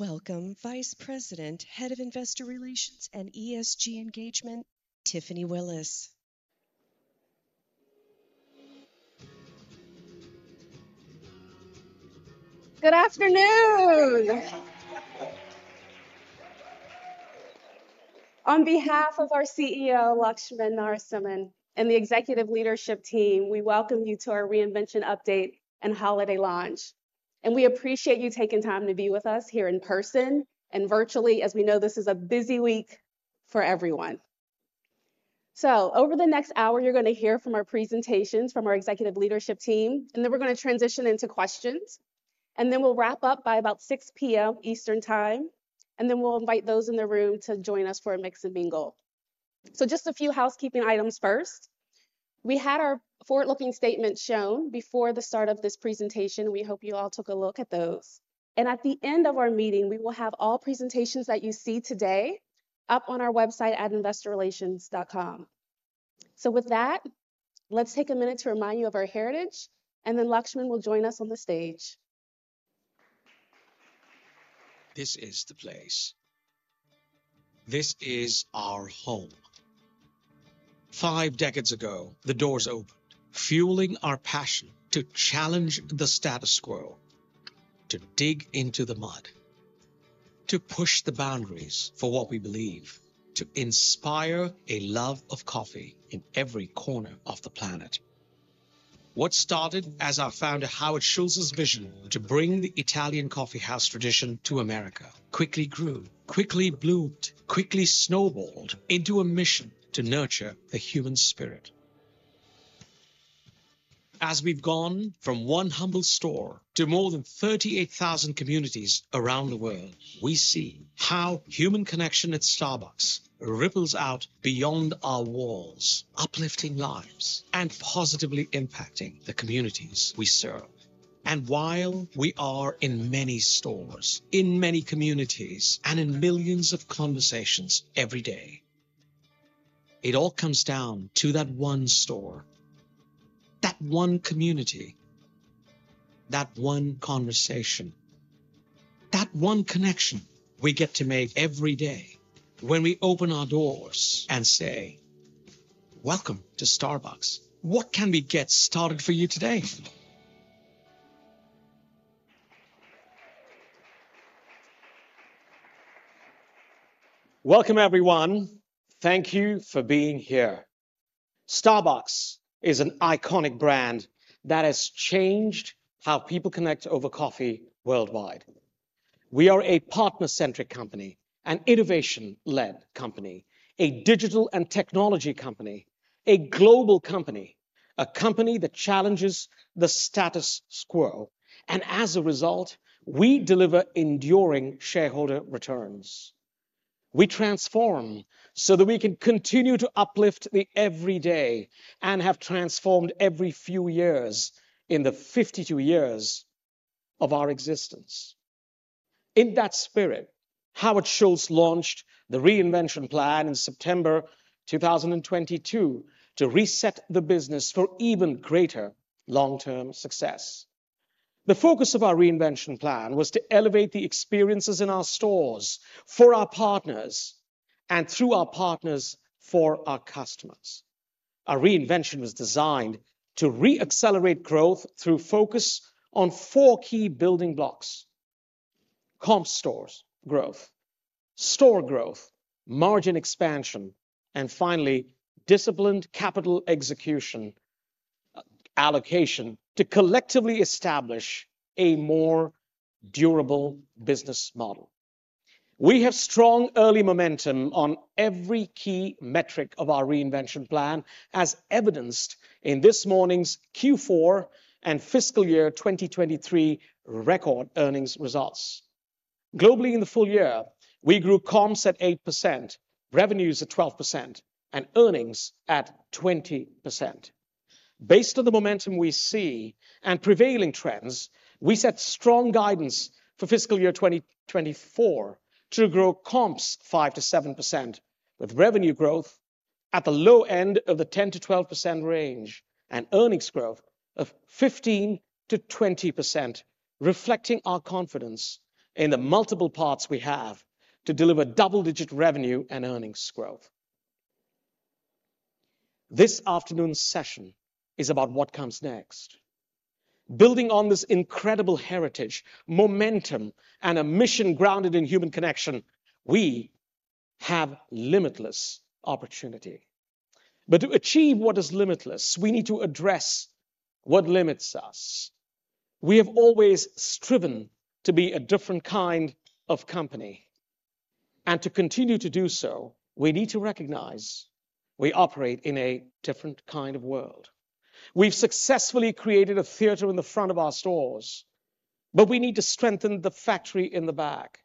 Welcome, Vice President, Head of Investor Relations and ESG Engagement, Tiffany Willis. Good afternoon! On behalf of our CEO, Laxman Narasimhan, and the executive leadership team, we welcome you to our reinvention update and holiday launch. We appreciate you taking time to be with us here in person and virtually, as we know this is a busy week for everyone. Over the next hour, you're going to hear from our presentations from our executive leadership team, and then we're going to transition into questions. Then we'll wrap up by about 6:00 P.M. Eastern Time, and then we'll invite those in the room to join us for a mix and mingle. Just a few housekeeping items first. We had our forward-looking statement shown before the start of this presentation. We hope you all took a look at those. At the end of our meeting, we will have all presentations that you see today up on our website at investorrelations.com. With that, let's take a minute to remind you of our heritage, and then Laxman will join us on the stage. This is the place. This is our home. 5 decades ago, the doors opened, fueling our passion to challenge the status quo, to dig into the mud, to push the boundaries for what we believe, to inspire a love of coffee in every corner of the planet. What started as our founder, Howard Schultz's, vision to bring the Italian coffeehouse tradition to America quickly grew, quickly bloomed, quickly snowballed into a mission to nurture the human spirit. As we've gone from 1 humble store to more than 38,000 communities around the world, we see how human connection at Starbucks ripples out beyond our walls, uplifting lives and positively impacting the communities we serve. While we are in many stores, in many communities, and in millions of conversations every day, it all comes down to that one store, that one community, that one conversation, that one connection we get to make every day when we open our doors and say, "Welcome to Starbucks. What can we get started for you today?" Welcome, everyone. Thank you for being here. Starbucks is an iconic brand that has changed how people connect over coffee worldwide. We are a partner-centric company, an innovation-led company, a digital and technology company, a global company, a company that challenges the status quo, and as a result, we deliver enduring shareholder returns. We transform so that we can continue to uplift the every day and have transformed every few years in the 52 years of our existence. In that spirit, Howard Schultz launched the reinvention plan in September 2022 to reset the business for even greater long-term success. The focus of our reinvention plan was to elevate the experiences in our stores for our partners, and through our partners, for our customers. Our reinvention was designed to re-accelerate growth through focus on four key building blocks: comp stores growth, store growth, margin expansion, and finally, disciplined capital execution, allocation to collectively establish a more durable business model. We have strong early momentum on every key metric of our reinvention plan, as evidenced in this morning's Q4 and fiscal year 2023 record earnings results. Globally, in the full year, we grew comps at 8%, revenues at 12%, and earnings at 20%. Based on the momentum we see and prevailing trends, we set strong guidance for fiscal year 2024 to grow comps 5%-7%, with revenue growth at the low end of the 10%-12% range and earnings growth of 15%-20%, reflecting our confidence in the multiple paths we have to deliver double-digit revenue and earnings growth. This afternoon's session is about what comes next. Building on this incredible heritage, momentum, and a mission grounded in human connection, we have limitless opportunity. But to achieve what is limitless, we need to address what limits us. We have always striven to be a different kind of company, and to continue to do so, we need to recognize we operate in a different kind of world. We've successfully created a theater in the front of our stores, but we need to strengthen the factory in the back.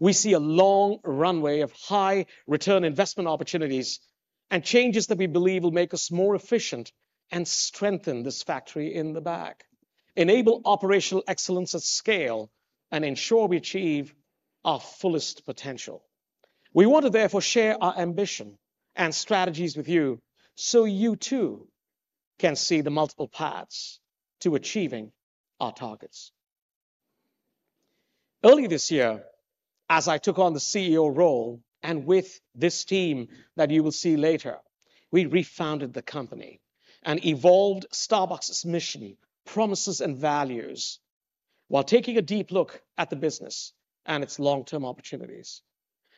We see a long runway of high-return investment opportunities and changes that we believe will make us more efficient and strengthen this factory in the back, enable operational excellence at scale, and ensure we achieve our fullest potential. We want to therefore share our ambition and strategies with you so you, too, can see the multiple paths to achieving our targets. Early this year, as I took on the CEO role, and with this team that you will see later, we refounded the company and evolved Starbucks's mission, promises, and values, while taking a deep look at the business and its long-term opportunities.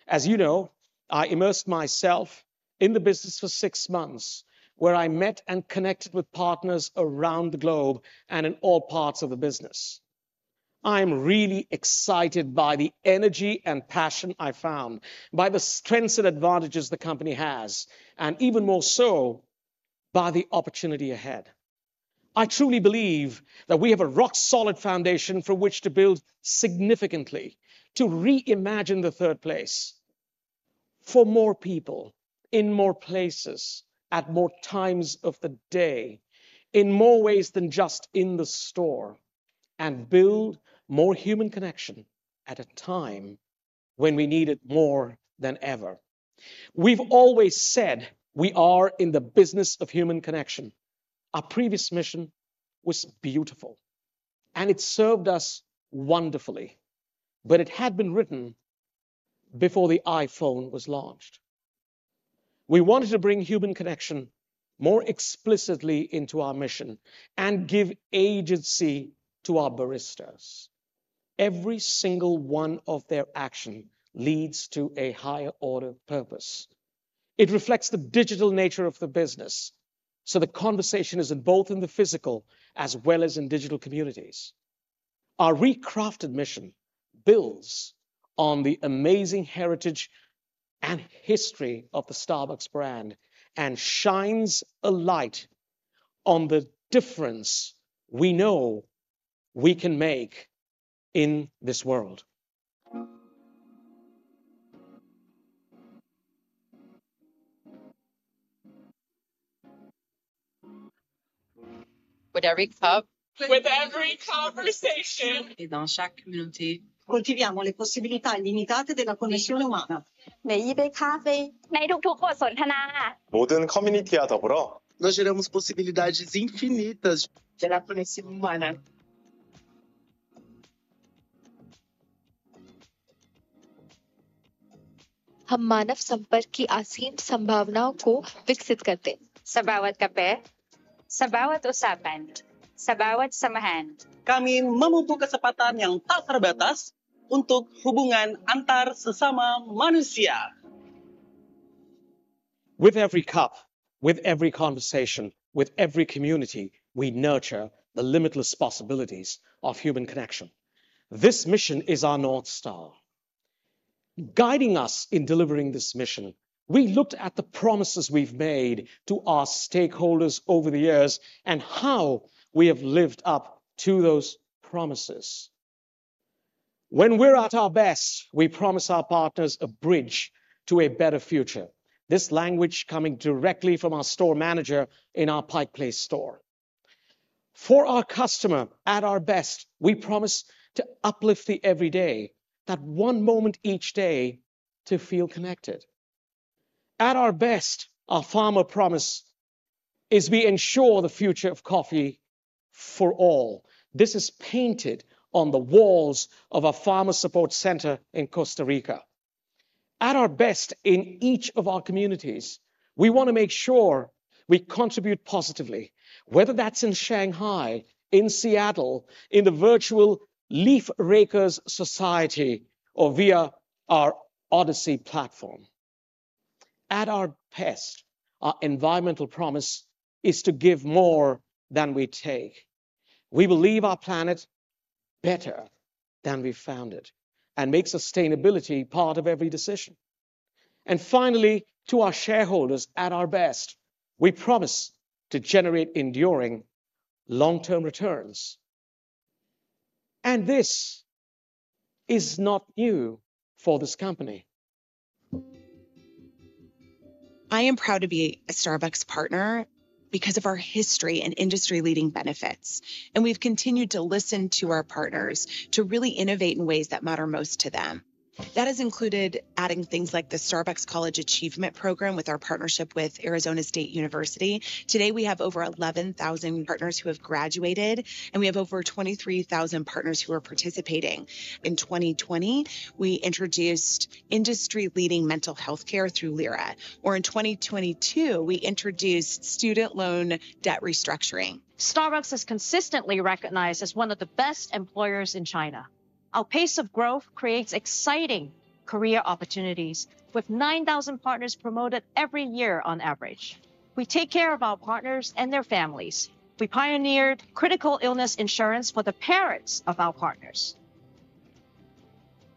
As you know, I immersed myself in the business for six months, where I met and connected with partners around the globe and in all parts of the business. I'm really excited by the energy and passion I found, by the strengths and advantages the company has, and even more so, by the opportunity ahead. I truly believe that we have a rock-solid foundation from which to build significantly, to reimagine the Third Place for more people, in more places, at more times of the day, in more ways than just in the store, and build more human connection at a time when we need it more than ever. We've always said we are in the business of human connection. Our previous mission was beautiful, and it served us wonderfully, but it had been written before the iPhone was launched. We wanted to bring human connection more explicitly into our mission and give agency to our baristas. Every single one of their action leads to a higher order purpose. It reflects the digital nature of the business, so the conversation is in both the physical as well as in digital communities. Our recrafted mission builds on the amazing heritage and history of the Starbucks brand and shines a light on the difference we know we can make in this world. With every cup- With every conversation. Et dans chaque communauté- Coltiviamo le possibilità illimitate della connessione umana. 每一杯咖啡，在ทุกๆบทสนทนา。 모든 커뮤니티와 더불어- Nós geramos possibilidades infinitas de la conexión humana. हम मानव संपर्क की असीम संभावनाओं को विकसित करते हैं। Sa bawat kape, sa bawat usapan, sa bawat samahan- Kami membuka kesempatan yang tak terbatas untuk hubungan antar sesama manusia. With every cup, with every conversation, with every community, we nurture the limitless possibilities of human connection. This mission is our North Star. Guiding us in delivering this mission, we looked at the promises we've made to our stakeholders over the years and how we have lived up to those promises. When we're at our best, we promise our partners a bridge to a better future. This language coming directly from our store manager in our Pike Place store. For our customer, at our best, we promise to uplift the every day, that one moment each day to feel connected. At our best, our farmer promise is we ensure the future of coffee for all. This is painted on the walls of a farmer support center in Costa Rica. At our best, in each of our communities, we want to make sure we contribute positively, whether that's in Shanghai, in Seattle, in the virtual Leaf Rakers Society, or via our Odyssey platform. At our best, our environmental promise is to give more than we take. We will leave our planet better than we found it and make sustainability part of every decision. And finally, to our shareholders, at our best, we promise to generate enduring long-term returns. And this is not new for this company. I am proud to be a Starbucks partner because of our history and industry-leading benefits, and we've continued to listen to our partners to really innovate in ways that matter most to them. That has included adding things like the Starbucks College Achievement Program with our partnership with Arizona State University. Today, we have over 11,000 partners who have graduated, and we have over 23,000 partners who are participating. In 2020, we introduced industry-leading mental health care through Lyra, or in 2022, we introduced student loan debt restructuring. Starbucks is consistently recognized as one of the best employers in China. Our pace of growth creates exciting career opportunities, with 9,000 partners promoted every year on average. We take care of our partners and their families. We pioneered critical illness insurance for the parents of our partners.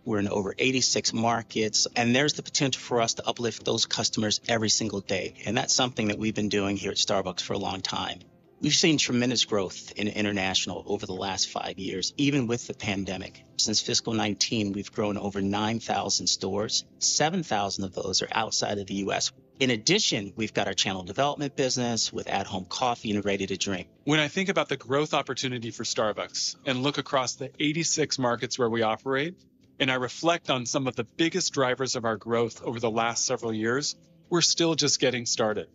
We're in over 86 markets, and there's the potential for us to uplift those customers every single day, and that's something that we've been doing here at Starbucks for a long time. We've seen tremendous growth in international over the last five years, even with the pandemic. Since fiscal 2019, we've grown over 9,000 stores. 7,000 of those are outside of the U.S. In addition, we've got our channel development business with at-home coffee and ready-to-drink. When I think about the growth opportunity for Starbucks and look across the 86 markets where we operate, and I reflect on some of the biggest drivers of our growth over the last several years, we're still just getting started.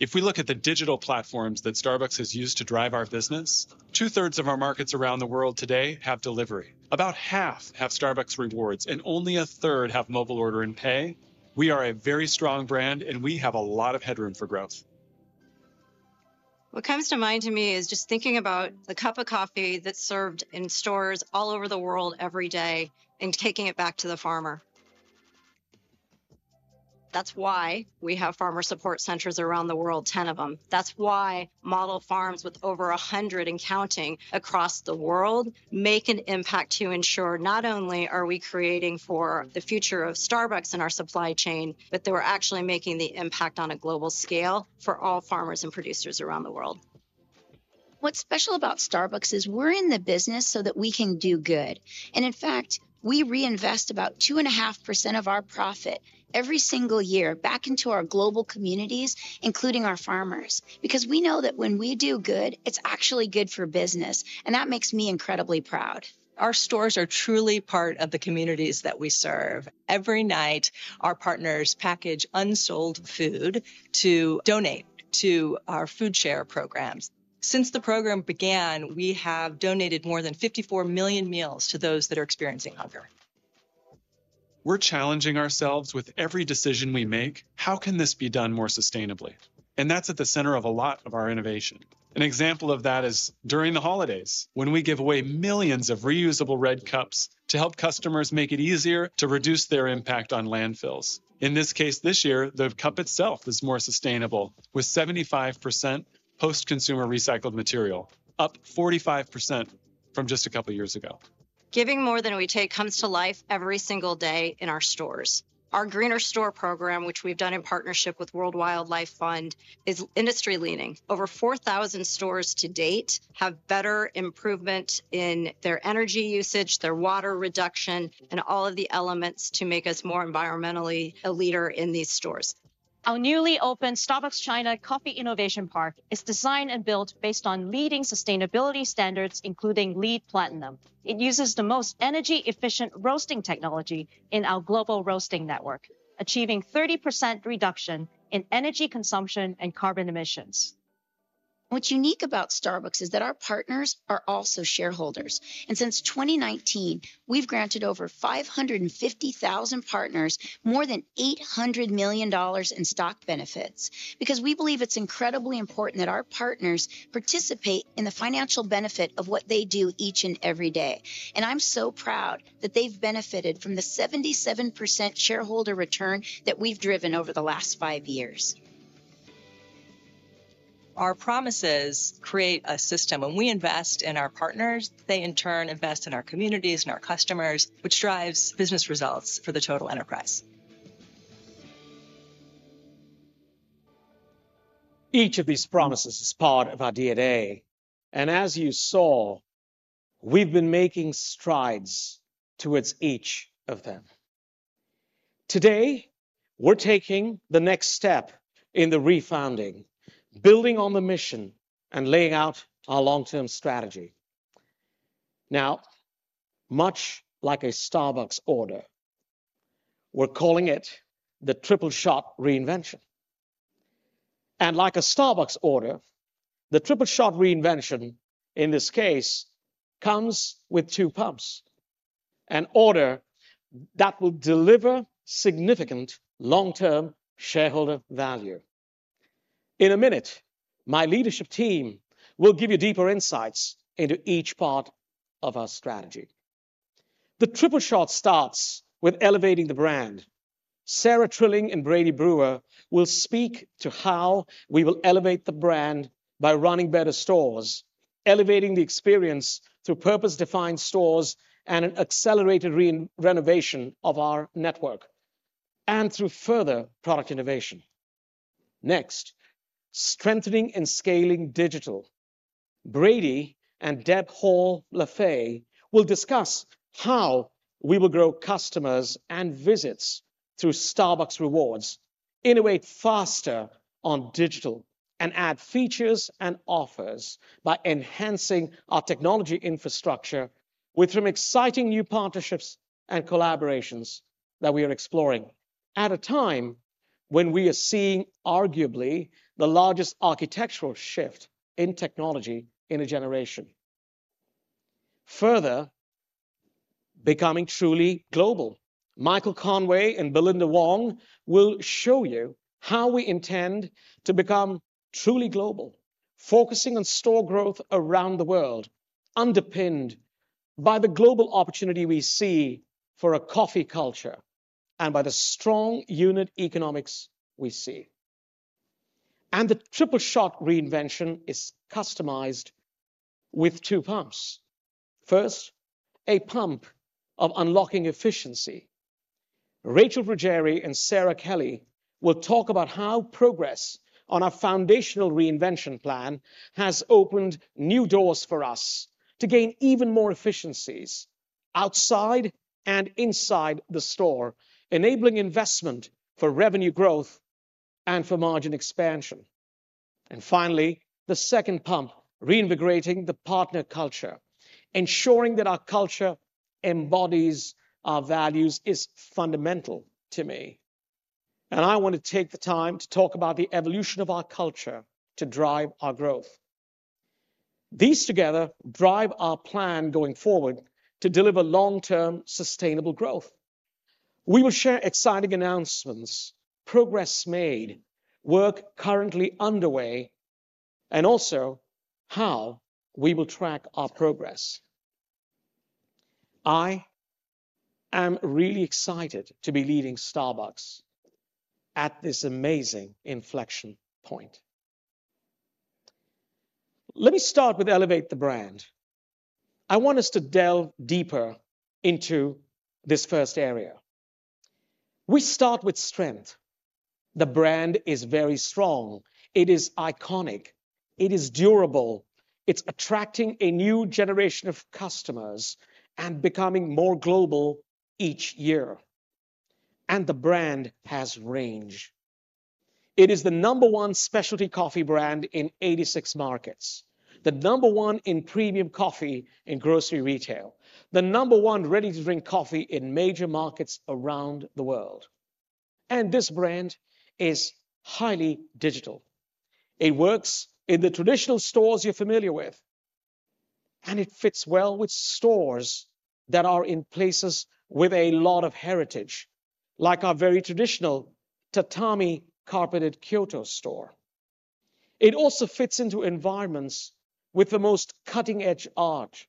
If we look at the digital platforms that Starbucks has used to drive our business, two-thirds of our markets around the world today have delivery. About half have Starbucks Rewards, and only a third have Mobile Order and Pay. We are a very strong brand, and we have a lot of headroom for growth. What comes to mind to me is just thinking about the cup of coffee that's served in stores all over the world every day and taking it back to the farmer. That's why we have farmer support centers around the world, 10 of them. That's why model farms with over 100 and counting across the world make an impact to ensure not only are we creating for the future of Starbucks and our supply chain, but that we're actually making the impact on a global scale for all farmers and producers around the world. What's special about Starbucks is we're in the business so that we can do good. In fact, we reinvest about 2.5% of our profit every single year back into our global communities, including our farmers, because we know that when we do good, it's actually good for business, and that makes me incredibly proud. Our stores are truly part of the communities that we serve. Every night, our partners package unsold food to donate to our food share programs. Since the program began, we have donated more than 54 million meals to those that are experiencing hunger. We're challenging ourselves with every decision we make: how can this be done more sustainably? That's at the center of a lot of our innovation. An example of that is during the holidays, when we give away millions of reusable red cups to help customers make it easier to reduce their impact on landfills. In this case, this year, the cup itself is more sustainable, with 75% post-consumer recycled material, up 45% from just a couple of years ago. Giving more than we take comes to life every single day in our stores. Our Greener Store program, which we've done in partnership with World Wildlife Fund, is industry-leading. Over 4,000 stores to date have better improvement in their energy usage, their water reduction, and all of the elements to make us more environmentally a leader in these stores. Our newly opened Starbucks China Coffee Innovation Park is designed and built based on leading sustainability standards, including LEED Platinum. It uses the most energy-efficient roasting technology in our global roasting network, achieving 30% reduction in energy consumption and carbon emissions. What's unique about Starbucks is that our partners are also shareholders, and since 2019, we've granted over 550,000 partners more than $800 million in stock benefits. Because we believe it's incredibly important that our partners participate in the financial benefit of what they do each and every day. And I'm so proud that they've benefited from the 77% shareholder return that we've driven over the last five years. Our promises create a system. When we invest in our partners, they in turn invest in our communities and our customers, which drives business results for the total enterprise. Each of these promises is part of our DNA, and as you saw, we've been making strides towards each of them. Today, we're taking the next step in the refounding, building on the mission and laying out our long-term strategy. Now, much like a Starbucks order, we're calling it the Triple Shot Reinvention. And like a Starbucks order, the Triple Shot Reinvention, in this case, comes with two pumps, an order that will deliver significant long-term shareholder value. In a minute, my leadership team will give you deeper insights into each part of our strategy. The Triple Shot starts with elevating the brand. Sara Trilling and Brady Brewer will speak to how we will elevate the brand by running better stores, elevating the experience through purpose-defined stores, and an accelerated renovation of our network, and through further product innovation. Next, strengthening and scaling digital. Brady and Deb Hall Lefevre will discuss how we will grow customers and visits through Starbucks Rewards, innovate faster on digital, and add features and offers by enhancing our technology infrastructure with some exciting new partnerships and collaborations that we are exploring at a time when we are seeing arguably the largest architectural shift in technology in a generation. Further, becoming truly global. Michael Conway and Belinda Wong will show you how we intend to become truly global, focusing on store growth around the world, underpinned by the global opportunity we see for a coffee culture and by the strong unit economics we see. The Triple Shot Reinvention is customized with two pumps. First, a pump of unlocking efficiency. Rachel Ruggeri and Sara Kelly will talk about how progress on our foundational reinvention plan has opened new doors for us to gain even more efficiencies outside and inside the store, enabling investment for revenue growth and for margin expansion. And finally, the second pump, reinvigorating the partner culture. Ensuring that our culture embodies our values is fundamental to me, and I want to take the time to talk about the evolution of our culture to drive our growth. These together drive our plan going forward to deliver long-term, sustainable growth. We will share exciting announcements, progress made, work currently underway, and also how we will track our progress. I am really excited to be leading Starbucks at this amazing inflection point. Let me start with elevate the brand. I want us to delve deeper into this first area. We start with strength. The brand is very strong. It is iconic, it is durable, it's attracting a new generation of customers and becoming more global each year. The brand has range. It is the number one specialty coffee brand in 86 markets, the number one in premium coffee in grocery retail, the number one ready-to-drink coffee in major markets around the world, and this brand is highly digital. It works in the traditional stores you're familiar with, and it fits well with stores that are in places with a lot of heritage, like our very traditional tatami carpeted Kyoto store. It also fits into environments with the most cutting-edge art,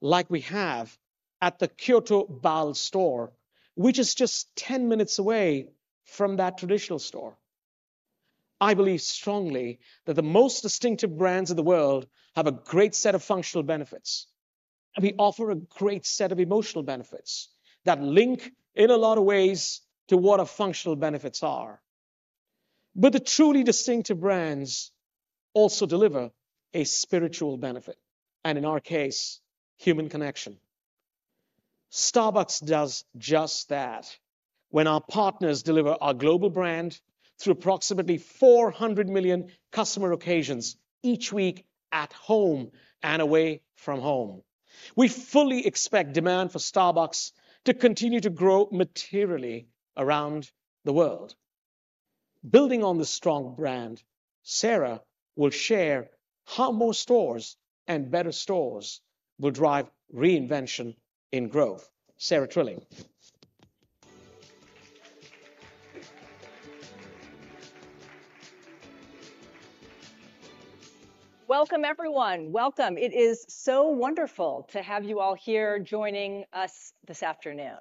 like we have at the Kyoto BAL store, which is just 10 minutes away from that traditional store. I believe strongly that the most distinctive brands in the world have a great set of functional benefits, and we offer a great set of emotional benefits that link in a lot of ways to what our functional benefits are. But the truly distinctive brands also deliver a spiritual benefit, and in our case, human connection. Starbucks does just that when our partners deliver our global brand through approximately 400 million customer occasions each week at home and away from home. We fully expect demand for Starbucks to continue to grow materially around the world. Building on this strong brand, Sara will share how more stores and better stores will drive reinvention in growth. Sara Trilling. Welcome, everyone. Welcome. It is so wonderful to have you all here joining us this afternoon.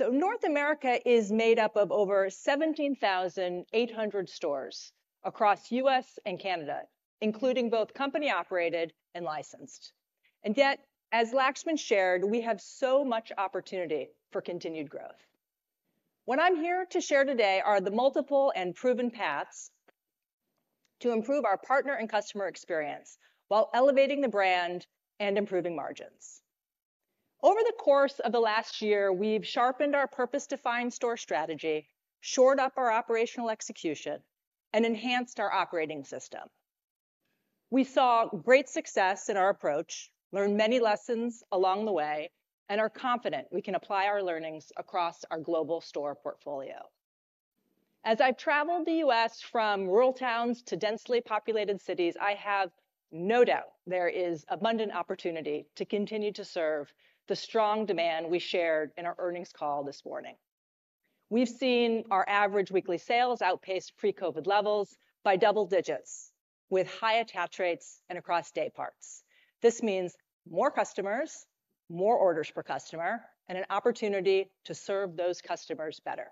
North America is made up of over 17,800 stores across U.S. and Canada, including both company-operated and licensed. Yet, as Laxman shared, we have so much opportunity for continued growth. What I'm here to share today are the multiple and proven paths to improve our partner and customer experience while elevating the brand and improving margins. Over the course of the last year, we've sharpened our purpose-defined store strategy, shored up our operational execution, and enhanced our operating system. We saw great success in our approach, learned many lessons along the way, and are confident we can apply our learnings across our global store portfolio. As I've traveled the U.S., from rural towns to densely populated cities, I have no doubt there is abundant opportunity to continue to serve the strong demand we shared in our earnings call this morning. We've seen our average weekly sales outpace pre-COVID levels by double digits, with high attach rates and across day parts. This means more customers, more orders per customer, and an opportunity to serve those customers better.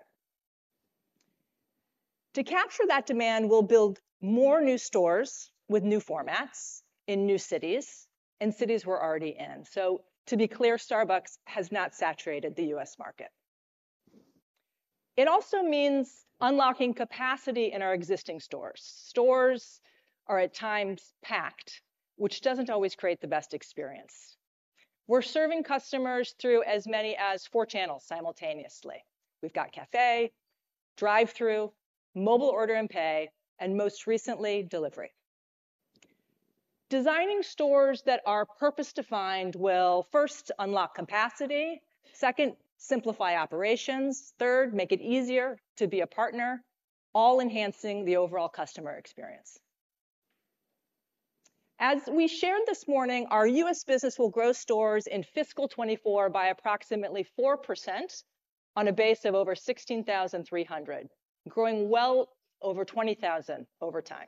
To capture that demand, we'll build more new stores with new formats in new cities and cities we're already in. To be clear, Starbucks has not saturated the U.S. market. It also means unlocking capacity in our existing stores. Stores are at times packed, which doesn't always create the best experience. We're serving customers through as many as four channels simultaneously. We've got cafe, drive-thru, Mobile Order and Pay, and most recently, delivery. Designing stores that are purpose defined will, first, unlock capacity, second, simplify operations, third, make it easier to be a partner, all enhancing the overall customer experience. As we shared this morning, our U.S. business will grow stores in fiscal 2024 by approximately 4% on a base of over 16,300, growing well over 20,000 over time.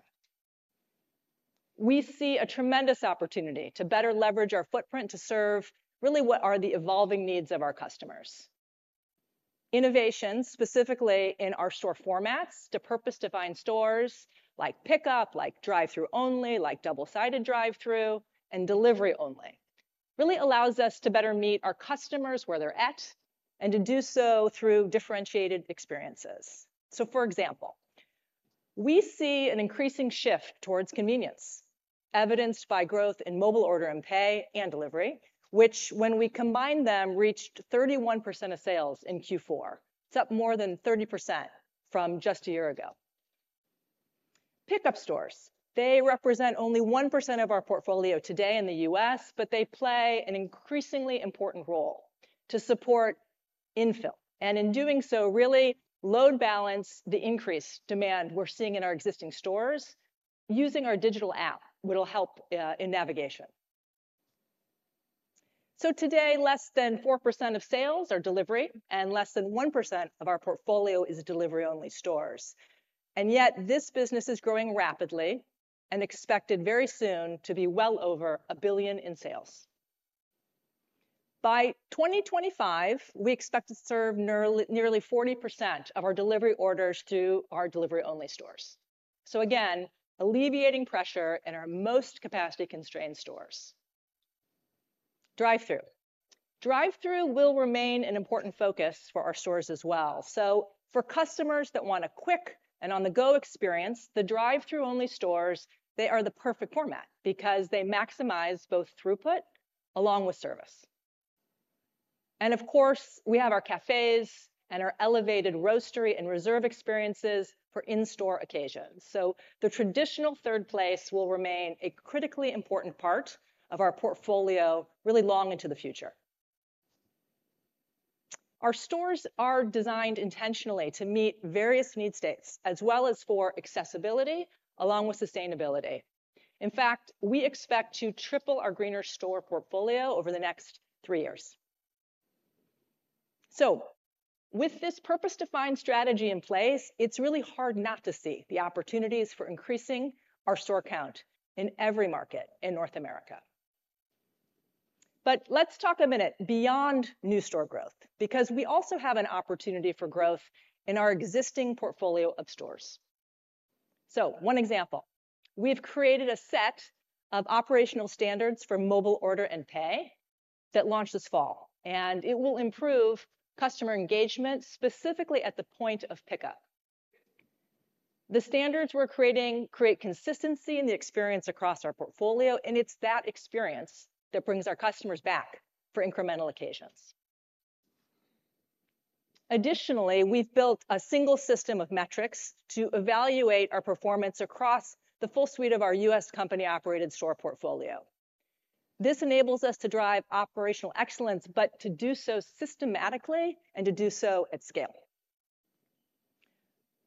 We see a tremendous opportunity to better leverage our footprint to serve really what are the evolving needs of our customers. Innovation, specifically in our store formats, to purpose-defined stores like pickup, like drive-thru only, like double-sided drive-thru, and delivery only, really allows us to better meet our customers where they're at, and to do so through differentiated experiences. So, for example, we see an increasing shift towards convenience.... evidenced by growth in Mobile Order and Pay and delivery, which when we combine them, reached 31% of sales in Q4. It's up more than 30% from just a year ago. Pickup stores. They represent only 1% of our portfolio today in the U.S., but they play an increasingly important role to support infill, and in doing so, really load balance the increased demand we're seeing in our existing stores using our digital app, which will help in navigation. So today, less than 4% of sales are delivery, and less than 1% of our portfolio is delivery-only stores. And yet this business is growing rapidly and expected very soon to be well over $1 billion in sales. By 2025, we expect to serve nearly, nearly 40% of our delivery orders to our delivery-only stores. So again, alleviating pressure in our most capacity-constrained stores. Drive-thru. Drive-thru will remain an important focus for our stores as well. So for customers that want a quick and on-the-go experience, the drive-thru only stores, they are the perfect format because they maximize both throughput along with service. And of course, we have our cafes and our elevated roastery and reserve experiences for in-store occasions. So the traditional Third Place will remain a critically important part of our portfolio really long into the future. Our stores are designed intentionally to meet various need states, as well as for accessibility along with sustainability. In fact, we expect to triple our Greener Store portfolio over the next three years. So with this purpose-defined strategy in place, it's really hard not to see the opportunities for increasing our store count in every market in North America. But let's talk a minute beyond new store growth, because we also have an opportunity for growth in our existing portfolio of stores. So one example: we've created a set of operational standards for Mobile Order and Pay that launched this fall, and it will improve customer engagement, specifically at the point of pickup. The standards we're creating create consistency in the experience across our portfolio, and it's that experience that brings our customers back for incremental occasions. Additionally, we've built a single system of metrics to evaluate our performance across the full suite of our U.S. company-operated store portfolio. This enables us to drive operational excellence, but to do so systematically and to do so at scale.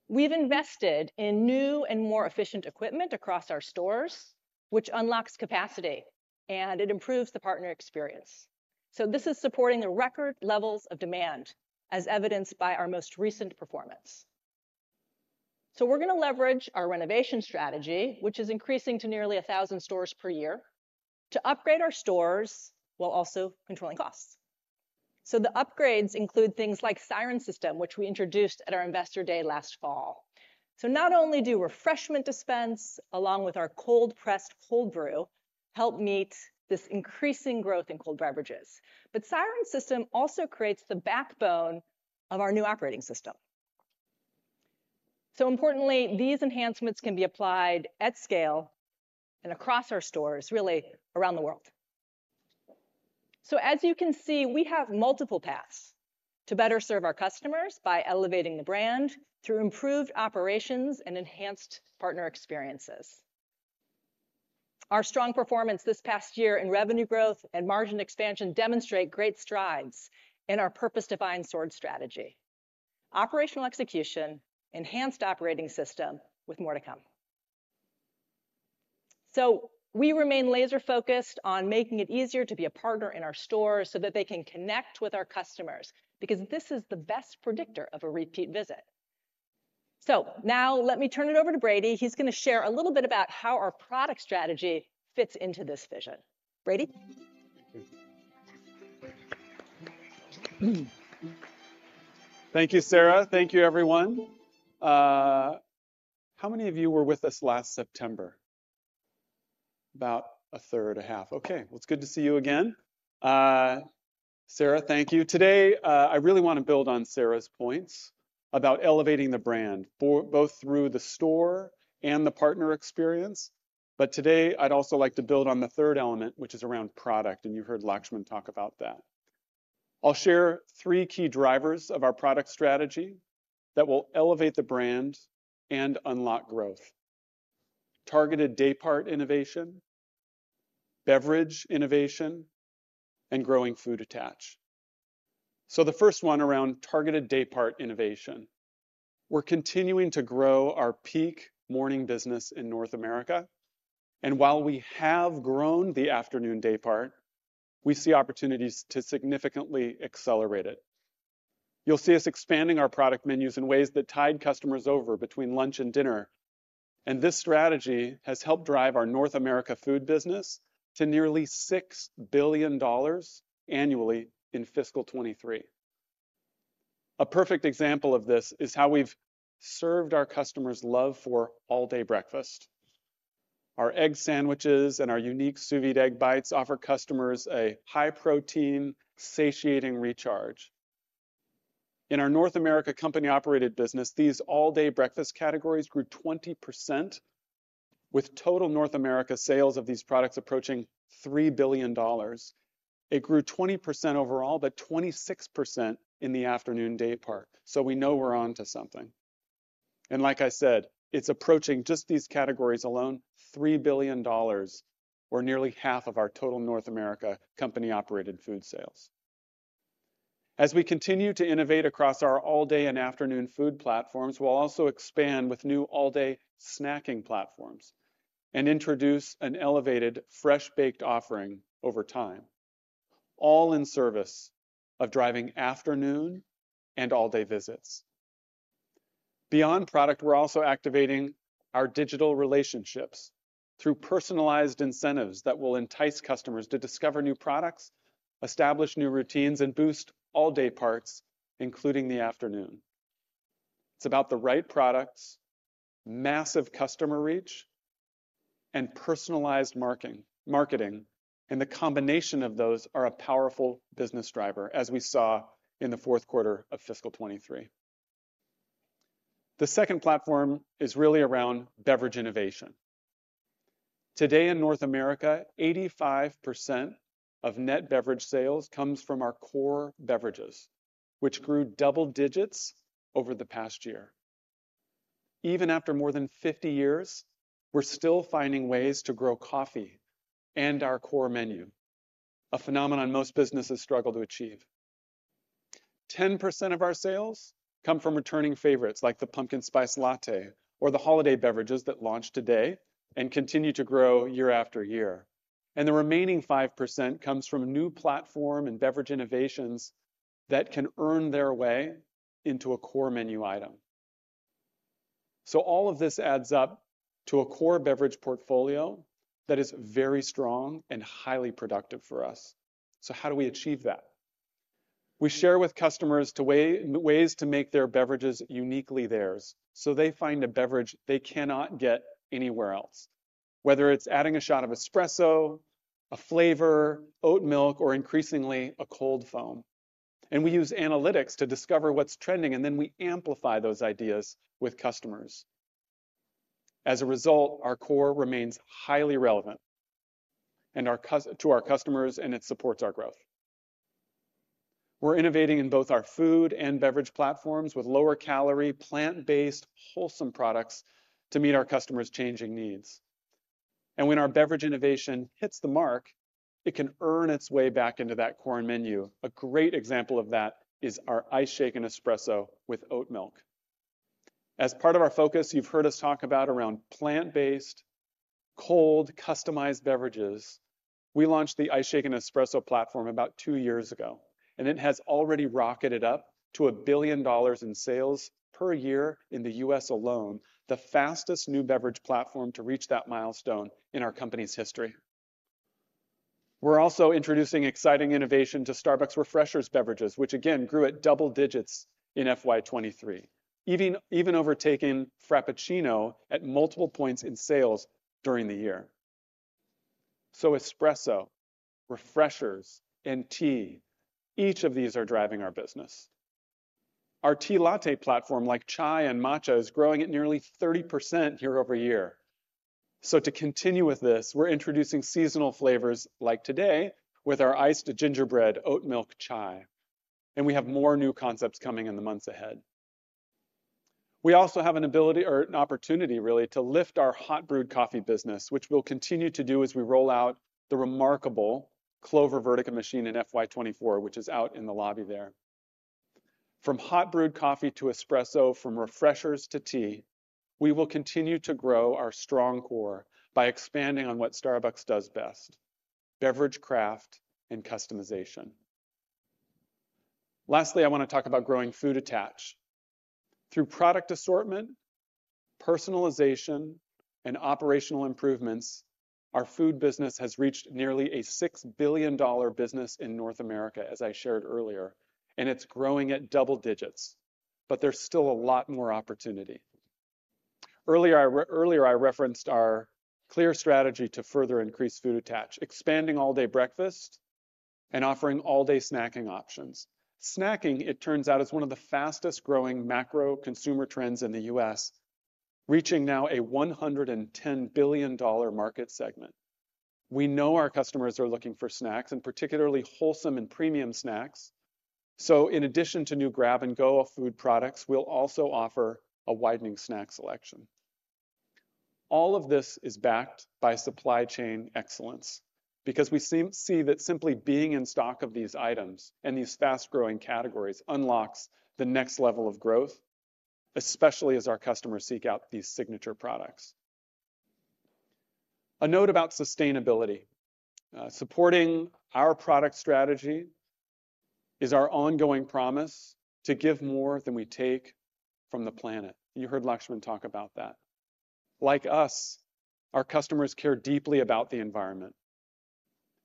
We've invested in new and more efficient equipment across our stores, which unlocks capacity, and it improves the partner experience. So this is supporting the record levels of demand, as evidenced by our most recent performance. We're going to leverage our renovation strategy, which is increasing to nearly 1,000 stores per year, to upgrade our stores while also controlling costs. The upgrades include things like Siren System, which we introduced at our Investor Day last fall. Not only do refreshment dispense, along with our cold pressed cold brew, help meet this increasing growth in cold beverages, but Siren System also creates the backbone of our new operating system. Importantly, these enhancements can be applied at scale and across our stores, really around the world. As you can see, we have multiple paths to better serve our customers by elevating the brand through improved operations and enhanced partner experiences. Our strong performance this past year in revenue growth and margin expansion demonstrate great strides in our purpose-defined store strategy, operational execution, enhanced operating system with more to come. So we remain laser-focused on making it easier to be a partner in our stores so that they can connect with our customers, because this is the best predictor of a repeat visit. So now let me turn it over to Brady. He's going to share a little bit about how our product strategy fits into this vision. Brady? Thank you, Sara. Thank you, everyone. How many of you were with us last September? About a third, a half. Okay. Well, it's good to see you again. Sara, thank you. Today, I really want to build on Sara's points about elevating the brand for both through the store and the partner experience. But today, I'd also like to build on the third element, which is around product, and you heard Laxman talk about that. I'll share three key drivers of our product strategy that will elevate the brand and unlock growth: targeted daypart innovation, beverage innovation, and growing food attach. So the first one around targeted daypart innovation. We're continuing to grow our peak morning business in North America, and while we have grown the afternoon daypart, we see opportunities to significantly accelerate it. You'll see us expanding our product menus in ways that tide customers over between lunch and dinner, and this strategy has helped drive our North America food business to nearly $6 billion annually in fiscal 2023. A perfect example of this is how we've served our customers' love for all-day breakfast. Our egg sandwiches and our unique sous vide egg bites offer customers a high-protein, satiating recharge. In our North America company-operated business, these all-day breakfast categories grew 20%, with total North America sales of these products approaching $3 billion. It grew 20% overall, but 26% in the afternoon daypart. So we know we're onto something. And like I said, it's approaching, just these categories alone, $3 billion or nearly half of our total North America company-operated food sales. As we continue to innovate across our all-day and afternoon food platforms, we'll also expand with new all-day snacking platforms and introduce an elevated, fresh-baked offering over time, all in service of driving afternoon and all-day visits. Beyond product, we're also activating our digital relationships through personalized incentives that will entice customers to discover new products, establish new routines, and boost all-day parts, including the afternoon. It's about the right products, massive customer reach, and personalized marketing, and the combination of those are a powerful business driver, as we saw in the fourth quarter of fiscal 2023. The second platform is really around beverage innovation. Today in North America, 85% of net beverage sales comes from our core beverages, which grew double digits over the past year. Even after more than 50 years, we're still finding ways to grow coffee and our core menu, a phenomenon most businesses struggle to achieve. 10% of our sales come from returning favorites like the Pumpkin Spice Latte or the holiday beverages that launched today and continue to grow year after year, and the remaining 5% comes from new platform and beverage innovations that can earn their way into a core menu item. So all of this adds up to a core beverage portfolio that is very strong and highly productive for us. So how do we achieve that? We share with customers ways to make their beverages uniquely theirs, so they find a beverage they cannot get anywhere else, whether it's adding a shot of espresso, a flavor, oat milk, or increasingly, a cold foam. We use analytics to discover what's trending, and then we amplify those ideas with customers. As a result, our core remains highly relevant to our customers, and it supports our growth. We're innovating in both our food and beverage platforms with lower calorie, plant-based, wholesome products to meet our customers' changing needs. When our beverage innovation hits the mark, it can earn its way back into that core menu. A great example of that is our Iced Shaken Espresso with oat milk. As part of our focus, you've heard us talk about around plant-based, cold, customized beverages. We launched the Iced Shaken Espresso platform about 2 years ago, and it has already rocketed up to $1 billion in sales per year in the U.S. alone, the fastest new beverage platform to reach that milestone in our company's history. We're also introducing exciting innovation to Starbucks Refreshers beverages, which again grew at double digits in FY 2023, even, even overtaking Frappuccino at multiple points in sales during the year. So Espresso, Refreshers, and tea, each of these are driving our business. Our tea latte platform, like chai and matcha, is growing at nearly 30% year-over-year. So to continue with this, we're introducing seasonal flavors like today with our iced gingerbread, oat milk chai, and we have more new concepts coming in the months ahead. We also have an ability or an opportunity really, to lift our hot brewed coffee business, which we'll continue to do as we roll out the remarkable Clover Vertica machine in FY 2024, which is out in the lobby there. From hot brewed coffee to espresso, from Refreshers to tea, we will continue to grow our strong core by expanding on what Starbucks does best, beverage craft and customization. Lastly, I want to talk about growing food attach. Through product assortment, personalization, and operational improvements, our food business has reached nearly a $6 billion business in North America, as I shared earlier, and it's growing at double digits, but there's still a lot more opportunity. Earlier, I referenced our clear strategy to further increase food attach, expanding all-day breakfast and offering all-day snacking options. Snacking, it turns out, is one of the fastest growing macro consumer trends in the U.S., reaching now a $110 billion market segment. We know our customers are looking for snacks, and particularly wholesome and premium snacks, so in addition to new grab-and-go food products, we'll also offer a widening snack selection. All of this is backed by supply chain excellence because we see that simply being in stock of these items and these fast-growing categories unlocks the next level of growth, especially as our customers seek out these signature products. A note about sustainability. Supporting our product strategy is our ongoing promise to give more than we take from the planet. You heard Laxman talk about that. Like us, our customers care deeply about the environment,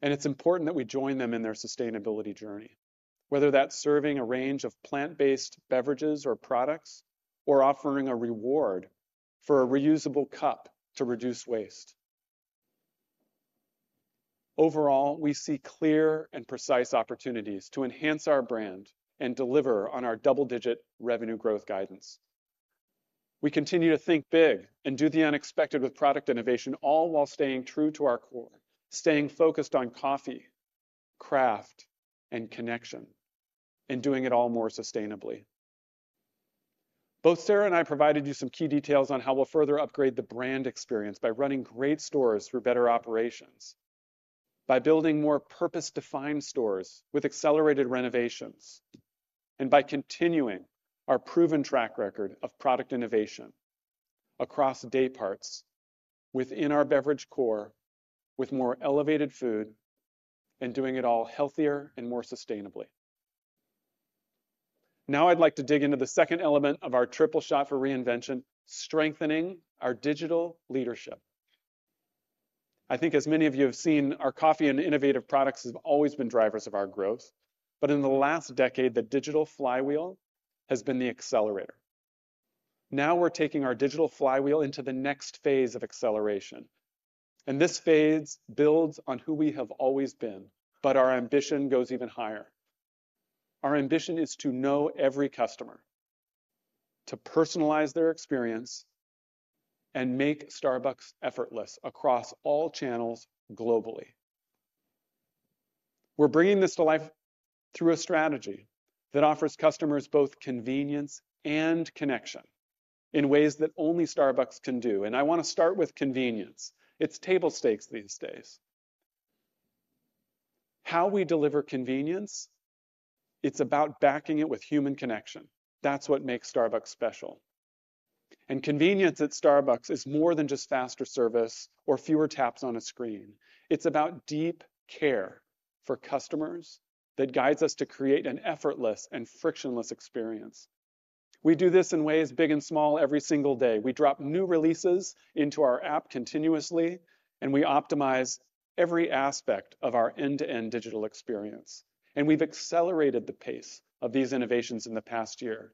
and it's important that we join them in their sustainability journey. Whether that's serving a range of plant-based beverages or products, or offering a reward for a reusable cup to reduce waste. Overall, we see clear and precise opportunities to enhance our brand and deliver on our double-digit revenue growth guidance. We continue to think big and do the unexpected with product innovation, all while staying true to our core, staying focused on coffee, craft, and connection, and doing it all more sustainably. Both Sara and I provided you some key details on how we'll further upgrade the brand experience by running great stores through better operations, by building more purpose-defined stores with accelerated renovations, and by continuing our proven track record of product innovation across day parts, within our beverage core, with more elevated food, and doing it all healthier and more sustainably. Now, I'd like to dig into the second element of our triple shot for reinvention, strengthening our digital leadership. I think as many of you have seen, our coffee and innovative products have always been drivers of our growth. But in the last decade, the digital flywheel has been the accelerator. Now, we're taking our digital flywheel into the next phase of acceleration, and this phase builds on who we have always been, but our ambition goes even higher. Our ambition is to know every customer, to personalize their experience, and make Starbucks effortless across all channels globally. We're bringing this to life through a strategy that offers customers both convenience and connection in ways that only Starbucks can do, and I want to start with convenience. It's table stakes these days. How we deliver convenience, it's about backing it with human connection. That's what makes Starbucks special. And convenience at Starbucks is more than just faster service or fewer taps on a screen. It's about deep care for customers that guides us to create an effortless and frictionless experience. We do this in ways big and small, every single day. We drop new releases into our app continuously, and we optimize every aspect of our end-to-end digital experience, and we've accelerated the pace of these innovations in the past year.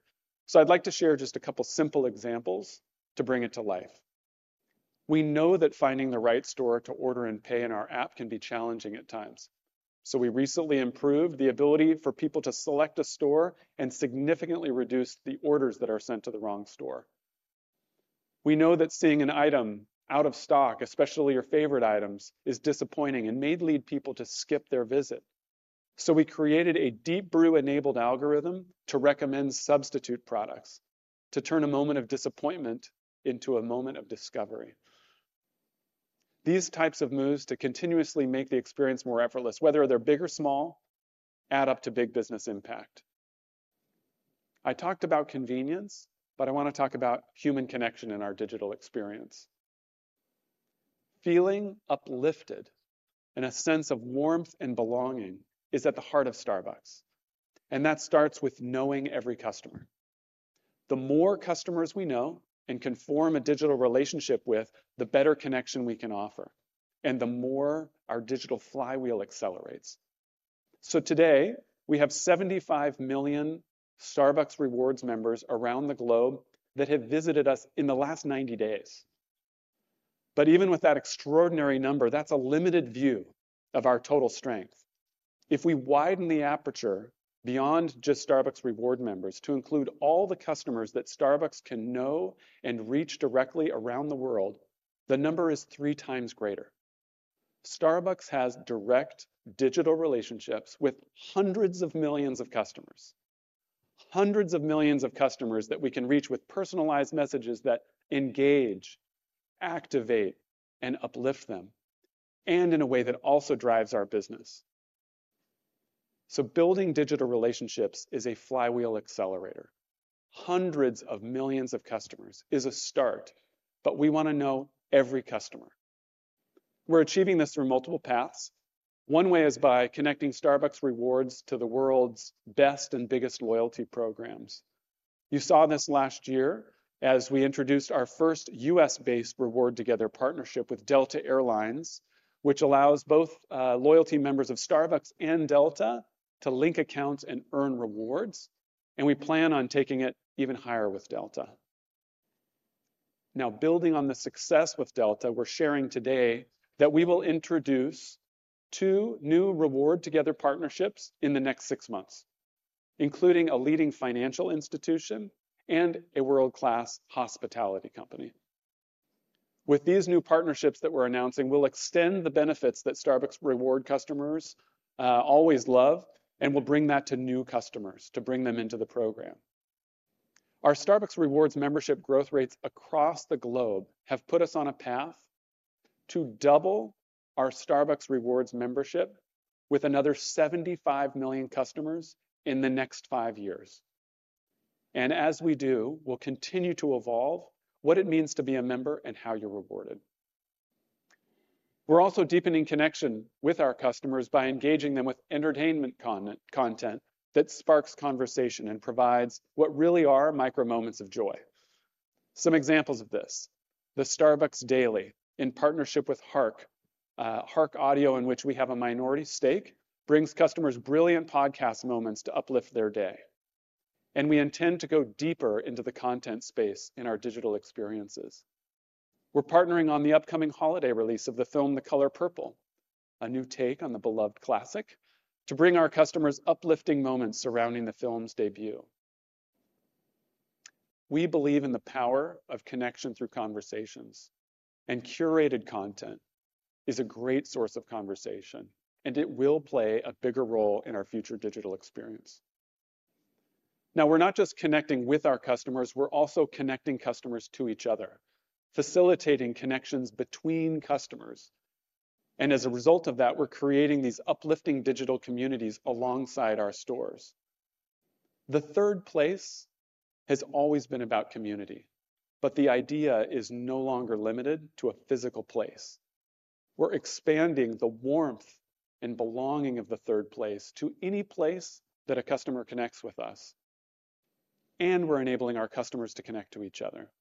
So I'd like to share just a couple simple examples to bring it to life. We know that finding the right store to order and pay in our app can be challenging at times. So we recently improved the ability for people to select a store and significantly reduce the orders that are sent to the wrong store. We know that seeing an item out of stock, especially your favorite items, is disappointing and may lead people to skip their visit. So we created a Deep Brew-enabled algorithm to recommend substitute products, to turn a moment of disappointment into a moment of discovery. These types of moves to continuously make the experience more effortless, whether they're big or small, add up to big business impact. I talked about convenience, but I want to talk about human connection in our digital experience. Feeling uplifted and a sense of warmth and belonging is at the heart of Starbucks, and that starts with knowing every customer. The more customers we know and can form a digital relationship with, the better connection we can offer, and the more our digital flywheel accelerates. So today, we have 75 million Starbucks Rewards members around the globe that have visited us in the last 90 days. But even with that extraordinary number, that's a limited view of our total strength. If we widen the aperture beyond just Starbucks Rewards members to include all the customers that Starbucks can know and reach directly around the world, the number is three times greater. Starbucks has direct digital relationships with hundreds of millions of customers. Hundreds of millions of customers that we can reach with personalized messages that engage, activate, and uplift them, and in a way that also drives our business. So building digital relationships is a flywheel accelerator. Hundreds of millions of customers is a start, but we want to know every customer. We're achieving this through multiple paths. One way is by connecting Starbucks Rewards to the world's best and biggest loyalty programs. You saw this last year as we introduced our first U.S.-based Rewards Together partnership with Delta Air Lines, which allows both loyalty members of Starbucks and Delta to link accounts and earn rewards, and we plan on taking it even higher with Delta. Now, building on the success with Delta, we're sharing today that we will introduce two new Rewards Together partnerships in the next six months, including a leading financial institution and a world-class hospitality company. With these new partnerships that we're announcing, we'll extend the benefits that Starbucks Rewards customers always love, and we'll bring that to new customers to bring them into the program. Our Starbucks Rewards membership growth rates across the globe have put us on a path to double our Starbucks Rewards membership with another 75 million customers in the next five years. And as we do, we'll continue to evolve what it means to be a member and how you're rewarded. We're also deepening connection with our customers by engaging them with entertainment content that sparks conversation and provides what really are micro moments of joy. Some examples of this, the Starbucks Daily, in partnership with Hark Audio, in which we have a minority stake, brings customers brilliant podcast moments to uplift their day... and we intend to go deeper into the content space in our digital experiences. We're partnering on the upcoming holiday release of the film, The Color Purple, a new take on the beloved classic, to bring our customers uplifting moments surrounding the film's debut. We believe in the power of connection through conversations, and curated content is a great source of conversation, and it will play a bigger role in our future digital experience. Now, we're not just connecting with our customers, we're also connecting customers to each other, facilitating connections between customers, and as a result of that, we're creating these uplifting digital communities alongside our stores. The Third Place has always been about community, but the idea is no longer limited to a physical place. We're expanding the warmth and belonging of the Third Place to any place that a customer connects with us, and we're enabling our customers to connect to each other.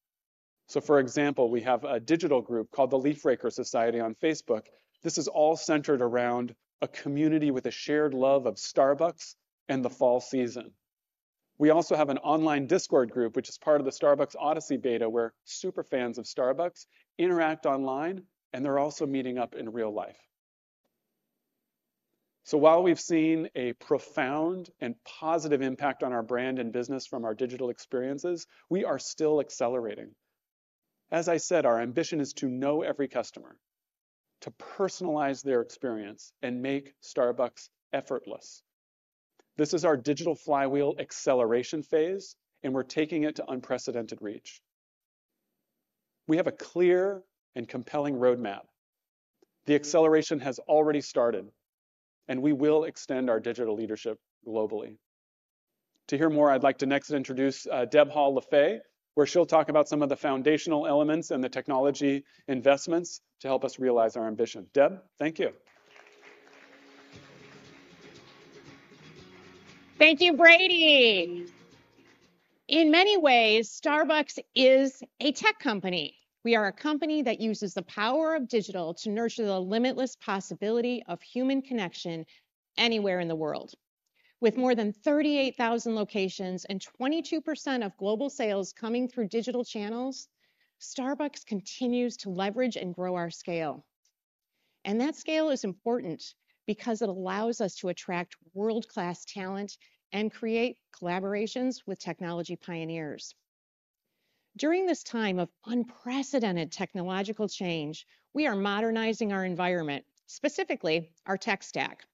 So for example, we have a digital group called the Leaf Rakers Society on Facebook. This is all centered around a community with a shared love of Starbucks and the fall season. We also have an online Discord group, which is part of the Starbucks Odyssey Beta, where super fans of Starbucks interact online, and they're also meeting up in real life. So while we've seen a profound and positive impact on our brand and business from our digital experiences, we are still accelerating. As I said, our ambition is to know every customer, to personalize their experience, and make Starbucks effortless. This is our digital flywheel acceleration phase, and we're taking it to unprecedented reach. We have a clear and compelling roadmap. The acceleration has already started, and we will extend our digital leadership globally. To hear more, I'd like to next introduce Deb Hall Lefevre, who'll talk about some of the foundational elements and the technology investments to help us realize our ambition. Deb, thank you. Thank you, Brady. In many ways, Starbucks is a tech company. We are a company that uses the power of digital to nurture the limitless possibility of human connection anywhere in the world. With more than 38,000 locations and 22% of global sales coming through digital channels, Starbucks continues to leverage and grow our scale. That scale is important because it allows us to attract world-class talent and create collaborations with technology pioneers. During this time of unprecedented technological change, we are modernizing our environment, specifically our tech stack,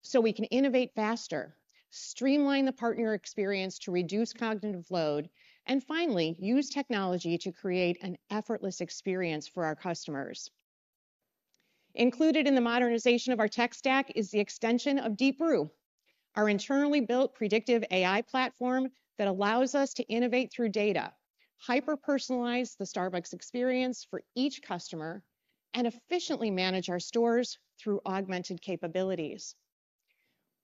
so we can innovate faster, streamline the partner experience to reduce cognitive load, and finally, use technology to create an effortless experience for our customers. Included in the modernization of our tech stack is the extension of Deep Brew, our internally built predictive AI platform that allows us to innovate through data, hyper-personalize the Starbucks experience for each customer, and efficiently manage our stores through augmented capabilities.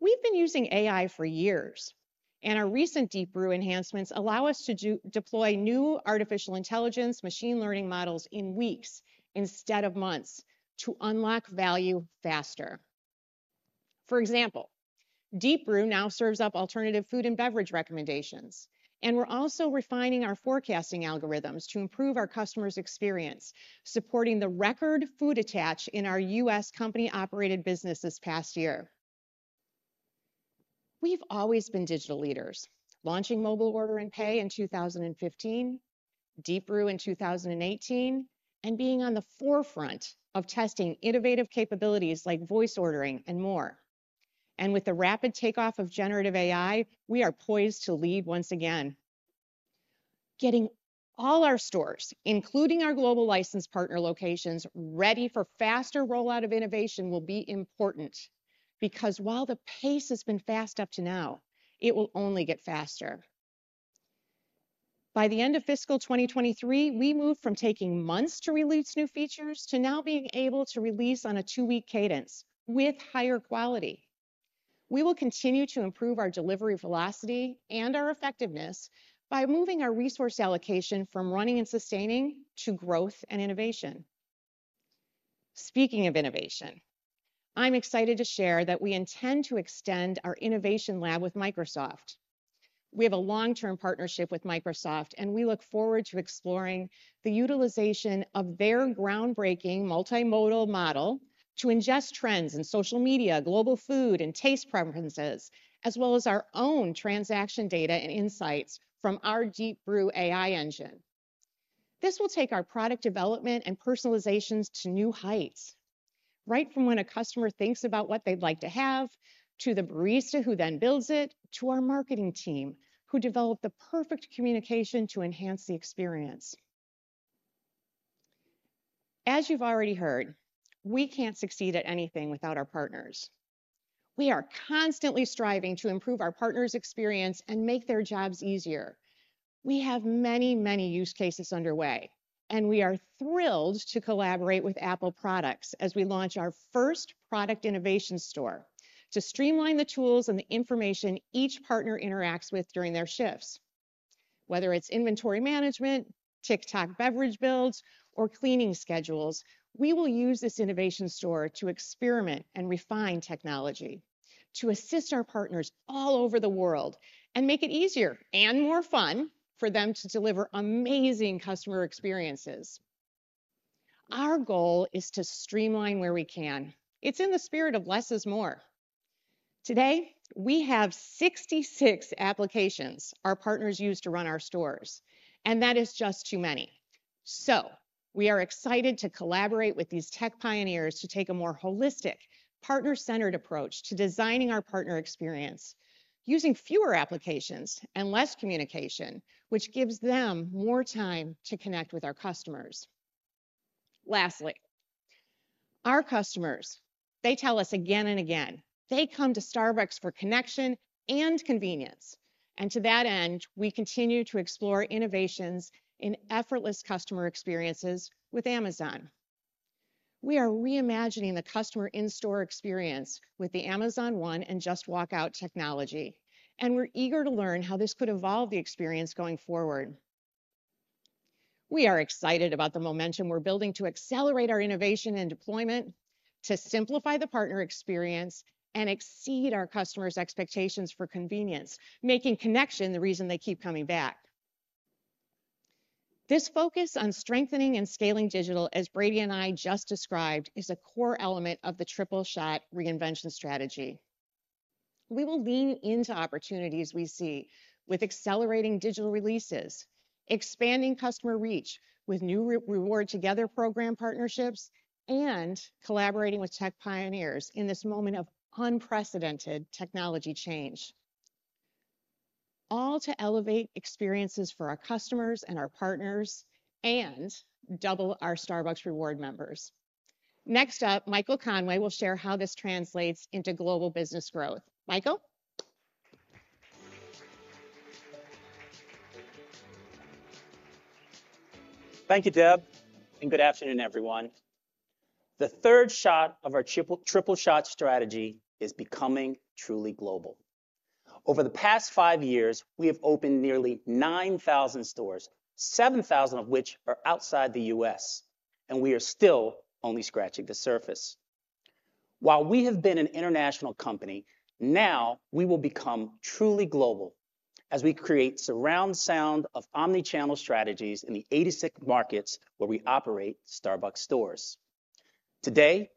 We've been using AI for years, and our recent Deep Brew enhancements allow us to deploy new artificial intelligence machine learning models in weeks instead of months to unlock value faster. For example, Deep Brew now serves up alternative food and beverage recommendations, and we're also refining our forecasting algorithms to improve our customer's experience, supporting the record food attach in our U.S. company-operated business this past year. We've always been digital leaders, launching Mobile Order and Pay in 2015, Deep Brew in 2018, and being on the forefront of testing innovative capabilities like voice ordering and more. With the rapid takeoff of generative AI, we are poised to lead once again. Getting all our stores, including our global licensed partner locations, ready for faster rollout of innovation will be important because while the pace has been fast up to now, it will only get faster. By the end of fiscal 2023, we moved from taking months to release new features, to now being able to release on a two-week cadence with higher quality. We will continue to improve our delivery velocity and our effectiveness by moving our resource allocation from running and sustaining to growth and innovation. Speaking of innovation, I'm excited to share that we intend to extend our innovation lab with Microsoft. We have a long-term partnership with Microsoft, and we look forward to exploring the utilization of their groundbreaking multimodal model to ingest trends in social media, global food, and taste preferences, as well as our own transaction data and insights from our Deep Brew AI engine. This will take our product development and personalizations to new heights, right from when a customer thinks about what they'd like to have, to the barista who then builds it, to our marketing team, who develop the perfect communication to enhance the experience. As you've already heard, we can't succeed at anything without our partners. We are constantly striving to improve our partners' experience and make their jobs easier. We have many, many use cases underway, and we are thrilled to collaborate with Apple products as we launch our first product innovation store to streamline the tools and the information each partner interacts with during their shift, whether it's inventory management, TikTok beverage builds, or cleaning schedules. We will use this innovation store to experiment and refine technology, to assist our partners all over the world, and make it easier and more fun for them to deliver amazing customer experiences. Our goal is to streamline where we can. It's in the spirit of less is more. Today, we have 66 applications our partners use to run our stores, and that is just too many. So we are excited to collaborate with these tech pioneers to take a more holistic, partner-centered approach to designing our partner experience, using fewer applications and less communication, which gives them more time to connect with our customers. Lastly, our customers, they tell us again and again, they come to Starbucks for connection and convenience, and to that end, we continue to explore innovations in effortless customer experiences with Amazon. We are reimagining the customer in-store experience with the Amazon One and Just Walk Out technology, and we're eager to learn how this could evolve the experience going forward. We are excited about the momentum we're building to accelerate our innovation and deployment, to simplify the partner experience, and exceed our customers' expectations for convenience, making connection the reason they keep coming back. This focus on strengthening and scaling digital, as Brady and I just described, is a core element of the Triple Shot Reinvention Strategy. We will lean into opportunities we see with accelerating digital releases, expanding customer reach with new Rewards Together program partnerships, and collaborating with tech pioneers in this moment of unprecedented technology change, all to elevate experiences for our customers and our partners, and double our Starbucks Rewards members. Next up, Michael Conway will share how this translates into global business growth. Michael? Thank you, Deb, and good afternoon, everyone. The third shot of our triple, Triple Shot strategy is becoming truly global. Over the past five years, we have opened nearly 9,000 stores, 7,000 of which are outside the U.S., and we are still only scratching the surface. While we have been an international company, now we will become truly global as we create surround sound of omni-channel strategies in the 86 markets where we operate Starbucks stores. Today,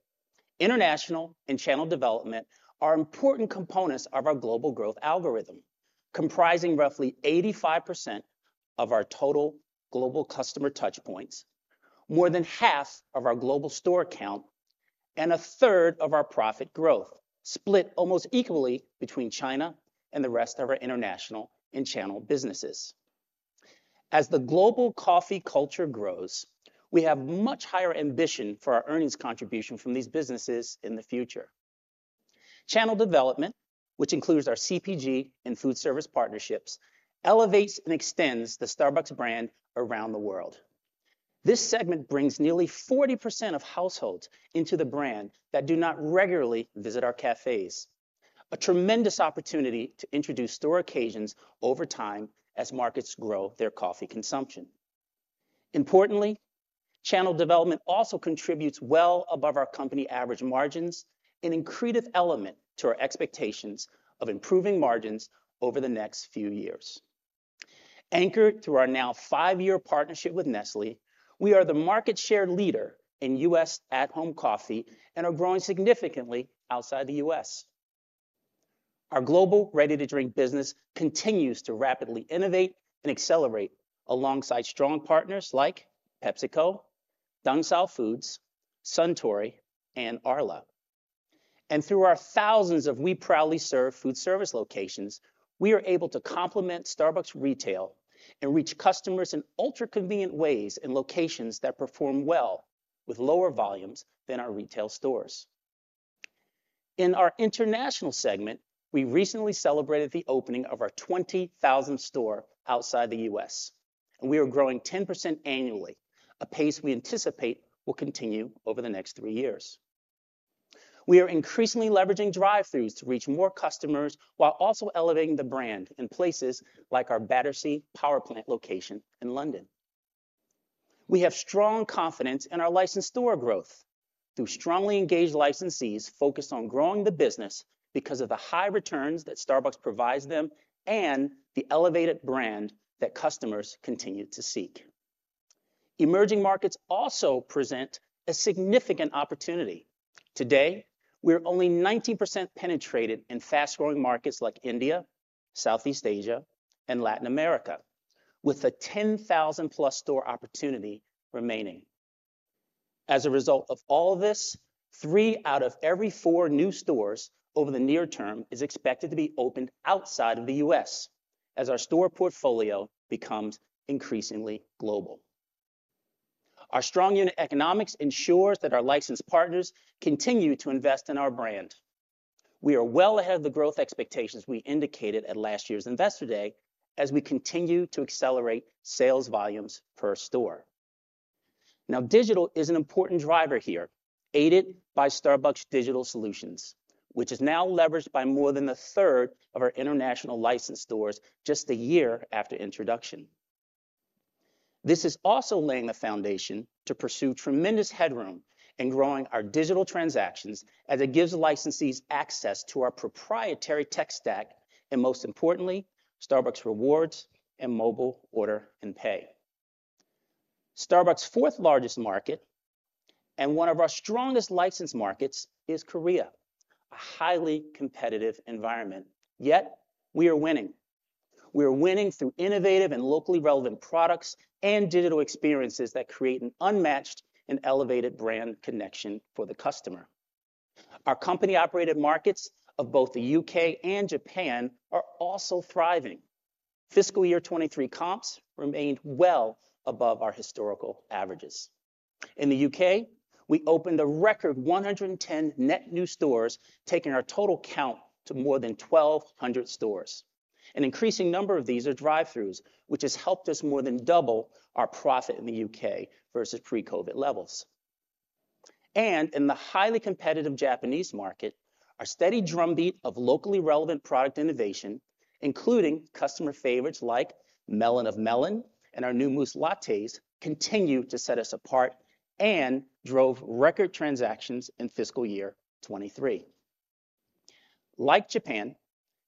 international and channel development are important components of our global growth algorithm, comprising roughly 85% of our total global customer touch points, more than half of our global store count, and a third of our profit growth, split almost equally between China and the rest of our international and channel businesses. As the global coffee culture grows, we have much higher ambition for our earnings contribution from these businesses in the future. Channel development, which includes our CPG and food service partnerships, elevates and extends the Starbucks brand around the world. This segment brings nearly 40% of households into the brand that do not regularly visit our cafes, a tremendous opportunity to introduce store occasions over time as markets grow their coffee consumption. Importantly, channel development also contributes well above our company average margins, an accretive element to our expectations of improving margins over the next few years. Anchored through our now five-year partnership with Nestlé, we are the market share leader in U.S. at-home coffee and are growing significantly outside the U.S. Our global ready-to-drink business continues to rapidly innovate and accelerate alongside strong partners like PepsiCo, Dong Suh Foods, Suntory, and Arla. Through our thousands of We Proudly Serve food service locations, we are able to complement Starbucks retail and reach customers in ultra-convenient ways, in locations that perform well with lower volumes than our retail stores. In our international segment, we recently celebrated the opening of our twentieth store outside the U.S., and we are growing 10% annually, a pace we anticipate will continue over the next three years. We are increasingly leveraging drive-throughs to reach more customers, while also elevating the brand in places like our Battersea Power Station location in London. We have strong confidence in our licensed store growth, through strongly engaged licensees focused on growing the business because of the high returns that Starbucks provides them, and the elevated brand that customers continue to seek. Emerging markets also present a significant opportunity. Today, we're only 19% penetrated in fast-growing markets like India, Southeast Asia, and Latin America, with a 10,000+ store opportunity remaining. As a result of all this, three out of every four new stores over the near term is expected to be opened outside of the U.S., as our store portfolio becomes increasingly global. Our strong unit economics ensures that our licensed partners continue to invest in our brand. We are well ahead of the growth expectations we indicated at last year's Investor Day, as we continue to accelerate sales volumes per store. Now, digital is an important driver here, aided by Starbucks Digital Solutions, which is now leveraged by more than a third of our international licensed stores just a year after introduction. This is also laying the foundation to pursue tremendous headroom in growing our digital transactions, as it gives licensees access to our proprietary tech stack, and most importantly, Starbucks Rewards and Mobile Order and Pay. Starbucks' fourth largest market, and one of our strongest licensed markets, is Korea, a highly competitive environment, yet we are winning. We are winning through innovative and locally relevant products and digital experiences that create an unmatched and elevated brand connection for the customer. Our company-operated markets of both the U.K. and Japan are also thriving. Fiscal year 2023 comps remained well above our historical averages. In the U.K., we opened a record 110 net new stores, taking our total count to more than 1,200 stores. An increasing number of these are drive-thrus, which has helped us more than double our profit in the U.K. versus pre-COVID levels. And in the highly competitive Japanese market, our steady drumbeat of locally relevant product innovation, including customer favorites like Melon of Melon and our new Mousse Lattes, continue to set us apart and drove record transactions in fiscal year 2023. Like Japan,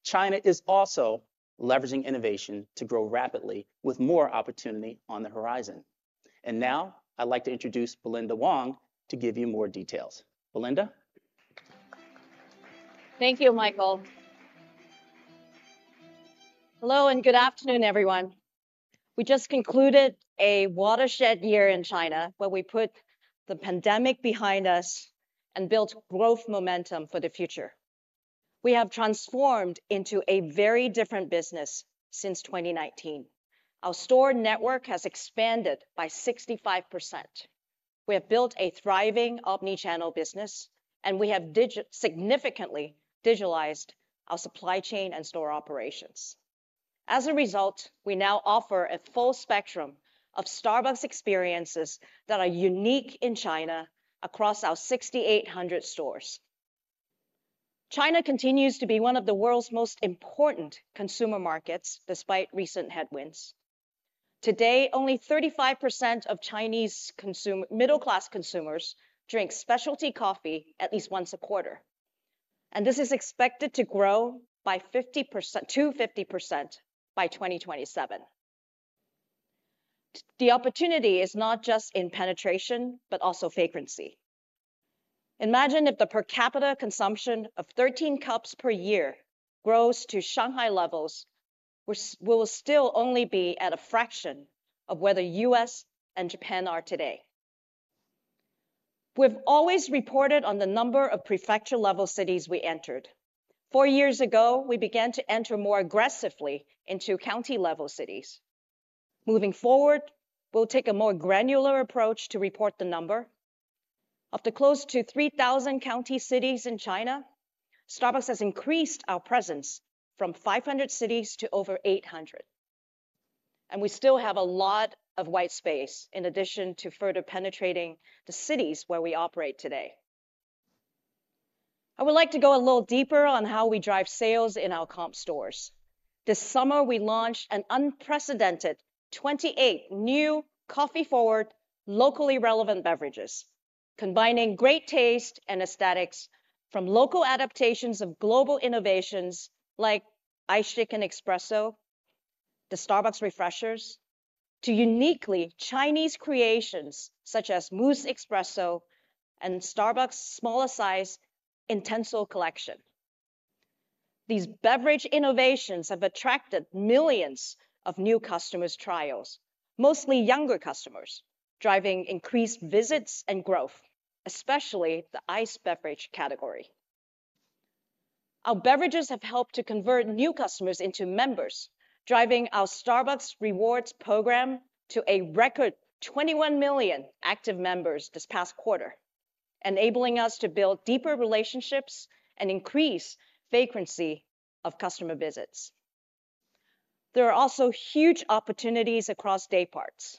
China is also leveraging innovation to grow rapidly, with more opportunity on the horizon. And now, I'd like to introduce Belinda Wong to give you more details. Belinda? Thank you, Michael. Hello, and good afternoon, everyone. We just concluded a watershed year in China, where we put the pandemic behind us and built growth momentum for the future. We have transformed into a very different business since 2019. Our store network has expanded by 65%. We have built a thriving omni-channel business, and we have significantly digitalized our supply chain and store operations. As a result, we now offer a full spectrum of Starbucks experiences that are unique in China across our 6,800 stores. China continues to be one of the world's most important consumer markets, despite recent headwinds. Today, only 35% of Chinese middle-class consumers drink specialty coffee at least once a quarter, and this is expected to grow by 50% to 50% by 2027. The opportunity is not just in penetration, but also frequency. Imagine if the per capita consumption of 13 cups per year grows to Shanghai levels, which will still only be at a fraction of where the U.S. and Japan are today. We've always reported on the number of prefecture-level cities we entered. Four years ago, we began to enter more aggressively into county-level cities. Moving forward, we'll take a more granular approach to report the number. Of the close to 3,000 county cities in China, Starbucks has increased our presence from 500 cities to over 800, and we still have a lot of white space, in addition to further penetrating the cities where we operate today. I would like to go a little deeper on how we drive sales in our comp stores. This summer, we launched an unprecedented 28 new coffee-forward, locally relevant beverages, combining great taste and aesthetics from local adaptations of global innovations like Iced Shaken Espresso, the Starbucks Refreshers, to uniquely Chinese creations such as Mousse Espresso and Starbucks' smallest size Intenso Collection. These beverage innovations have attracted millions of new customers' trials, mostly younger customers, driving increased visits and growth, especially the iced beverage category. Our beverages have helped to convert new customers into members, driving our Starbucks Rewards program to a record 21 million active members this past quarter, enabling us to build deeper relationships and increase frequency of customer visits. There are also huge opportunities across dayparts.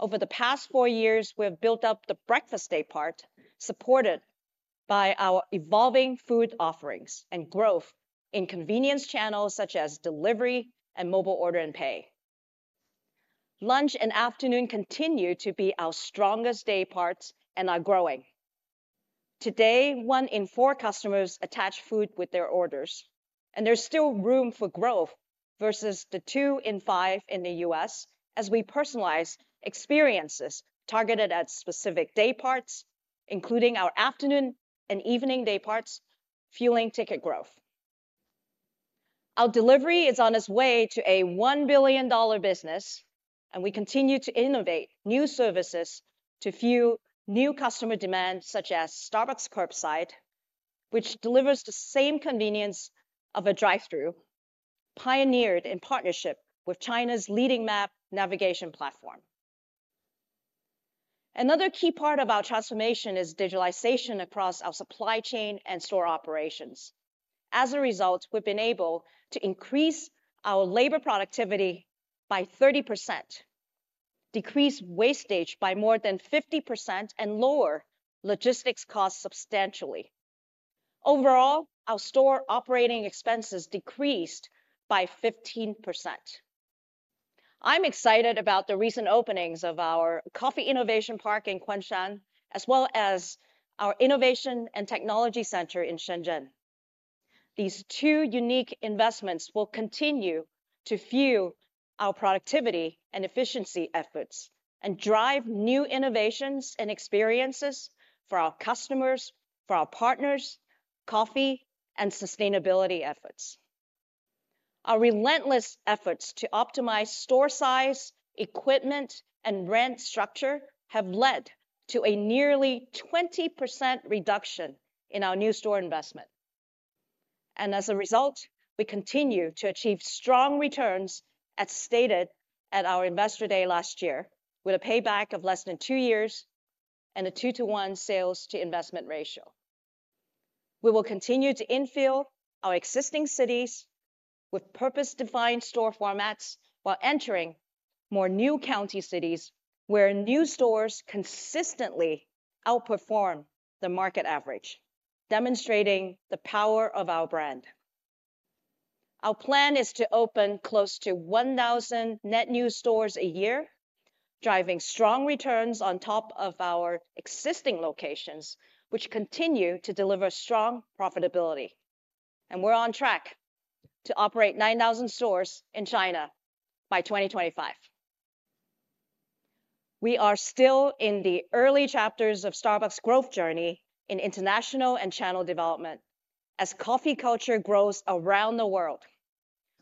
Over the past four years, we have built up the breakfast daypart, supported by our evolving food offerings and growth in convenience channels such as delivery and Mobile Order and Pay. Lunch and afternoon continue to be our strongest dayparts and are growing. Today, one in four customers attach food with their orders, and there's still room for growth versus the two in five in the U.S. as we personalize experiences targeted at specific dayparts, including our afternoon and evening dayparts, fueling ticket growth. Our delivery is on its way to a $1 billion business, and we continue to innovate new services to fuel new customer demand, such as Starbucks Curbside, which delivers the same convenience of a drive-thru, pioneered in partnership with China's leading map navigation platform. Another key part of our transformation is digitalization across our supply chain and store operations. As a result, we've been able to increase our labor productivity by 30%, decrease wastage by more than 50%, and lower logistics costs substantially. Overall, our store operating expenses decreased by 15%. I'm excited about the recent openings of our Coffee Innovation Park in Kunshan, as well as our Innovation and Technology Center in Shenzhen. These two unique investments will continue to fuel our productivity and efficiency efforts and drive new innovations and experiences for our customers, for our partners, coffee, and sustainability efforts. Our relentless efforts to optimize store size, equipment, and rent structure have led to a nearly 20% reduction in our new store investment. And as a result, we continue to achieve strong returns, as stated at our Investor Day last year, with a payback of less than two years and a 2-to-1 sales to investment ratio. We will continue to infill our existing cities with purpose-defined store formats, while entering more new county cities, where new stores consistently outperform the market average, demonstrating the power of our brand. Our plan is to open close to 1,000 net new stores a year, driving strong returns on top of our existing locations, which continue to deliver strong profitability, and we're on track to operate 9,000 stores in China by 2025. We are still in the early chapters of Starbucks' growth journey in international and channel development. As coffee culture grows around the world,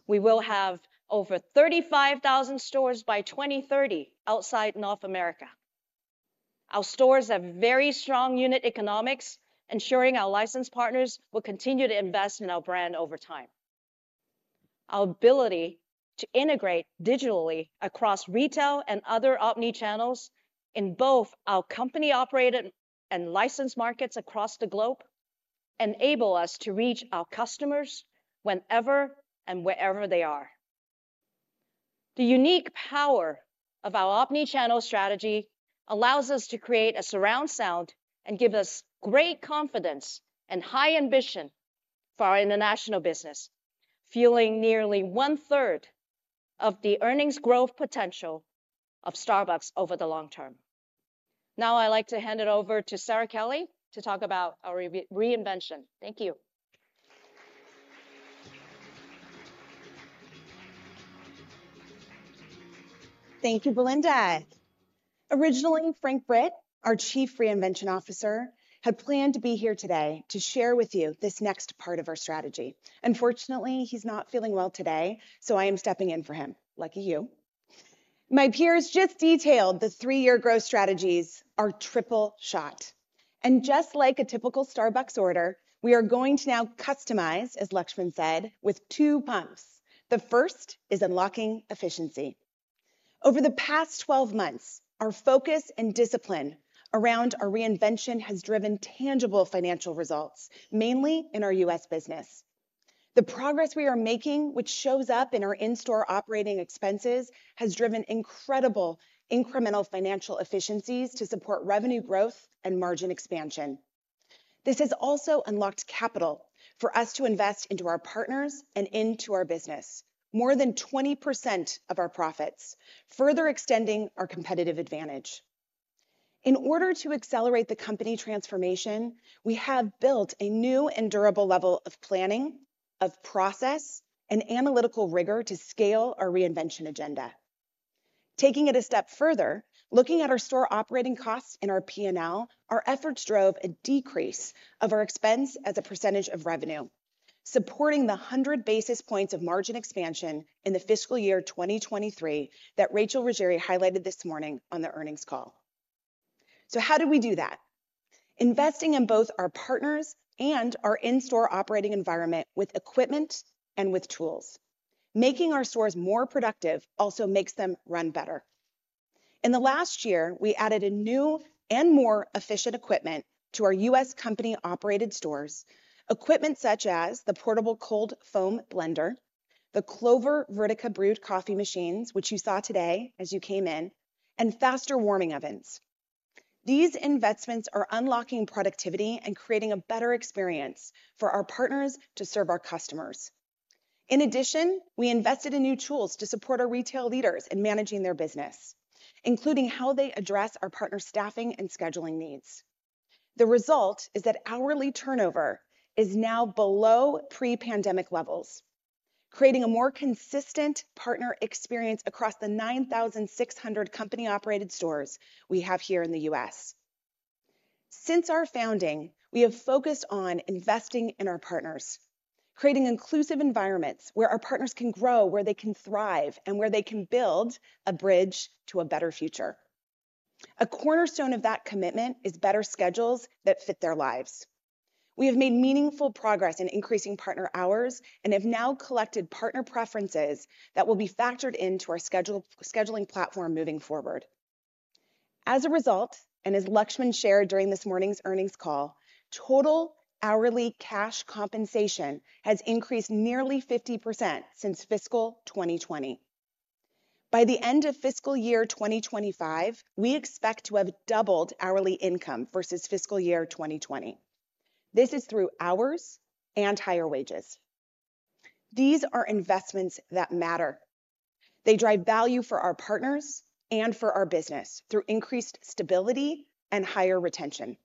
we will have over 35,000 stores by 2030 outside North America. Our stores have very strong unit economics, ensuring our licensed partners will continue to invest in our brand over time. Our ability to integrate digitally across retail and other omnichannels in both our company-operated and licensed markets across the globe enable us to reach our customers whenever and wherever they are. The unique power of our omnichannel strategy allows us to create a surround sound and give us great confidence and high ambition for our international business, fueling nearly 1/3 of the earnings growth potential of Starbucks over the long term. Now, I'd like to hand it over to Sara Kelly to talk about our reinvention. Thank you. Thank you, Belinda. Originally, Frank Britt, our Chief Reinvention Officer, had planned to be here today to share with you this next part of our strategy. Unfortunately, he's not feeling well today, so I am stepping in for him. Lucky you. My peers just detailed the three-year growth strategies, our Triple Shot, and just like a typical Starbucks order, we are going to now customize, as Laxman said, with two pumps. The first is unlocking efficiency. Over the past 12 months, our focus and discipline around our reinvention has driven tangible financial results, mainly in our U.S. business. The progress we are making, which shows up in our in-store operating expenses, has driven incredible incremental financial efficiencies to support revenue growth and margin expansion. This has also unlocked capital for us to invest into our partners and into our business, more than 20% of our profits, further extending our competitive advantage. In order to accelerate the company transformation, we have built a new and durable level of planning, of process, and analytical rigor to scale our reinvention agenda. Taking it a step further, looking at our store operating costs and our P&L, our efforts drove a decrease of our expense as a percentage of revenue, supporting the 100 basis points of margin expansion in the fiscal year 2023 that Rachel Ruggeri highlighted this morning on the earnings call. So how did we do that? Investing in both our partners and our in-store operating environment with equipment and with tools. Making our stores more productive also makes them run better. In the last year, we added a new and more efficient equipment to our U.S. company-operated stores, equipment such as the portable cold foam blender, the Clover Vertica brewed coffee machines, which you saw today as you came in, and faster warming ovens. These investments are unlocking productivity and creating a better experience for our partners to serve our customers. In addition, we invested in new tools to support our retail leaders in managing their business, including how they address our partner staffing and scheduling needs. The result is that hourly turnover is now below pre-pandemic levels, creating a more consistent partner experience across the 9,600 company-operated stores we have here in the U.S. Since our founding, we have focused on investing in our partners, creating inclusive environments where our partners can grow, where they can thrive, and where they can build a bridge to a better future. A cornerstone of that commitment is better schedules that fit their lives. We have made meaningful progress in increasing partner hours and have now collected partner preferences that will be factored into our scheduling platform moving forward... As a result, and as Laxman shared during this morning's earnings call, total hourly cash compensation has increased nearly 50% since fiscal 2020. By the end of fiscal year 2025, we expect to have doubled hourly income versus fiscal year 2020. This is through hours and higher wages. These are investments that matter. They drive value for our partners and for our business through increased stability and higher retention.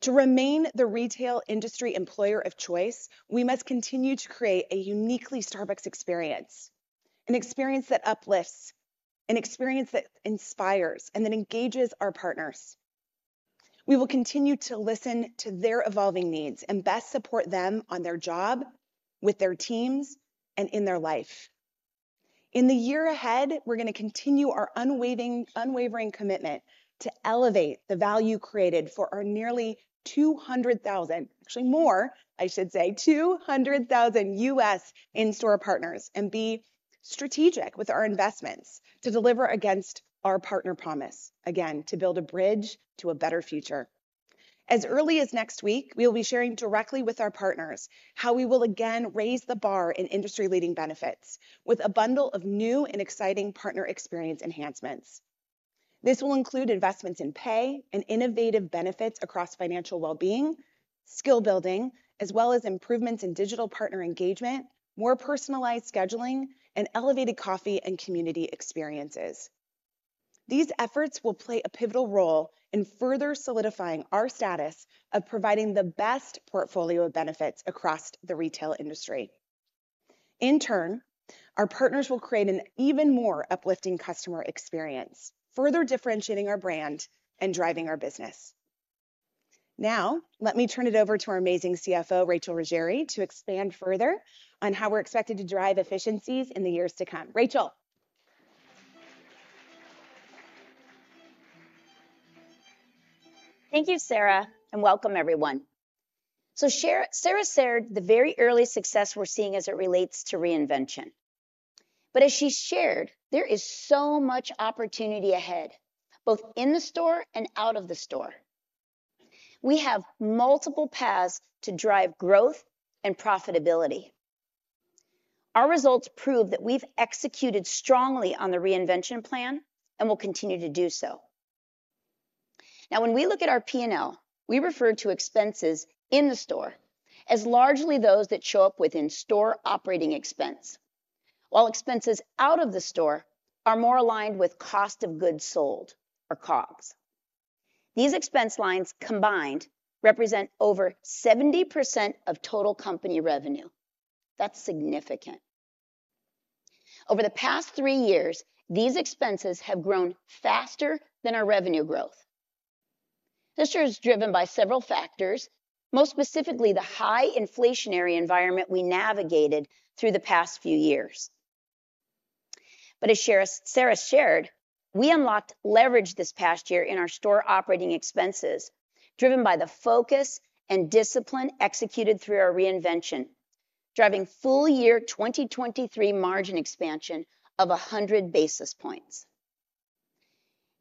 To remain the retail industry employer of choice, we must continue to create a uniquely Starbucks experience, an experience that uplifts, an experience that inspires, and that engages our partners. We will continue to listen to their evolving needs and best support them on their job, with their teams, and in their life. In the year ahead, we're gonna continue our unwavering commitment to elevate the value created for our nearly 200,000, actually more, I should say, 200,000 US in-store partners, and be strategic with our investments to deliver against our partner promise, again, to build a bridge to a better future. As early as next week, we will be sharing directly with our partners how we will again raise the bar in industry-leading benefits, with a bundle of new and exciting partner experience enhancements. This will include investments in pay and innovative benefits across financial well-being, skill building, as well as improvements in digital partner engagement, more personalized scheduling, and elevated coffee and community experiences. These efforts will play a pivotal role in further solidifying our status of providing the best portfolio of benefits across the retail industry. In turn, our partners will create an even more uplifting customer experience, further differentiating our brand and driving our business. Now, let me turn it over to our amazing CFO, Rachel Ruggeri, to expand further on how we're expected to drive efficiencies in the years to come. Rachel. Thank you, Sara, and welcome everyone. Sara shared the very early success we're seeing as it relates to reinvention. But as she shared, there is so much opportunity ahead, both in the store and out of the store. We have multiple paths to drive growth and profitability. Our results prove that we've executed strongly on the reinvention plan and will continue to do so. Now, when we look at our P&L, we refer to expenses in the store as largely those that show up within store operating expense. While expenses out of the store are more aligned with cost of goods sold or COGS. These expense lines combined represent over 70% of total company revenue. That's significant. Over the past three years, these expenses have grown faster than our revenue growth. This year is driven by several factors, most specifically, the high inflationary environment we navigated through the past few years. But as Sara shared, we unlocked leverage this past year in our store operating expenses, driven by the focus and discipline executed through our reinvention, driving full year 2023 margin expansion of 100 basis points.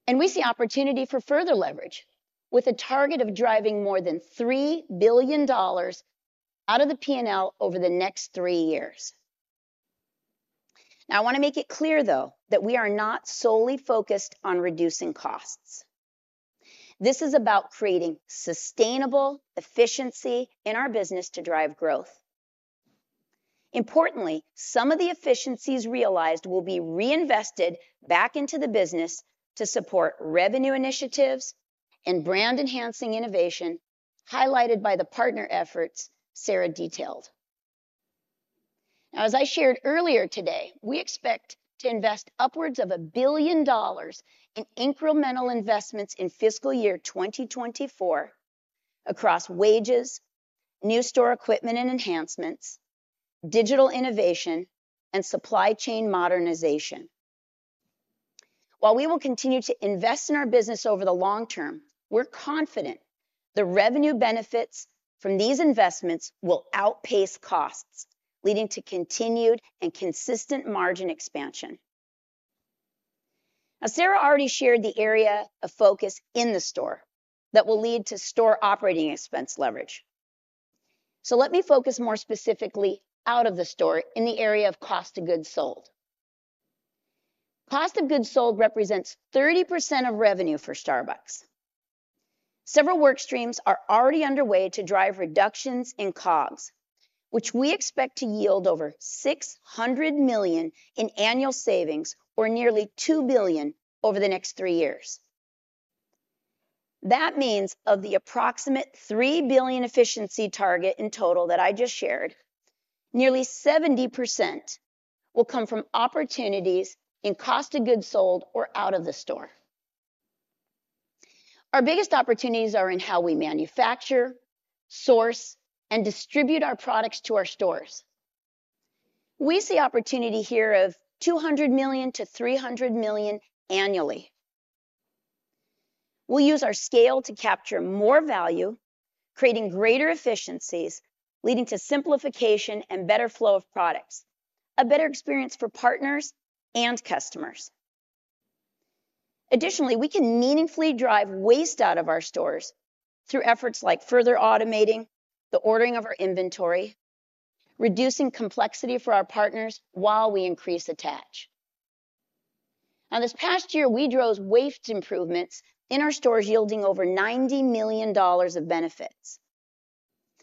And we see opportunity for further leverage, with a target of driving more than $3 billion out of the P&L over the next three years. Now, I want to make it clear, though, that we are not solely focused on reducing costs. This is about creating sustainable efficiency in our business to drive growth. Importantly, some of the efficiencies realized will be reinvested back into the business to support revenue initiatives and brand-enhancing innovation, highlighted by the partner efforts Sara detailed. Now, as I shared earlier today, we expect to invest upwards of $1 billion in incremental investments in fiscal year 2024 across wages, new store equipment and enhancements, digital innovation, and supply chain modernization. While we will continue to invest in our business over the long term, we're confident the revenue benefits from these investments will outpace costs, leading to continued and consistent margin expansion. Now, Sara already shared the area of focus in the store that will lead to store operating expense leverage. So let me focus more specifically out of the store in the area of cost of goods sold. Cost of goods sold represents 30% of revenue for Starbucks. Several work streams are already underway to drive reductions in COGS, which we expect to yield over $600 million in annual savings, or nearly $2 billion over the next three years. That means of the approximate $3 billion efficiency target in total that I just shared, nearly 70% will come from opportunities in cost of goods sold or out of the store. Our biggest opportunities are in how we manufacture, source, and distribute our products to our stores. We see opportunity here of $200 million-$300 million annually. We'll use our scale to capture more value creating greater efficiencies, leading to simplification and better flow of products, a better experience for partners and customers. Additionally, we can meaningfully drive waste out of our stores through efforts like further automating the ordering of our inventory, reducing complexity for our partners while we increase attach. Now, this past year, we drove waste improvements in our stores, yielding over $90 million of benefits.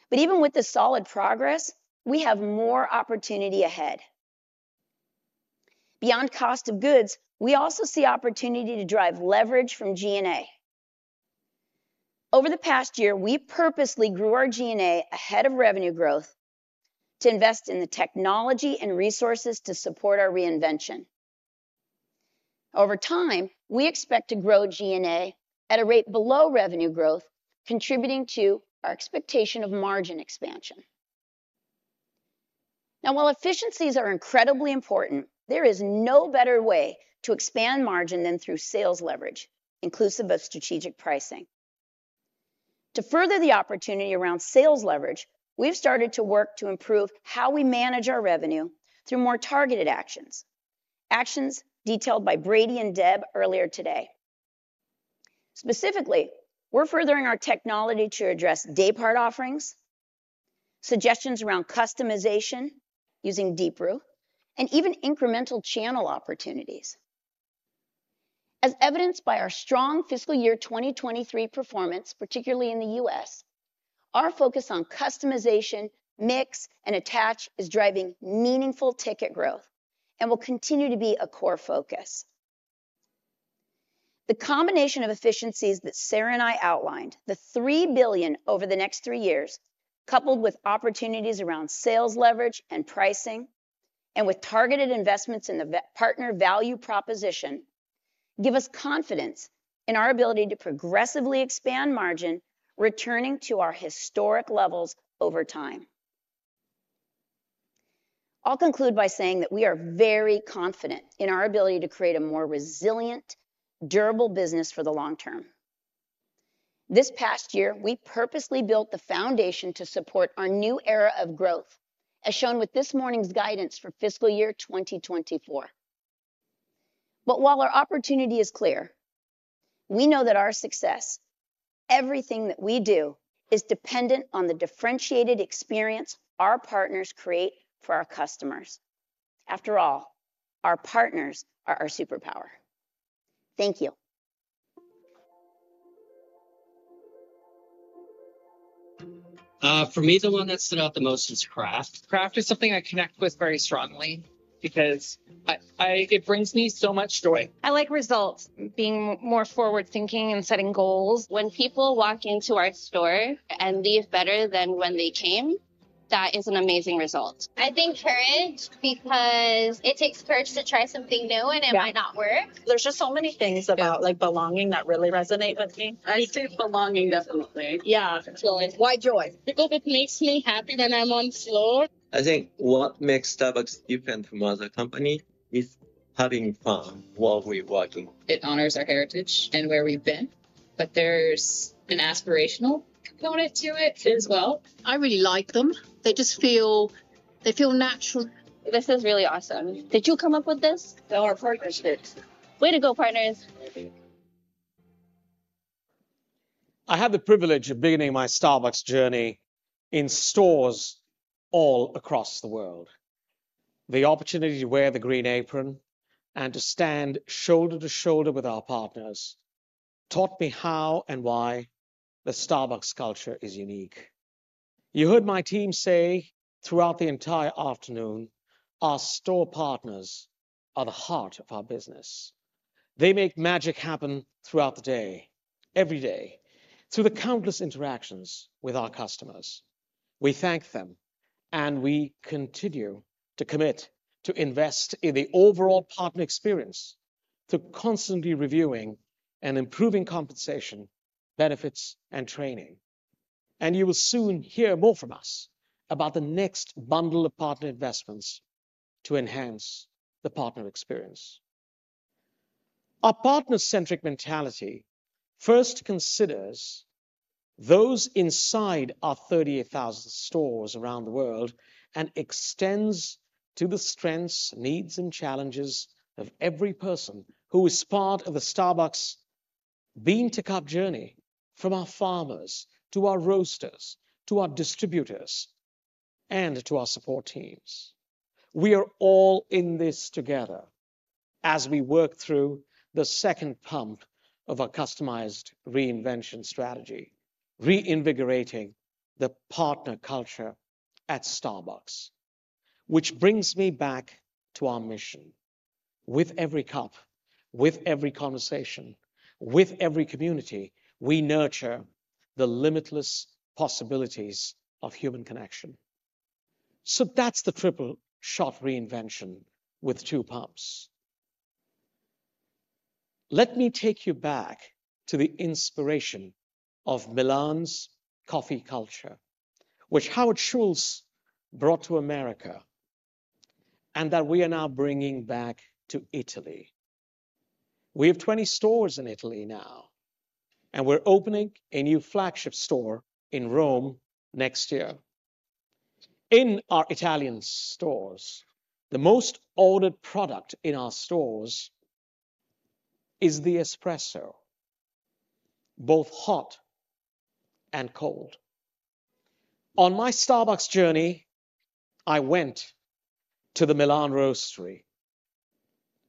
But even with the solid progress, we have more opportunity ahead. Beyond cost of goods, we also see opportunity to drive leverage from G&A. Over the past year, we purposely grew our G&A ahead of revenue growth to invest in the technology and resources to support our reinvention. Over time, we expect to grow G&A at a rate below revenue growth, contributing to our expectation of margin expansion. Now, while efficiencies are incredibly important, there is no better way to expand margin than through sales leverage, inclusive of strategic pricing. To further the opportunity around sales leverage, we've started to work to improve how we manage our revenue through more targeted actions, actions detailed by Brady and Deb earlier today. Specifically, we're furthering our technology to address daypart offerings, suggestions around customization using Deep Brew, and even incremental channel opportunities. As evidenced by our strong fiscal year 2023 performance, particularly in the U.S., our focus on customization, mix, and attach is driving meaningful ticket growth and will continue to be a core focus. The combination of efficiencies that Sara and I outlined, the $3 billion over the next three years, coupled with opportunities around sales leverage and pricing, and with targeted investments in the partner value proposition, give us confidence in our ability to progressively expand margin, returning to our historic levels over time. I'll conclude by saying that we are very confident in our ability to create a more resilient, durable business for the long term. This past year, we purposely built the foundation to support our new era of growth, as shown with this morning's guidance for fiscal year 2024. But while our opportunity is clear, we know that our success, everything that we do, is dependent on the differentiated experience our partners create for our customers. After all, our partners are our superpower. Thank you. For me, the one that stood out the most is craft. Craft is something I connect with very strongly because I—it brings me so much joy. I like results, being more forward-thinking and setting goals. When people walk into our store and leave better than when they came, that is an amazing result. I think courage, because it takes courage to try something new, and it might not work. Yeah. There's just so many things about, like, belonging that really resonate with me. I say belonging, definitely. Yeah. Joy. Why joy? Because it makes me happy when I'm on floor. I think what makes Starbucks different from other company is having fun while we working. It honors our heritage and where we've been, but there's an aspirational component to it as well. I really like them. They just feel natural. This is really awesome. Did you come up with this? No, our partners did. Way to go, partners! Thank you. I had the privilege of beginning my Starbucks journey in stores all across the world. The opportunity to wear the green apron and to stand shoulder to shoulder with our partners taught me how and why the Starbucks culture is unique. You heard my team say throughout the entire afternoon, our store partners are the heart of our business. They make magic happen throughout the day, every day, through the countless interactions with our customers. We thank them, and we continue to commit to invest in the overall partner experience, through constantly reviewing and improving compensation, benefits, and training. You will soon hear more from us about the next bundle of partner investments to enhance the partner experience. Our partner-centric mentality first considers those inside our 38,000 stores around the world and extends to the strengths, needs, and challenges of every person who is part of the Starbucks bean-to-cup journey, from our farmers to our roasters, to our distributors, and to our support teams. We are all in this together as we work through the second pump of our customized reinvention strategy, reinvigorating the partner culture at Starbucks, which brings me back to our mission. With every cup, with every conversation, with every community, we nurture the limitless possibilities of human connection. So that's the Triple Shot Reinvention with two pumps. Let me take you back to the inspiration of Milan's coffee culture, which Howard Schultz brought to America and that we are now bringing back to Italy. We have 20 stores in Italy now, and we're opening a new flagship store in Rome next year. In our Italian stores, the most ordered product in our stores is the espresso, both hot and cold. On my Starbucks journey, I went to the Milan Roastery.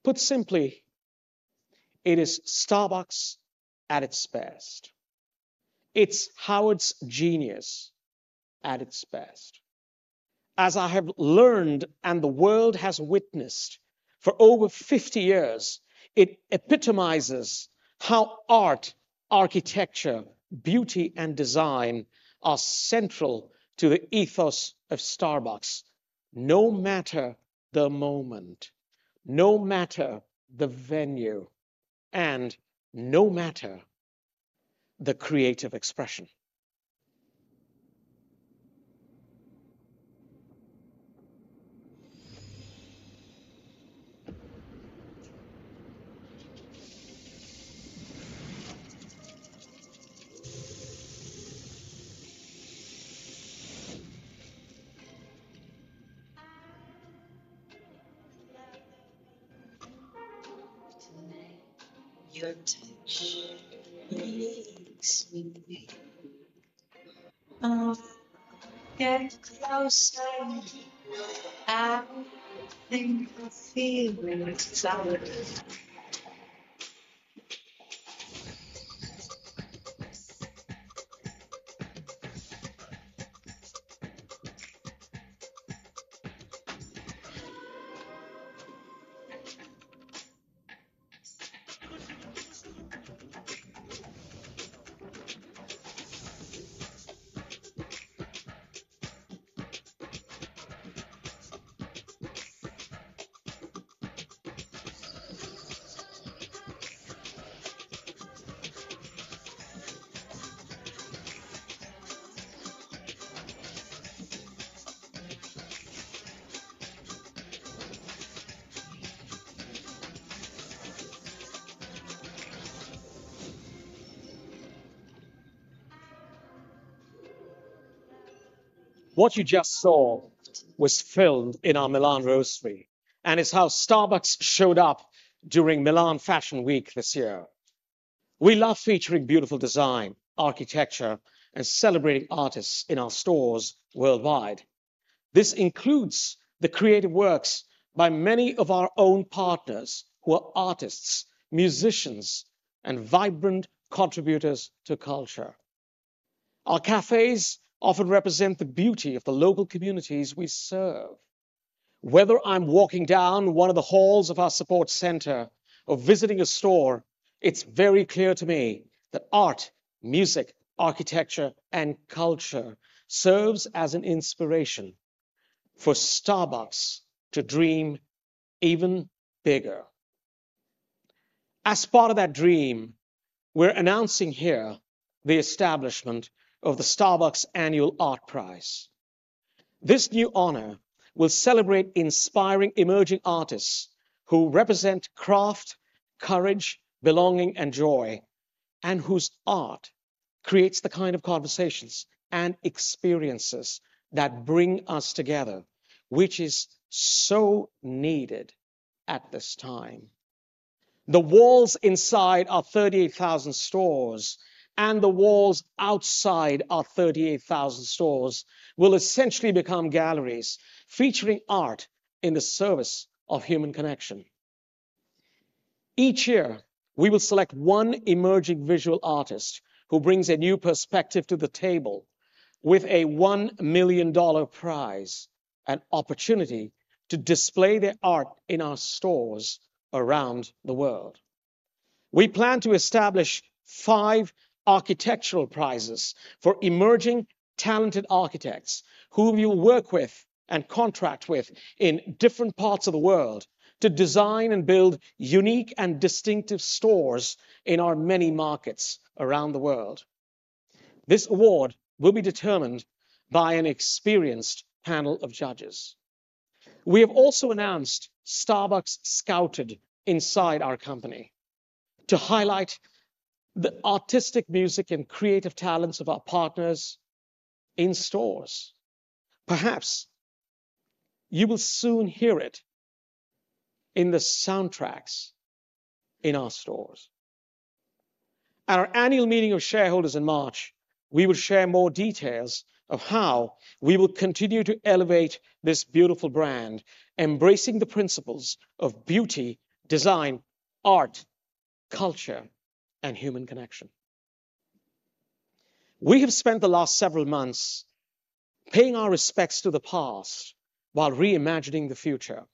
Put simply, it is Starbucks at its best. It's Howard's genius at its best. As I have learned, and the world has witnessed, for over 50 years, it epitomizes how art, architecture, beauty, and design are central to the ethos of Starbucks, no matter the moment, no matter the venue, and no matter the creative expression. What you just saw was filmed in our Milan Roastery, and it's how Starbucks showed up during Milan Fashion Week this year. We love featuring beautiful design, architecture, and celebrating artists in our stores worldwide. This includes the creative works by many of our own partners who are artists, musicians, and vibrant contributors to culture. Our cafes often represent the beauty of the local communities we serve. Whether I'm walking down one of the halls of our support center or visiting a store, it's very clear to me that art, music, architecture, and culture serves as an inspiration for Starbucks to dream even bigger. As part of that dream, we're announcing here the establishment of the Starbucks Annual Art Prize. This new honor will celebrate inspiring emerging artists who represent craft, courage, belonging, and joy, and whose art creates the kind of conversations and experiences that bring us together, which is so needed at this time. The walls inside our 38,000 stores and the walls outside our 38,000 stores will essentially become galleries featuring art in the service of human connection. Each year, we will select one emerging visual artist who brings a new perspective to the table with a $1 million prize and opportunity to display their art in our stores around the world. We plan to establish five architectural prizes for emerging talented architects, whom you'll work with and contract with in different parts of the world to design and build unique and distinctive stores in our many markets around the world. This award will be determined by an experienced panel of judges. We have also announced Starbucks Scouted inside our company to highlight the artistic music and creative talents of our partners in stores. Perhaps you will soon hear it in the soundtracks in our stores. At our annual meeting of shareholders in March, we will share more details of how we will continue to elevate this beautiful brand, embracing the principles of beauty, design, art, culture, and human connection. We have spent the last several months paying our respects to the past while reimagining the future.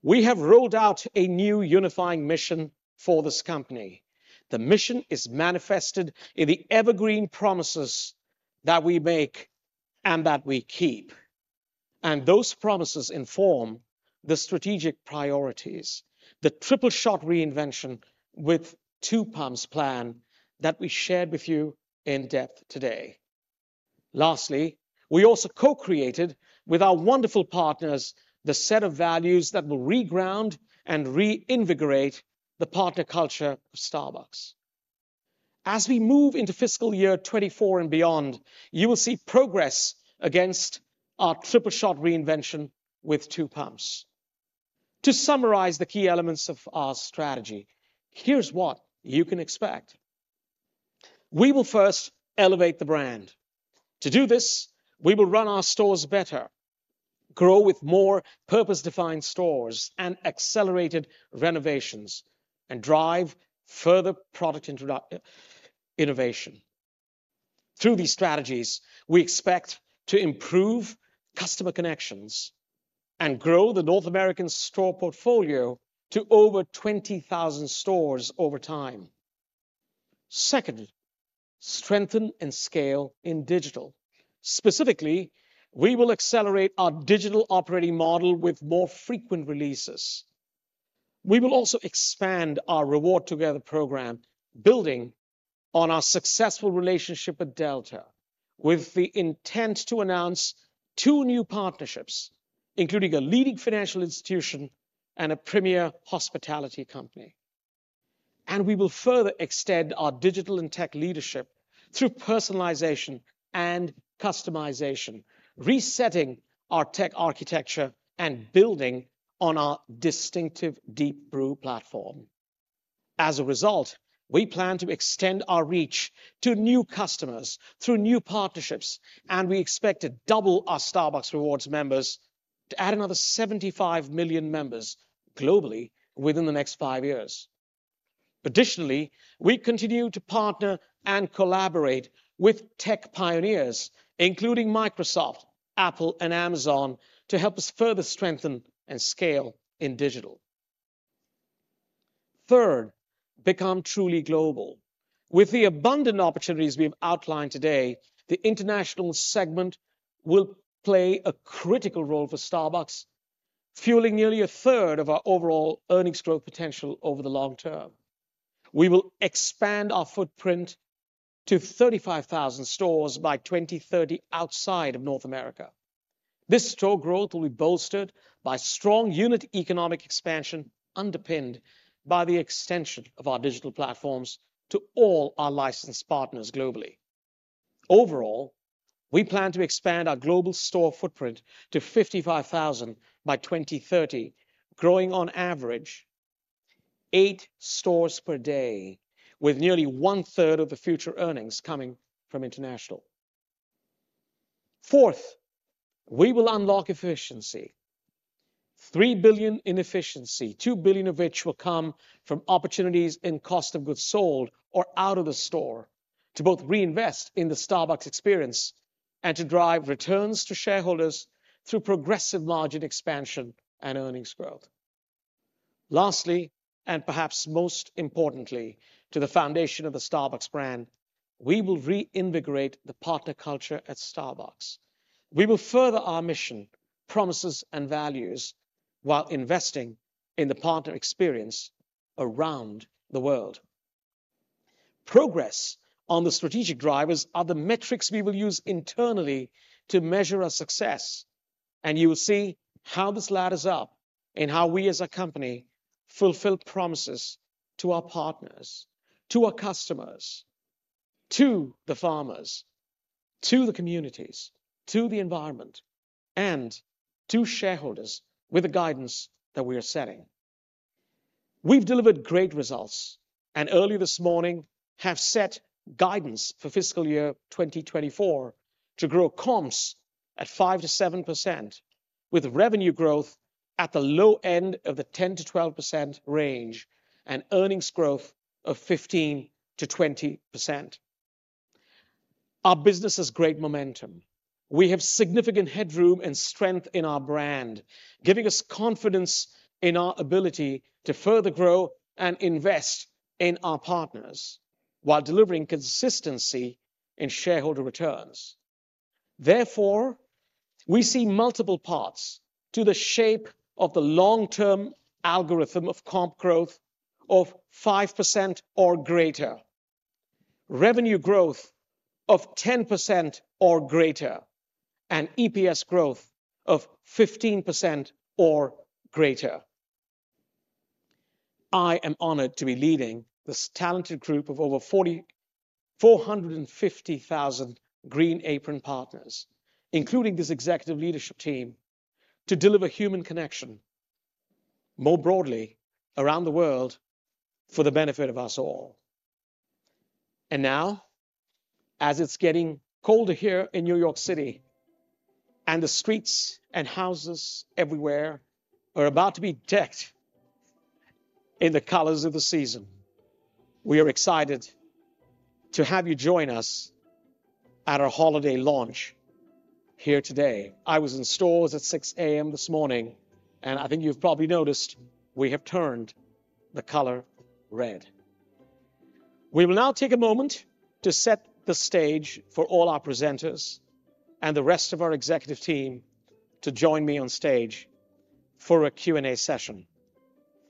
We have rolled out a new unifying mission for this company. The mission is manifested in the evergreen promises that we make and that we keep, and those promises inform the strategic priorities, the Triple Shot Reinvention with Two Pumps plan that we shared with you in depth today.... Lastly, we also co-created with our wonderful partners, the set of values that will reground and reinvigorate the partner culture of Starbucks. As we move into fiscal year 2024 and beyond, you will see progress against our Triple Shot Reinvention with Two Pumps. To summarize the key elements of our strategy, here's what you can expect. We will first elevate the brand. To do this, we will run our stores better, grow with more purpose-defined stores and accelerated renovations, and drive further product innovation. Through these strategies, we expect to improve customer connections and grow the North American store portfolio to over 20,000 stores over time. Second, strengthen and scale in digital. Specifically, we will accelerate our digital operating model with more frequent releases. We will also expand our Rewards Together program, building on our successful relationship with Delta, with the intent to announce two new partnerships, including a leading financial institution and a premier hospitality company. And we will further extend our digital and tech leadership through personalization and customization, resetting our tech architecture and building on our distinctive Deep Brew platform. As a result, we plan to extend our reach to new customers through new partnerships, and we expect to double our Starbucks Rewards members to add another 75 million members globally within the next five years. Additionally, we continue to partner and collaborate with tech pioneers, including Microsoft, Apple, and Amazon, to help us further strengthen and scale in digital. Third, become truly global. With the abundant opportunities we've outlined today, the international segment will play a critical role for Starbucks, fueling nearly a third of our overall earnings growth potential over the long term. We will expand our footprint to 35,000 stores by 2030 outside of North America. This store growth will be bolstered by strong unit economic expansion, underpinned by the extension of our digital platforms to all our licensed partners globally. Overall, we plan to expand our global store footprint to 55,000 by 2030, growing on average, eight stores per day, with nearly one-third of the future earnings coming from international. Fourth, we will unlock efficiency. $3 billion in efficiency, $2 billion of which will come from opportunities in cost of goods sold or out of the store, to both reinvest in the Starbucks experience and to drive returns to shareholders through progressive margin expansion and earnings growth. Lastly, and perhaps most importantly, to the foundation of the Starbucks brand, we will reinvigorate the partner culture at Starbucks. We will further our mission, promises, and values while investing in the partner experience around the world. Progress on the strategic drivers are the metrics we will use internally to measure our success, and you will see how this ladders up in how we as a company fulfill promises to our partners, to our customers, to the farmers, to the communities, to the environment, and to shareholders with the guidance that we are setting. We've delivered great results, and early this morning, have set guidance for fiscal year 2024 to grow comps at 5%-7%, with revenue growth at the low end of the 10%-12% range and earnings growth of 15%-20%. Our business has great momentum. We have significant headroom and strength in our brand, giving us confidence in our ability to further grow and invest in our partners while delivering consistency in shareholder returns. Therefore, we see multiple paths to the shape of the long-term algorithm of comp growth of 5% or greater, revenue growth of 10% or greater, and EPS growth of 15% or greater. I am honored to be leading this talented group of over 445,000 Green Apron partners, including this executive leadership team, to deliver human connection more broadly around the world for the benefit of us all. And now, as it's getting colder here in New York City, and the streets and houses everywhere are about to be decked in the colors of the season, we are excited to have you join us at our holiday launch here today. I was in stores at 6:00 A.M. this morning, and I think you've probably noticed we have turned the color red. We will now take a moment to set the stage for all our presenters and the rest of our executive team to join me on stage for a Q&A session.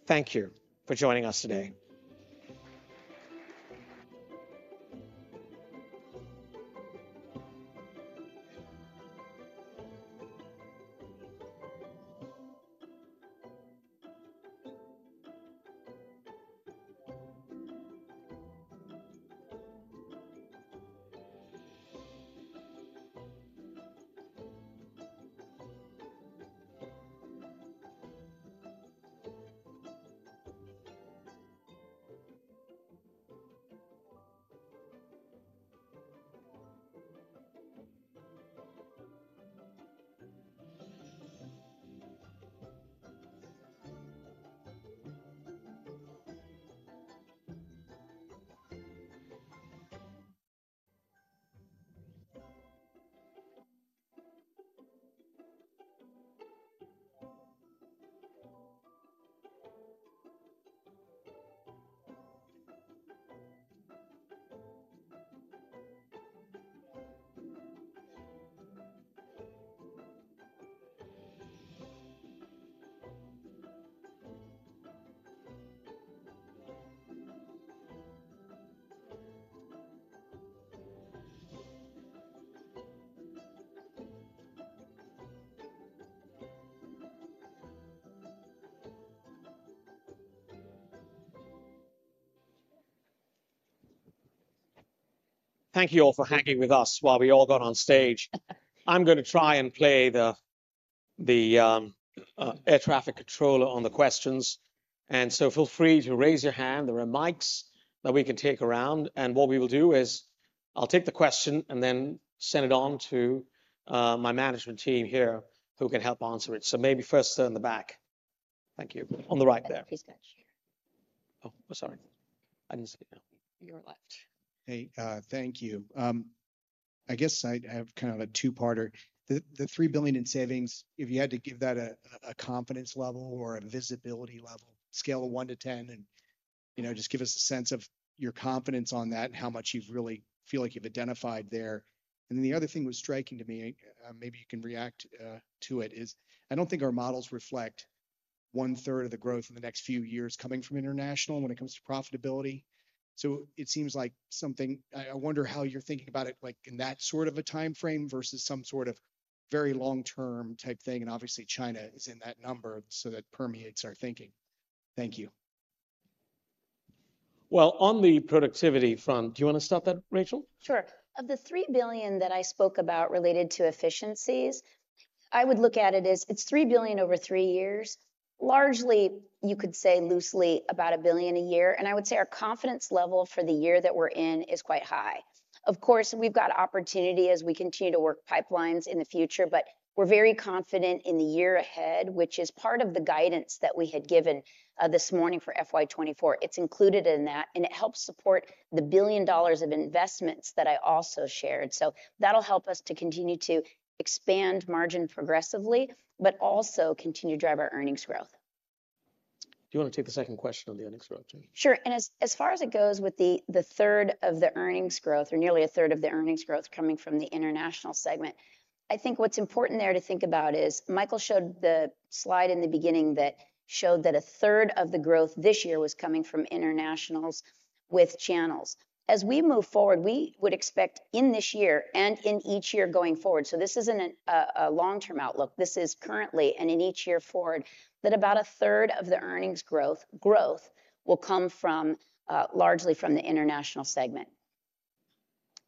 Thank you for joining us today. Thank you all for hanging with us while we all got on stage. I'm gonna try and play the air traffic controller on the questions, and so feel free to raise your hand. There are mics that we can take around, and what we will do is, I'll take the question and then send it on to my management team here, who can help answer it. So maybe first sir in the back. Thank you. On the right there. Please get a chair. Oh, sorry. I didn't see you. Your left. Hey, thank you. I guess I have kind of a two-parter. The three billion in savings, if you had to give that a confidence level or a visibility level, scale of 1 to 10, and, you know, just give us a sense of your confidence on that and how much you've really feel like you've identified there. And then the other thing was striking to me, maybe you can react to it, is I don't think our models reflect 1/3 of the growth in the next few years coming from international when it comes to profitability. So it seems like something - I wonder how you're thinking about it, like, in that sort of a timeframe versus some sort of very long-term type thing, and obviously, China is in that number, so that permeates our thinking. Thank you. Well, on the productivity front, do you wanna start that, Rachel? Sure. Of the $3 billion that I spoke about related to efficiencies, I would look at it as it's $3 billion over three years. Largely, you could say loosely, about $1 billion a year, and I would say our confidence level for the year that we're in is quite high. Of course, we've got opportunity as we continue to work pipelines in the future, but we're very confident in the year ahead, which is part of the guidance that we had given this morning for FY 2024. It's included in that, and it helps support the $1 billion of investments that I also shared. So that'll help us to continue to expand margin progressively, but also continue to drive our earnings growth. Do you wanna take the second question on the earnings growth too? Sure. As far as it goes with the third of the earnings growth, or nearly a third of the earnings growth coming from the international segment, I think what's important there to think about is Michael showed the slide in the beginning that showed that a third of the growth this year was coming from internationals with channels. As we move forward, we would expect in this year and in each year going forward, so this isn't a long-term outlook. This is currently, and in each year forward, that about a third of the earnings growth will come from largely from the international segment.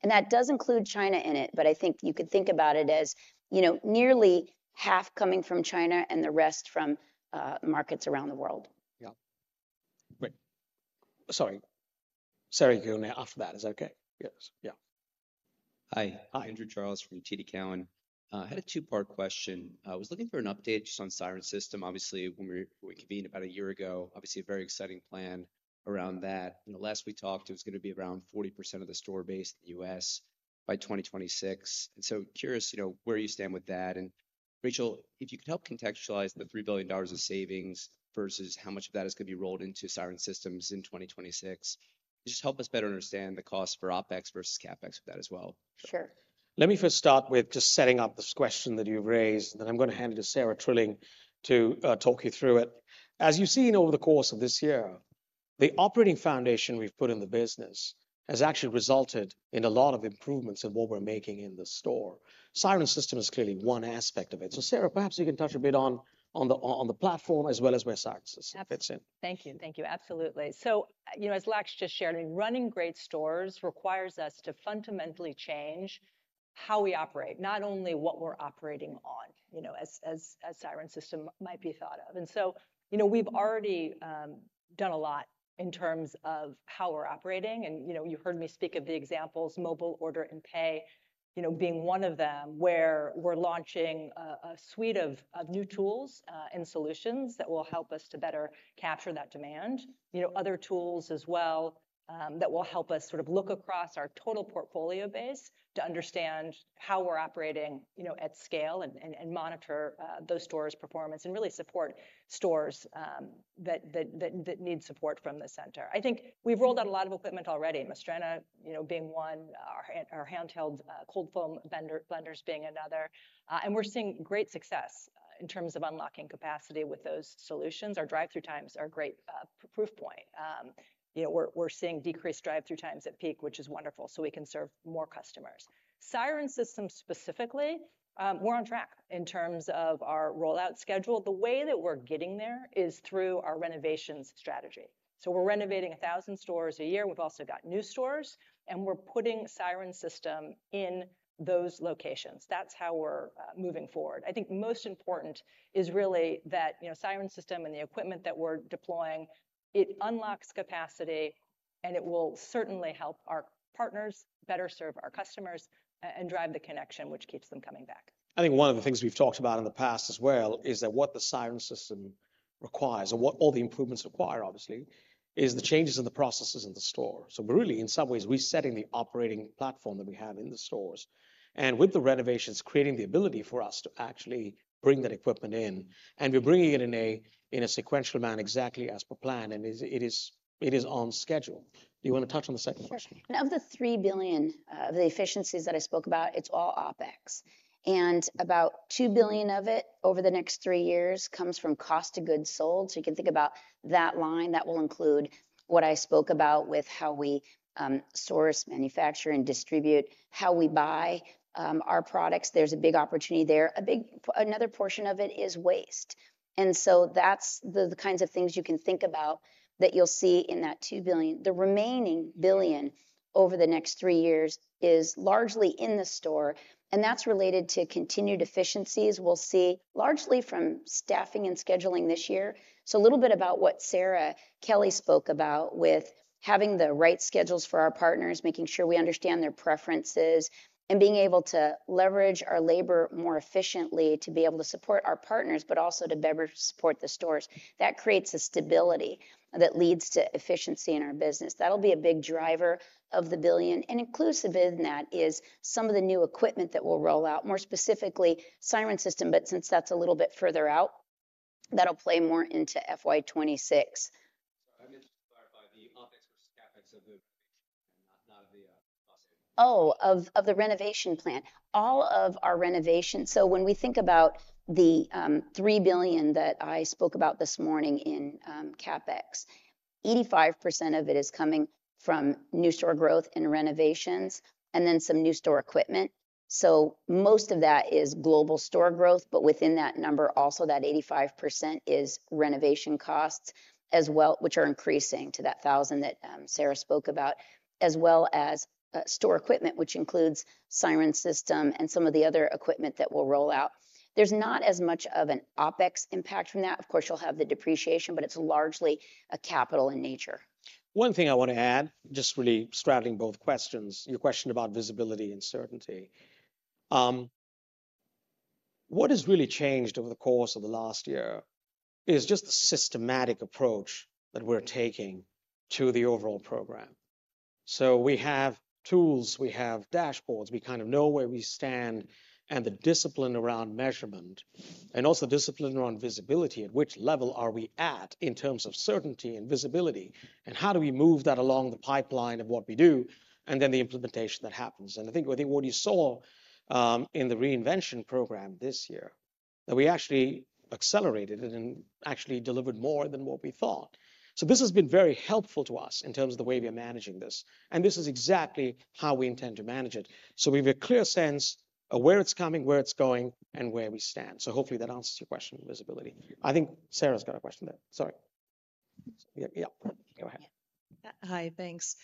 And that does include China in it, but I think you could think about it as, you know, nearly half coming from China and the rest from markets around the world. Yeah. Great. Sorry. Sara, you're off that. Is that okay? Yes. Yeah. Hi. Hi. Andrew Charles from TD Cowen. I had a two-part question. I was looking for an update just on Siren System. Obviously, when we convened about a year ago, obviously a very exciting plan around that, and the last we talked, it was gonna be around 40% of the store base in the U.S. by 2026. And so curious, you know, where you stand with that, and Rachel, if you could help contextualize the $3 billion of savings versus how much of that is gonna be rolled into Siren Systems in 2026. Just help us better understand the cost for OpEx versus CapEx for that as well. Sure. Let me first start with just setting up this question that you've raised, then I'm gonna hand it to Sara Trilling to talk you through it. As you've seen over the course of this year, the operating foundation we've put in the business has actually resulted in a lot of improvements in what we're making in the store. Siren System is clearly one aspect of it. So, Sara, perhaps you can touch a bit on the platform as well as where Siren System fits in. Thank you. Thank you. Absolutely. So, you know, as Laxman just shared, running great stores requires us to fundamentally change how we operate, not only what we're operating on, you know, as the Siren System might be thought of. And so, you know, we've already done a lot in terms of how we're operating, and, you know, you heard me speak of the examples, Mobile Order and Pay, you know, being one of them, where we're launching a suite of new tools and solutions that will help us to better capture that demand. You know, other tools as well that will help us sort of look across our total portfolio base to understand how we're operating, you know, at scale and monitor those stores' performance and really support stores that need support from the center. I think we've rolled out a lot of equipment already, Mastrena, you know, being one, our handheld cold foam vendor- blenders being another. And we're seeing great success in terms of unlocking capacity with those solutions. Our drive-thru times are a great proof point. You know, we're seeing decreased drive-thru times at peak, which is wonderful, so we can serve more customers. Siren System specifically, we're on track in terms of our rollout schedule. The way that we're getting there is through our renovations strategy. So we're renovating 1,000 stores a year. We've also got new stores, and we're putting Siren System in those locations. That's how we're moving forward. I think most important is really that, you know, Siren System and the equipment that we're deploying, it unlocks capacity-... and it will certainly help our partners better serve our customers and drive the connection, which keeps them coming back. I think one of the things we've talked about in the past as well is that what the Siren System requires, or what all the improvements require, obviously, is the changes in the processes in the store. So really, in some ways, we're setting the operating platform that we have in the stores, and with the renovations, creating the ability for us to actually bring that equipment in, and we're bringing it in a sequential manner, exactly as per plan, and it is, it is on schedule. Do you want to touch on the second question? Sure. Now, of the $3 billion, the efficiencies that I spoke about, it's all OpEx. And about $2 billion of it over the next three years comes from cost of goods sold. So you can think about that line. That will include what I spoke about with how we source, manufacture, and distribute, how we buy our products. There's a big opportunity there. Another portion of it is waste, and so that's the kinds of things you can think about that you'll see in that $2 billion. The remaining $1 billion over the next three years is largely in the store, and that's related to continued efficiencies we'll see largely from staffing and scheduling this year. So a little bit about what Sara Kelly spoke about with having the right schedules for our partners, making sure we understand their preferences, and being able to leverage our labor more efficiently to be able to support our partners, but also to better support the stores. That creates a stability that leads to efficiency in our business. That'll be a big driver of the $1 billion, and inclusive in that is some of the new equipment that we'll roll out, more specifically, Siren System, but since that's a little bit further out, that'll play more into FY 2026. Sorry, I'm interested to clarify the OpEx versus CapEx of the and not, not of the cost. Oh, of the renovation plan. All of our renovations, so when we think about the $3 billion that I spoke about this morning in CapEx, 85% of it is coming from new store growth and renovations, and then some new store equipment. So most of that is global store growth, but within that number, also, that 85% is renovation costs as well, which are increasing to that 1,000 that Sara spoke about, as well as store equipment, which includes Siren System and some of the other equipment that we'll roll out. There's not as much of an OpEx impact from that. Of course, you'll have the depreciation, but it's largely a capital in nature. One thing I want to add, just really straddling both questions, your question about visibility and certainty. What has really changed over the course of the last year is just the systematic approach that we're taking to the overall program. So we have tools, we have dashboards, we kind of know where we stand and the discipline around measurement, and also discipline around visibility. At which level are we at in terms of certainty and visibility? And how do we move that along the pipeline of what we do, and then the implementation that happens. And I think, I think what you saw, in the Reinvention program this year, that we actually accelerated it and actually delivered more than what we thought. So this has been very helpful to us in terms of the way we are managing this, and this is exactly how we intend to manage it. So we have a clear sense of where it's coming, where it's going, and where we stand. So hopefully that answers your question on visibility. I think Sara's got a question there. Sorry. Yeah, yeah. Go ahead. Hi, thanks.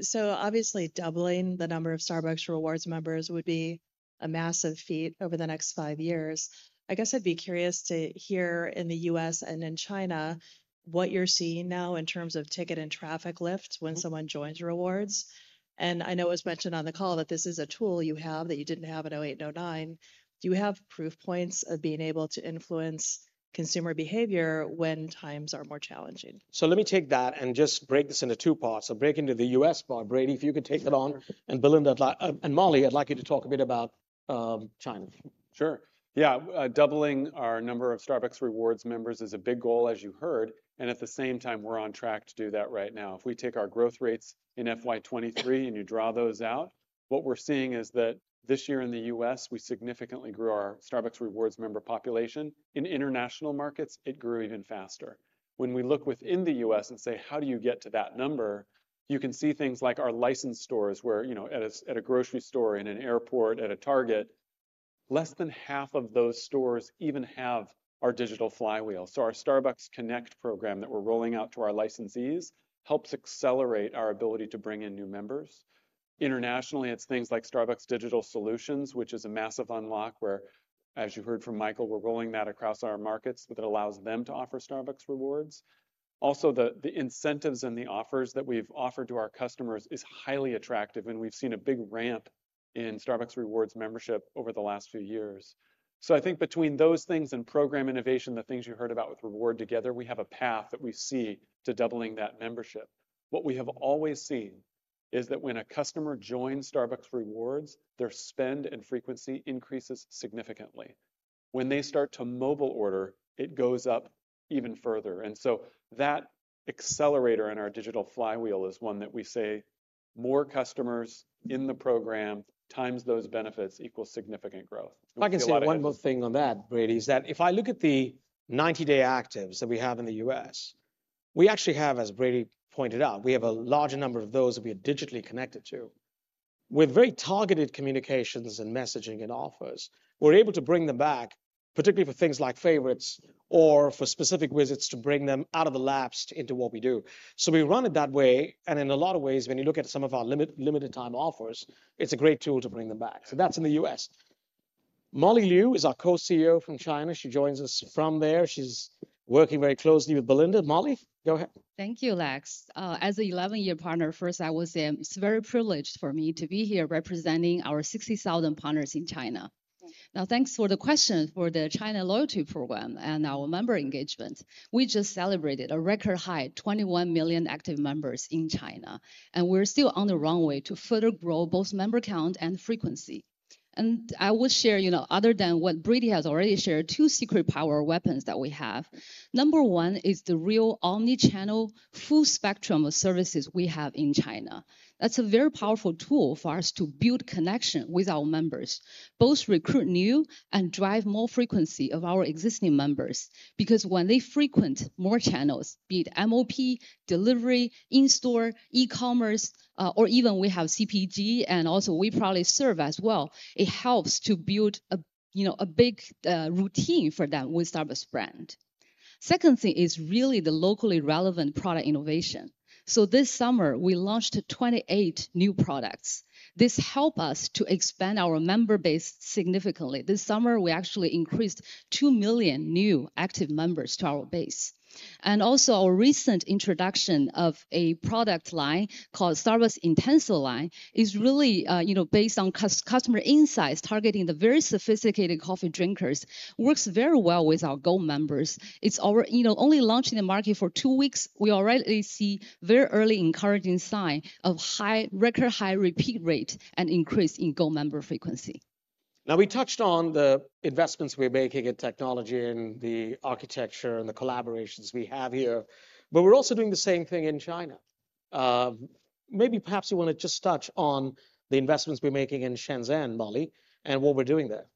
So obviously, doubling the number of Starbucks Rewards members would be a massive feat over the next five years. I guess I'd be curious to hear, in the U.S. and in China, what you're seeing now in terms of ticket and traffic lift when someone joins Rewards. And I know it was mentioned on the call that this is a tool you have that you didn't have in 2008, 2009. Do you have proof points of being able to influence consumer behavior when times are more challenging? So let me take that and just break this into two parts. So break into the U.S. part. Brady, if you could take that on, and Belinda, and Molly, I'd like you to talk a bit about China. Sure, yeah. Doubling our number of Starbucks Rewards members is a big goal, as you heard, and at the same time, we're on track to do that right now. If we take our growth rates in FY 2023 and you draw those out, what we're seeing is that this year in the U.S., we significantly grew our Starbucks Rewards member population. In international markets, it grew even faster. When we look within the U.S. and say: "How do you get to that number?" You can see things like our licensed stores, where, you know, at a grocery store, in an airport, at a Target, less than half of those stores even have our digital flywheel. So our Starbucks Connect program that we're rolling out to our licensees helps accelerate our ability to bring in new members. Internationally, it's things like Starbucks Digital Solutions, which is a massive unlock, where, as you heard from Michael, we're rolling that across our markets, that allows them to offer Starbucks Rewards. Also, the incentives and the offers that we've offered to our customers is highly attractive, and we've seen a big ramp in Starbucks Rewards membership over the last few years. So I think between those things and program innovation, the things you heard about with Rewards Together, we have a path that we see to doubling that membership. What we have always seen is that when a customer joins Starbucks Rewards, their spend and frequency increases significantly. When they start to mobile order, it goes up even further. And so that accelerator in our digital flywheel is one that we say: More customers in the program, times those benefits, equals significant growth. If I can say one more thing on that, Brady, is that if I look at the Ninety-Day Actives that we have in the U.S., we actually have, as Brady pointed out, we have a larger number of those that we are digitally connected to. With very targeted communications and messaging and offers, we're able to bring them back, particularly for things like favorites or for specific visits, to bring them out of the lapsed into what we do. So we run it that way, and in a lot of ways, when you look at some of our limited-time offers, it's a great tool to bring them back. So that's in the U.S.... Molly Liu is our co-CEO from China. She joins us from there. She's working very closely with Belinda. Molly, go ahead. Thank you, Lax. As a 11-year partner, it's very privileged for me to be here representing our 60,000 partners in China. Now, thanks for the question for the China Loyalty Program and our member engagement. We just celebrated a record high, 21 million active members in China, and we're still on the runway to further grow both member count and frequency. And I will share, you know, other than what Brady has already shared, two secret power weapons that we have. Number one is the real omni-channel, full spectrum of services we have in China. That's a very powerful tool for us to build connection with our members, both recruit new and drive more frequency of our existing members. Because when they frequent more channels, be it MOP, delivery, in-store, e-commerce, or even we have CPG and also we probably serve as well, it helps to build a, you know, a big routine for them with Starbucks brand. Second thing is really the locally relevant product innovation. So this summer, we launched 28 new products. This helps us to expand our member base significantly. This summer, we actually increased 2 million new active members to our base. And also, our recent introduction of a product line called Starbucks Intenso Line is really, you know, based on customer insights, targeting the very sophisticated coffee drinkers, works very well with our Gold members. It's, you know, only launched in the market for two weeks, we already see very early encouraging sign of high, record high repeat rate and increase in gold member frequency. Now, we touched on the investments we're making in technology and the architecture and the collaborations we have here, but we're also doing the same thing in China. Maybe perhaps you want to just touch on the investments we're making in Shenzhen, Molly, and what we're doing there.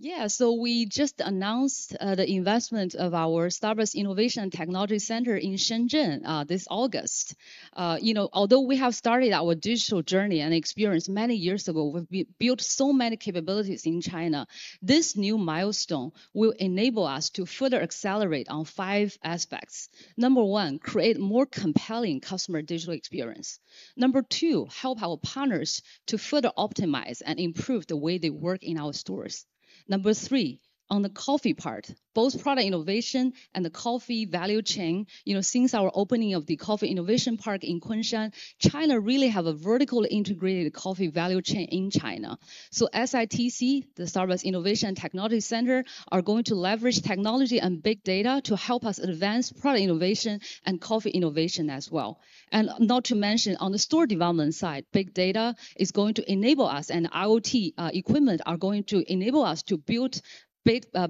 Yeah, so we just announced the investment of our Starbucks Innovation Technology Center in Shenzhen this August. You know, although we have started our digital journey and experience many years ago, we've built so many capabilities in China. This new milestone will enable us to further accelerate on 5 aspects. Number 1, create more compelling customer digital experience. Number two, help our partners to further optimize and improve the way they work in our stores. Number three, on the coffee part, both product innovation and the coffee value chain, you know, since our opening of the Coffee Innovation Park in Kunshan, China really have a vertically integrated coffee value chain in China. So SITC, the Starbucks Innovation Technology Center, are going to leverage technology and big data to help us advance product innovation and coffee innovation as well. Not to mention, on the store development side, big data is going to enable us, and IoT equipment are going to enable us to build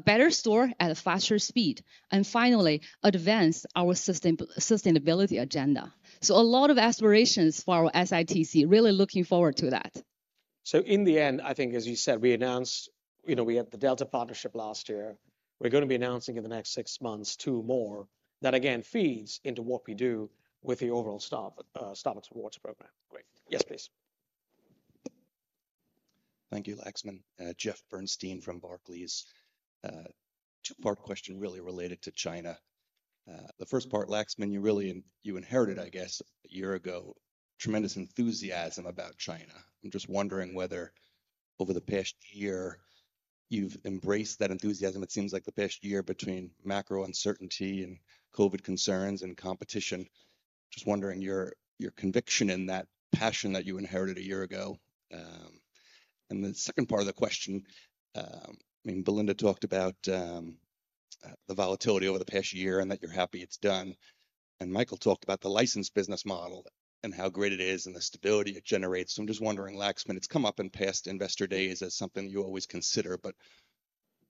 better store at a faster speed, and finally, advance our sustainability agenda. So a lot of aspirations for our SITC. Really looking forward to that. In the end, I think, as you said, we announced... You know, we had the Delta partnership last year. We're gonna be announcing in the next six months two more that again feeds into what we do with the overall Starbucks Rewards program. Great. Yes, please. Thank you, Laxman. Jeff Bernstein from Barclays. Two-part question really related to China. The first part, Laxman, you inherited, I guess, a year ago, tremendous enthusiasm about China. I'm just wondering whether over the past year, you've embraced that enthusiasm. It seems like the past year between macro uncertainty and COVID concerns and competition, just wondering your conviction in that passion that you inherited a year ago. And the second part of the question, I mean, Belinda talked about the volatility over the past year and that you're happy it's done, and Michael talked about the license business model and how great it is and the stability it generates. So I'm just wondering, Laxman, it's come up in past investor days as something you always consider, but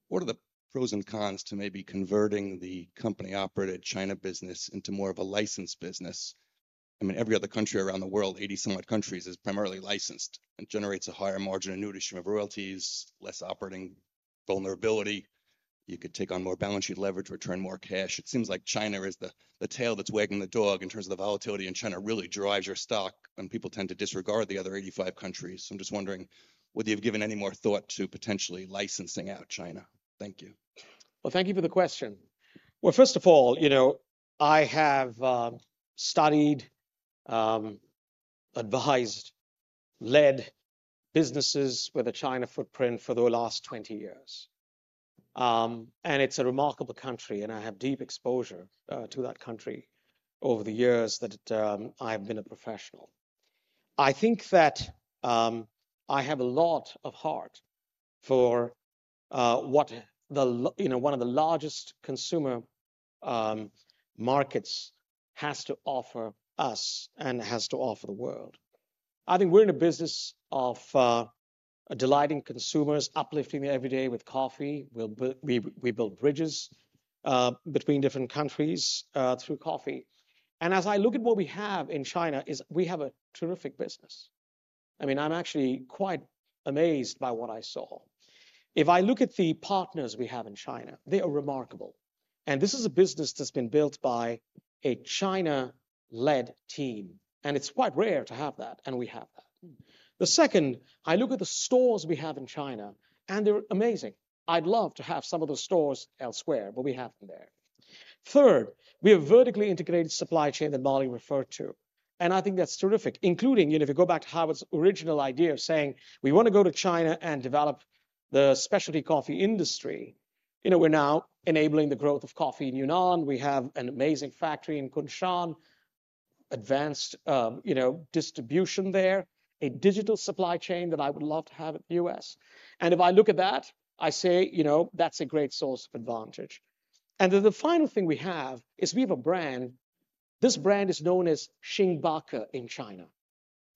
what are the pros and cons to maybe converting the company-operated China business into more of a licensed business? I mean, every other country around the world, 80-something countries, is primarily licensed and generates a higher margin, a new stream of royalties, less operating vulnerability. You could take on more balance sheet leverage, return more cash. It seems like China is the, the tail that's wagging the dog in terms of the volatility, and China really drives your stock, and people tend to disregard the other 85 countries. So I'm just wondering, whether you've given any more thought to potentially licensing out China? Thank you. Well, thank you for the question. Well, first of all, you know, I have studied, advised, led businesses with a China footprint for the last 20 years. And it's a remarkable country, and I have deep exposure to that country over the years that I have been a professional. I think that I have a lot of heart for what you know, one of the largest consumer markets has to offer us and has to offer the world. I think we're in a business of delighting consumers, uplifting them every day with coffee. We build bridges between different countries through coffee. And as I look at what we have in China, is we have a terrific business. I mean, I'm actually quite amazed by what I saw. If I look at the partners we have in China, they are remarkable. This is a business that's been built by a China-led team, and it's quite rare to have that, and we have that. The second, I look at the stores we have in China, and they're amazing. I'd love to have some of those stores elsewhere, but we have them there. Third, we have vertically integrated supply chain that Molly referred to, and I think that's terrific. Including, you know, if you go back to Howard's original idea of saying: We want to go to China and develop the specialty coffee industry. You know, we're now enabling the growth of coffee in Yunnan. We have an amazing factory in Kunshan. Advanced, you know, distribution there, a digital supply chain that I would love to have at the U.S. And if I look at that, I say, you know, that's a great source of advantage. And then the final thing we have is we have a brand. This brand is known as Xingbake in China.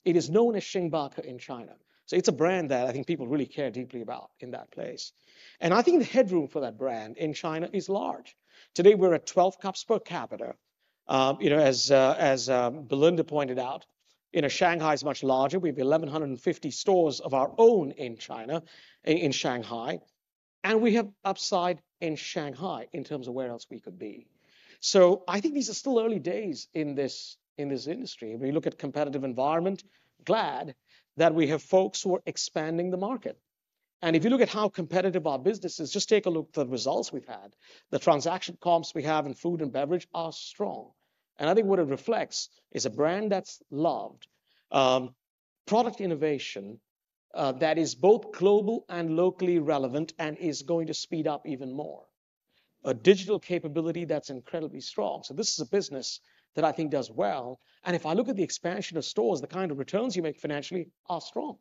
It is known as Xingbake in China. So it's a brand that I think people really care deeply about in that place, and I think the headroom for that brand in China is large. Today, we're at 12 cups per capita. You know, as Belinda pointed out, you know, Shanghai is much larger. We have 1,150 stores of our own in China, in Shanghai, and we have upside in Shanghai in terms of where else we could be. So I think these are still early days in this, in this industry. We look at competitive environment, glad that we have folks who are expanding the market. And if you look at how competitive our business is, just take a look at the results we've had. The transaction comps we have in food and beverage are strong, and I think what it reflects is a brand that's loved. Product innovation that is both global and locally relevant and is going to speed up even more. A digital capability that's incredibly strong. So this is a business that I think does well, and if I look at the expansion of stores, the kind of returns you make financially are strong.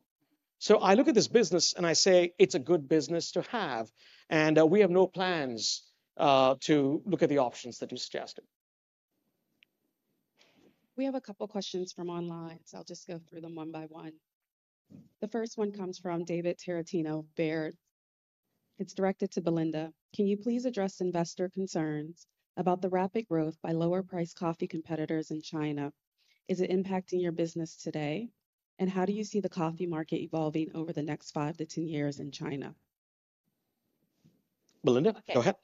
So I look at this business, and I say: It's a good business to have, and we have no plans to look at the options that you suggested. We have a couple questions from online, so I'll just go through them one by one. Mm. The first one comes from David Tarantino, Baird. It's directed to Belinda. Can you please address investor concerns about the rapid growth by lower-priced coffee competitors in China? Is it impacting your business today, and how do you see the coffee market evolving over the next 5-10 years in China? Belinda, go ahead.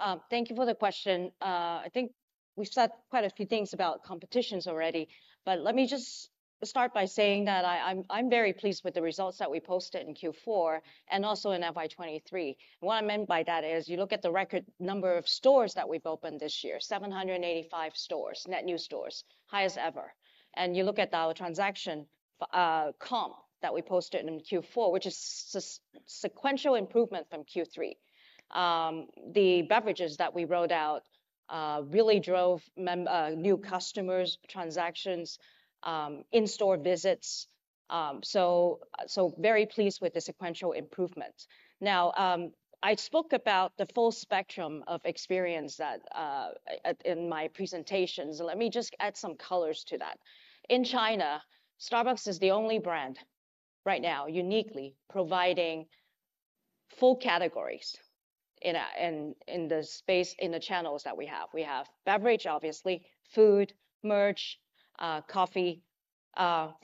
Okay. Thank you for the question. I think we've said quite a few things about competitions already, but let me just start by saying that I'm very pleased with the results that we posted in Q4 and also in FY 2023. What I meant by that is, you look at the record number of stores that we've opened this year, 785 stores, net new stores, highest ever. And you look at our transaction comp that we posted in Q4, which is sequential improvement from Q3. The beverages that we rolled out really drove new customers, transactions, in-store visits. So very pleased with the sequential improvement. Now, I spoke about the full spectrum of experience that in my presentation, so let me just add some colors to that. In China, Starbucks is the only brand right now uniquely providing full categories in the space, in the channels that we have. We have beverage, obviously, food, merch, coffee,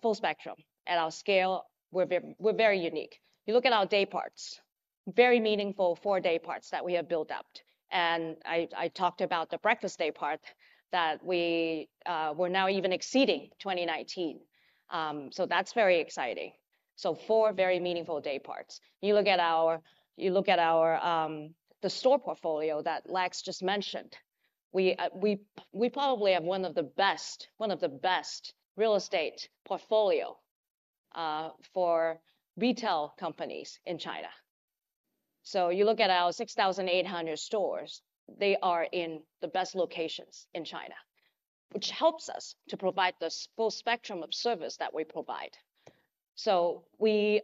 full spectrum. At our scale, we're very unique. You look at our day parts, very meaningful four day parts that we have built up, and I talked about the breakfast day part that we're now even exceeding 2019. So that's very exciting. So four very meaningful day parts. You look at our store portfolio that Lax just mentioned. We probably have one of the best real estate portfolio for retail companies in China. So you look at our 6,800 stores, they are in the best locations in China, which helps us to provide this full spectrum of service that we provide. We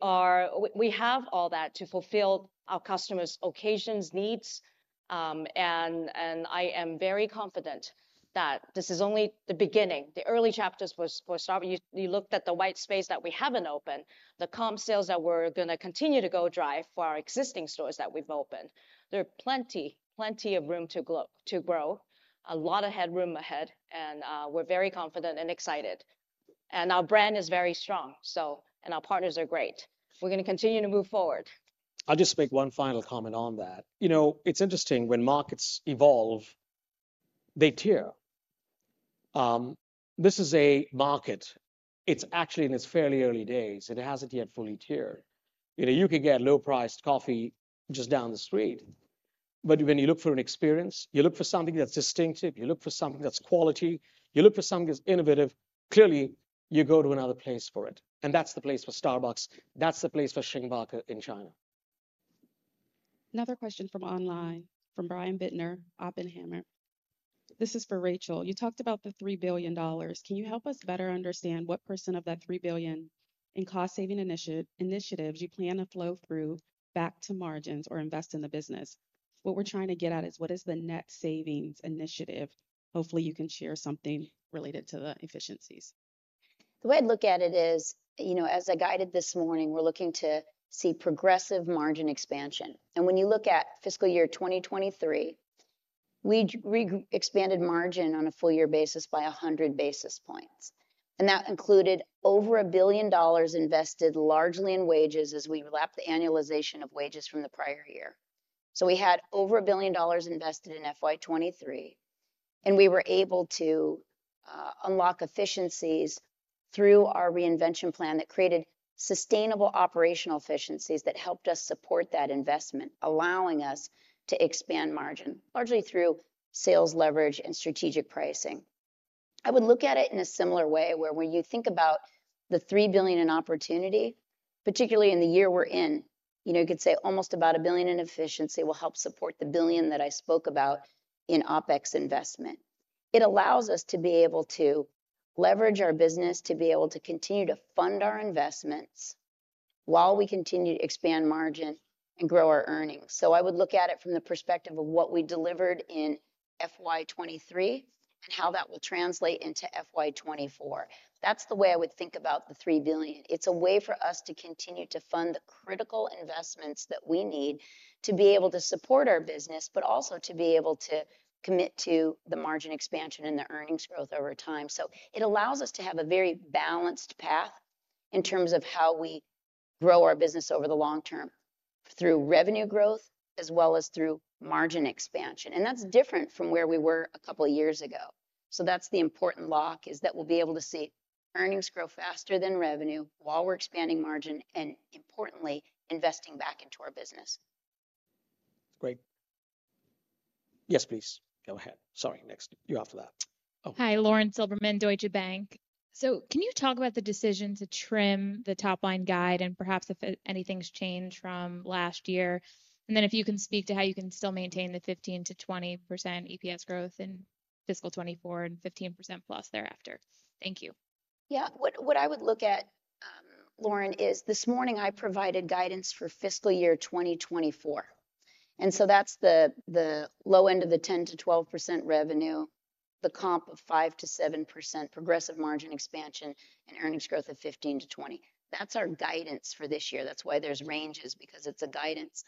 have all that to fulfill our customers' occasions, needs, and I am very confident that this is only the beginning, the early chapters for Starbucks. You looked at the white space that we haven't opened, the comp sales that we're gonna continue to go drive for our existing stores that we've opened. There are plenty, plenty of room to grow, a lot of headroom ahead, and we're very confident and excited, and our brand is very strong, so... Our partners are great. We're gonna continue to move forward. I'll just make one final comment on that. You know, it's interesting, when markets evolve, they tier. This is a market, it's actually in its fairly early days, and it hasn't yet fully tiered. You know, you could get low-priced coffee just down the street. But when you look for an experience, you look for something that's distinctive, you look for something that's quality, you look for something that's innovative, clearly, you go to another place for it, and that's the place for Starbucks. That's the place for Starbucks in China. Another question from online, from Brian Bittner, Oppenheimer. This is for Rachel. You talked about the $3 billion. Can you help us better understand what percent of that $3 billion in cost saving initiatives you plan to flow through back to margins or invest in the business? What we're trying to get at is, what is the net savings initiative? Hopefully, you can share something related to the efficiencies. The way I'd look at it is, you know, as I guided this morning, we're looking to see progressive margin expansion. When you look at fiscal year 2023, we expanded margin on a full year basis by 100 basis points, and that included over $1 billion invested largely in wages as we lapped the annualization of wages from the prior year. We had over $1 billion invested in FY 2023, and we were able to unlock efficiencies through our reinvention plan that created sustainable operational efficiencies that helped us support that investment, allowing us to expand margin, largely through sales leverage and strategic pricing. I would look at it in a similar way, where when you think about the $3 billion in opportunity, particularly in the year we're in, you know, you could say almost about $1 billion in efficiency will help support the $1 billion that I spoke about in OpEx investment. It allows us to be able to leverage our business, to be able to continue to fund our investments while we continue to expand margin and grow our earnings. So I would look at it from the perspective of what we delivered in FY 2023 and how that will translate into FY 2024. That's the way I would think about the $3 billion. It's a way for us to continue to fund the critical investments that we need to be able to support our business, but also to be able to commit to the margin expansion and the earnings growth over time. It allows us to have a very balanced path in terms of how we grow our business over the long term, through revenue growth as well as through margin expansion. That's different from where we were a couple of years ago. That's the important lock, is that we'll be able to see earnings grow faster than revenue while we're expanding margin and, importantly, investing back into our business. Great. Yes, please, go ahead. Sorry, next. You're after that. Hi, Lauren Silverman, Deutsche Bank. So can you talk about the decision to trim the top-line guide, and perhaps if anything's changed from last year? And then if you can speak to how you can still maintain the 15%-20% EPS growth in fiscal 2024 and 15%+ thereafter? Thank you. Yeah. What, what I would look at, Lauren, is this morning, I provided guidance for fiscal year 2024, and so that's the, the low end of the 10%-12% revenue, the comp of 5%-7% progressive margin expansion and earnings growth of 15%-20%. That's our guidance for this year. That's why there's ranges, because it's a guidance.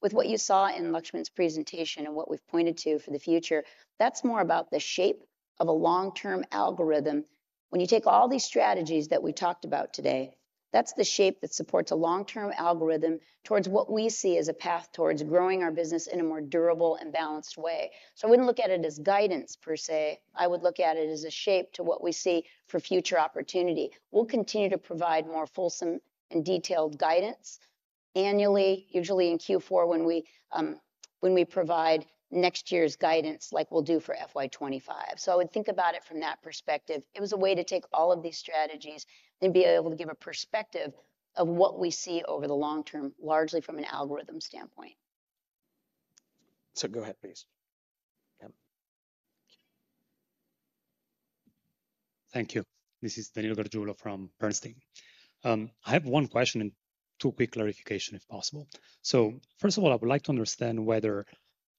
With what you saw in Laxman's presentation and what we've pointed to for the future, that's more about the shape of a long-term algorithm. When you take all these strategies that we talked about today, that's the shape that supports a long-term algorithm towards what we see as a path towards growing our business in a more durable and balanced way. So I wouldn't look at it as guidance per se. I would look at it as a shape to what we see for future opportunity. We'll continue to provide more fulsome and detailed guidance annually, usually in Q4, when we provide next year's guidance, like we'll do for FY 2025. So I would think about it from that perspective. It was a way to take all of these strategies and be able to give a perspective of what we see over the long term, largely from an algorithm standpoint. So go ahead, please. Yep. Thank you. This is Danilo Gargiulo from Bernstein. I have one question and two quick clarifications, if possible. So first of all, I would like to understand whether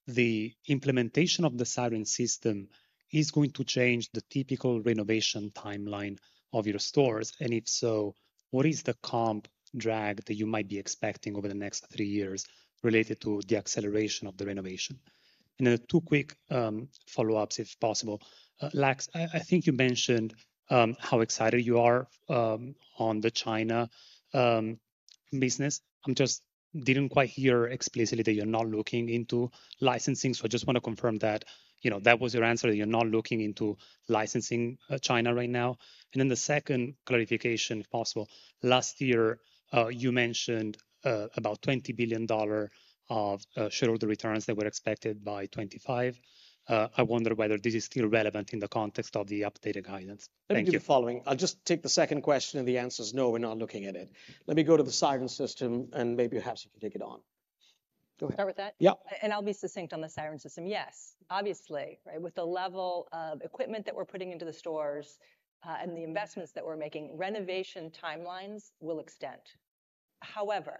the implementation of the Siren System is going to change the typical renovation timeline of your stores, and if so, what is the comp drag that you might be expecting over the next three years related to the acceleration of the renovation? And then two quick follow-ups, if possible. Lax, I think you mentioned how excited you are on the China business. I just didn't quite hear explicitly that you're not looking into licensing, so I just want to confirm that, you know, that was your answer, that you're not looking into licensing China right now. Then the second clarification, if possible, last year, you mentioned about $20 billion of shareholder returns that were expected by 2025. I wonder whether this is still relevant in the context of the updated guidance. Thank you. Let me do the following. I'll just take the second question, and the answer is no, we're not looking at it. Let me go to the Siren System, and maybe, perhaps you can take it on. Go ahead. Start with that? Yeah. I'll be succinct on the Siren System. Yes, obviously, right, with the level of equipment that we're putting into the stores, and the investments that we're making, renovation timelines will extend. However,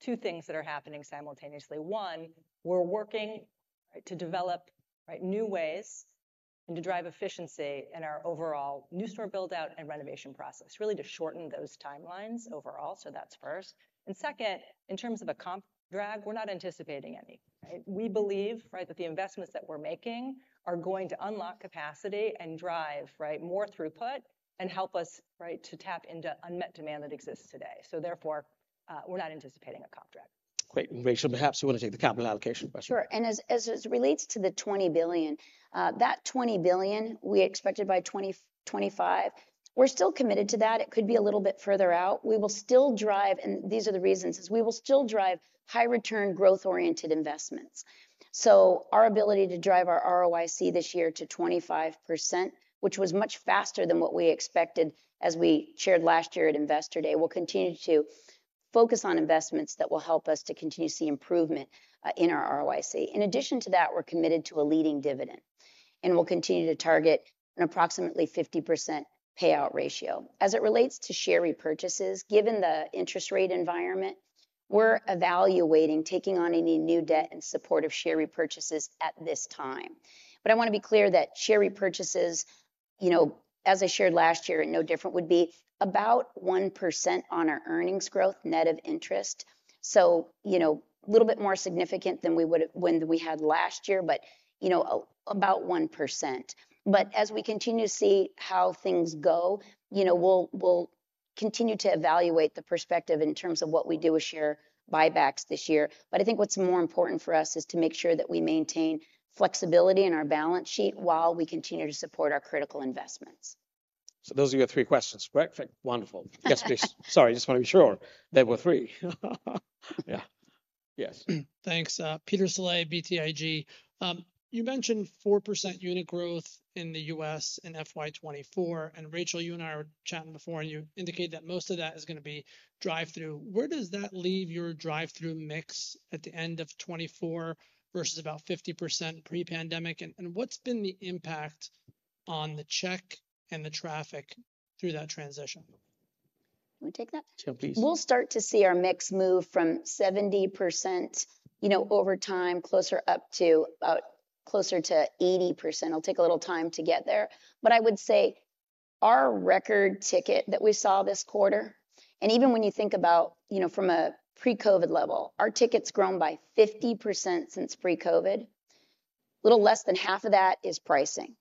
two things that are happening simultaneously. One, we're working, right, to develop, right, new ways and to drive efficiency in our overall new store build-out and renovation process, really to shorten those timelines overall. So that's first. And second, in terms of a comp drag, we're not anticipating any, right? We believe, right, that the investments that we're making are going to unlock capacity and drive, right, more throughput and help us, right, to tap into unmet demand that exists today. So therefore, we're not anticipating a comp drag. Great. Rachel, perhaps you want to take the capital allocation question? Sure. And as it relates to the $20 billion, that $20 billion we expected by 2025, we're still committed to that. It could be a little bit further out. We will still drive, and these are the reasons, is we will still drive high return, growth-oriented investments. So our ability to drive our ROIC this year to 25%, which was much faster than what we expected as we shared last year at Investor Day, we'll continue to focus on investments that will help us to continue to see improvement, in our ROIC. In addition to that, we're committed to a leading dividend, and we'll continue to target an approximately 50% payout ratio. As it relates to share repurchases, given the interest rate environment, we're evaluating taking on any new debt in support of share repurchases at this time. But I want to be clear that share repurchases, you know, as I shared last year, and no different, would be about 1% on our earnings growth, net of interest. So, you know, a little bit more significant than we had last year, but, you know, about 1%. But as we continue to see how things go, you know, we'll continue to evaluate the perspective in terms of what we do with share buybacks this year. But I think what's more important for us is to make sure that we maintain flexibility in our balance sheet, while we continue to support our critical investments. So those are your three questions. Perfect. Wonderful. Yes, please. Sorry, I just want to be sure they were three. Yeah. Yes. Thanks, Peter Saleh, BTIG. You mentioned 4% unit growth in the U.S. in FY 2024, and Rachel, you and I were chatting before, and you indicated that most of that is going to be drive-thru. Where does that leave your drive-thru mix at the end of 2024 versus about 50% pre-pandemic? And what's been the impact on the check and the traffic through that transition? You want me take that? Sure, please. We'll start to see our mix move from 70%, you know, over time, closer up to about closer to 80%. It'll take a little time to get there. But I would say our record ticket that we saw this quarter, and even when you think about, you know, from a pre-COVID level, our ticket's grown by 50% since pre-COVID. Little less than half of that is pricing.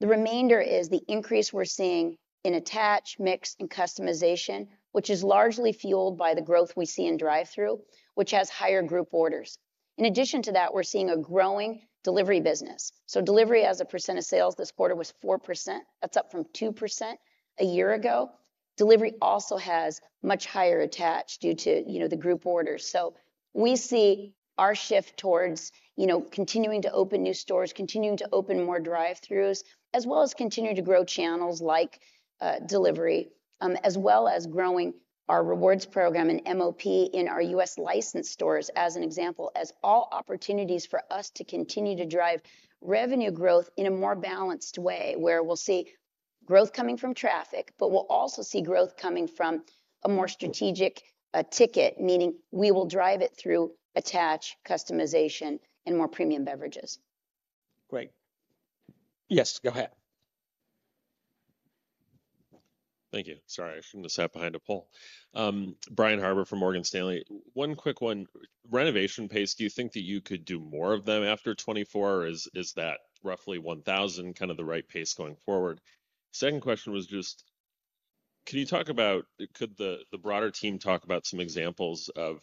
The remainder is the increase we're seeing in attach, mix, and customization, which is largely fueled by the growth we see in drive-thru, which has higher group orders. In addition to that, we're seeing a growing delivery business. So delivery as a percent of sales this quarter was 4%. That's up from 2% a year ago. Delivery also has much higher attach due to, you know, the group orders. So we see our shift towards, you know, continuing to open new stores, continuing to open more drive-thru, as well as continuing to grow channels like, delivery, as well as growing our rewards program and MOP in our U.S. licensed stores, as an example, as all opportunities for us to continue to drive revenue growth in a more balanced way, where we'll see growth coming from traffic, but we'll also see growth coming from a more strategic, ticket, meaning we will drive it through attach, customization, and more premium beverages. Great. Yes, go ahead. Thank you. Sorry, I shouldn't have sat behind a pole. Brian Harbour from Morgan Stanley. One quick one. Renovation pace, do you think that you could do more of them after 2024, or is that roughly 1,000 kind of the right pace going forward? Second question was just, can you talk about, could the broader team talk about some examples of,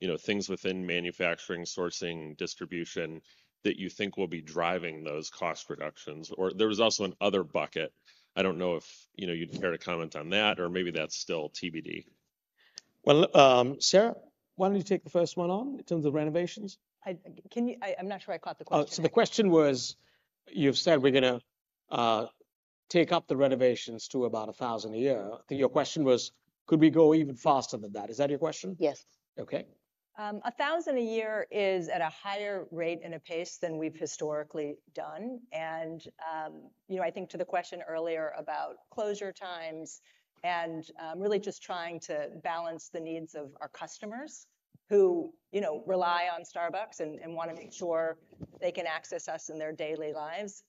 you know, things within manufacturing, sourcing, distribution, that you think will be driving those cost reductions? Or there was also another bucket. I don't know if, you know, you'd care to comment on that, or maybe that's still TBD. Well, Sara, why don't you take the first one on, in terms of renovations? I, I'm not sure I caught the question. So the question was, you've said we're gonna take up the renovations to about 1,000 a year. I think your question was, could we go even faster than that? Is that your question? Yes. Okay. A thousand a year is at a higher rate and a pace than we've historically done, and, you know, I think to the question earlier about closure times and, really just trying to balance the needs of our customers who, you know, rely on Starbucks and, and want to make sure they can access us in their daily lives.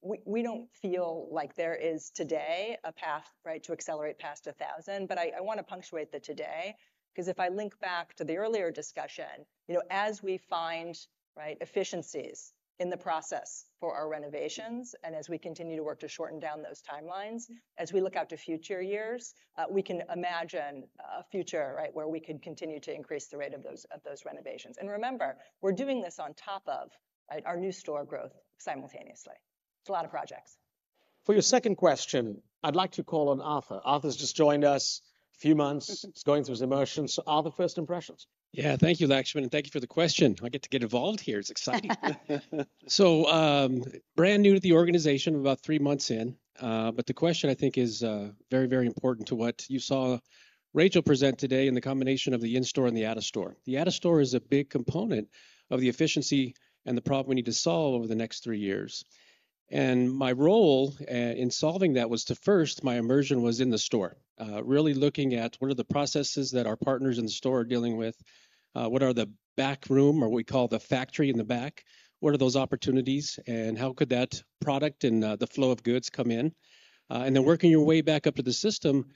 We, we don't feel like there is today a path, right, to accelerate past a thousand, but I, I want to punctuate the today, 'cause if I link back to the earlier discussion, you know, as we find, right, efficiencies in the process for our renovations and as we continue to work to shorten down those timelines, as we look out to future years, we can imagine a future, right, where we could continue to increase the rate of those, of those renovations. And remember, we're doing this on top of our new store growth simultaneously. It's a lot of projects. For your second question, I'd like to call on Arthur. Arthur's just joined us a few months, going through his immersions. So, Arthur, first impressions? Yeah, thank you, Laxman, and thank you for the question. I get to get involved here. It's exciting. So, brand new to the organization, I'm about three months in, but the question, I think, is very, very important to what you saw Rachel present today in the combination of the in-store and the out-of-store. The out-of-store is a big component of the efficiency and the problem we need to solve over the next three years. And my role in solving that was to first, my immersion was in the store, really looking at what are the processes that our partners in the store are dealing with? What are the back room or we call the factory in the back, what are those opportunities, and how could that product and the flow of goods come in? And then working your way back up to the system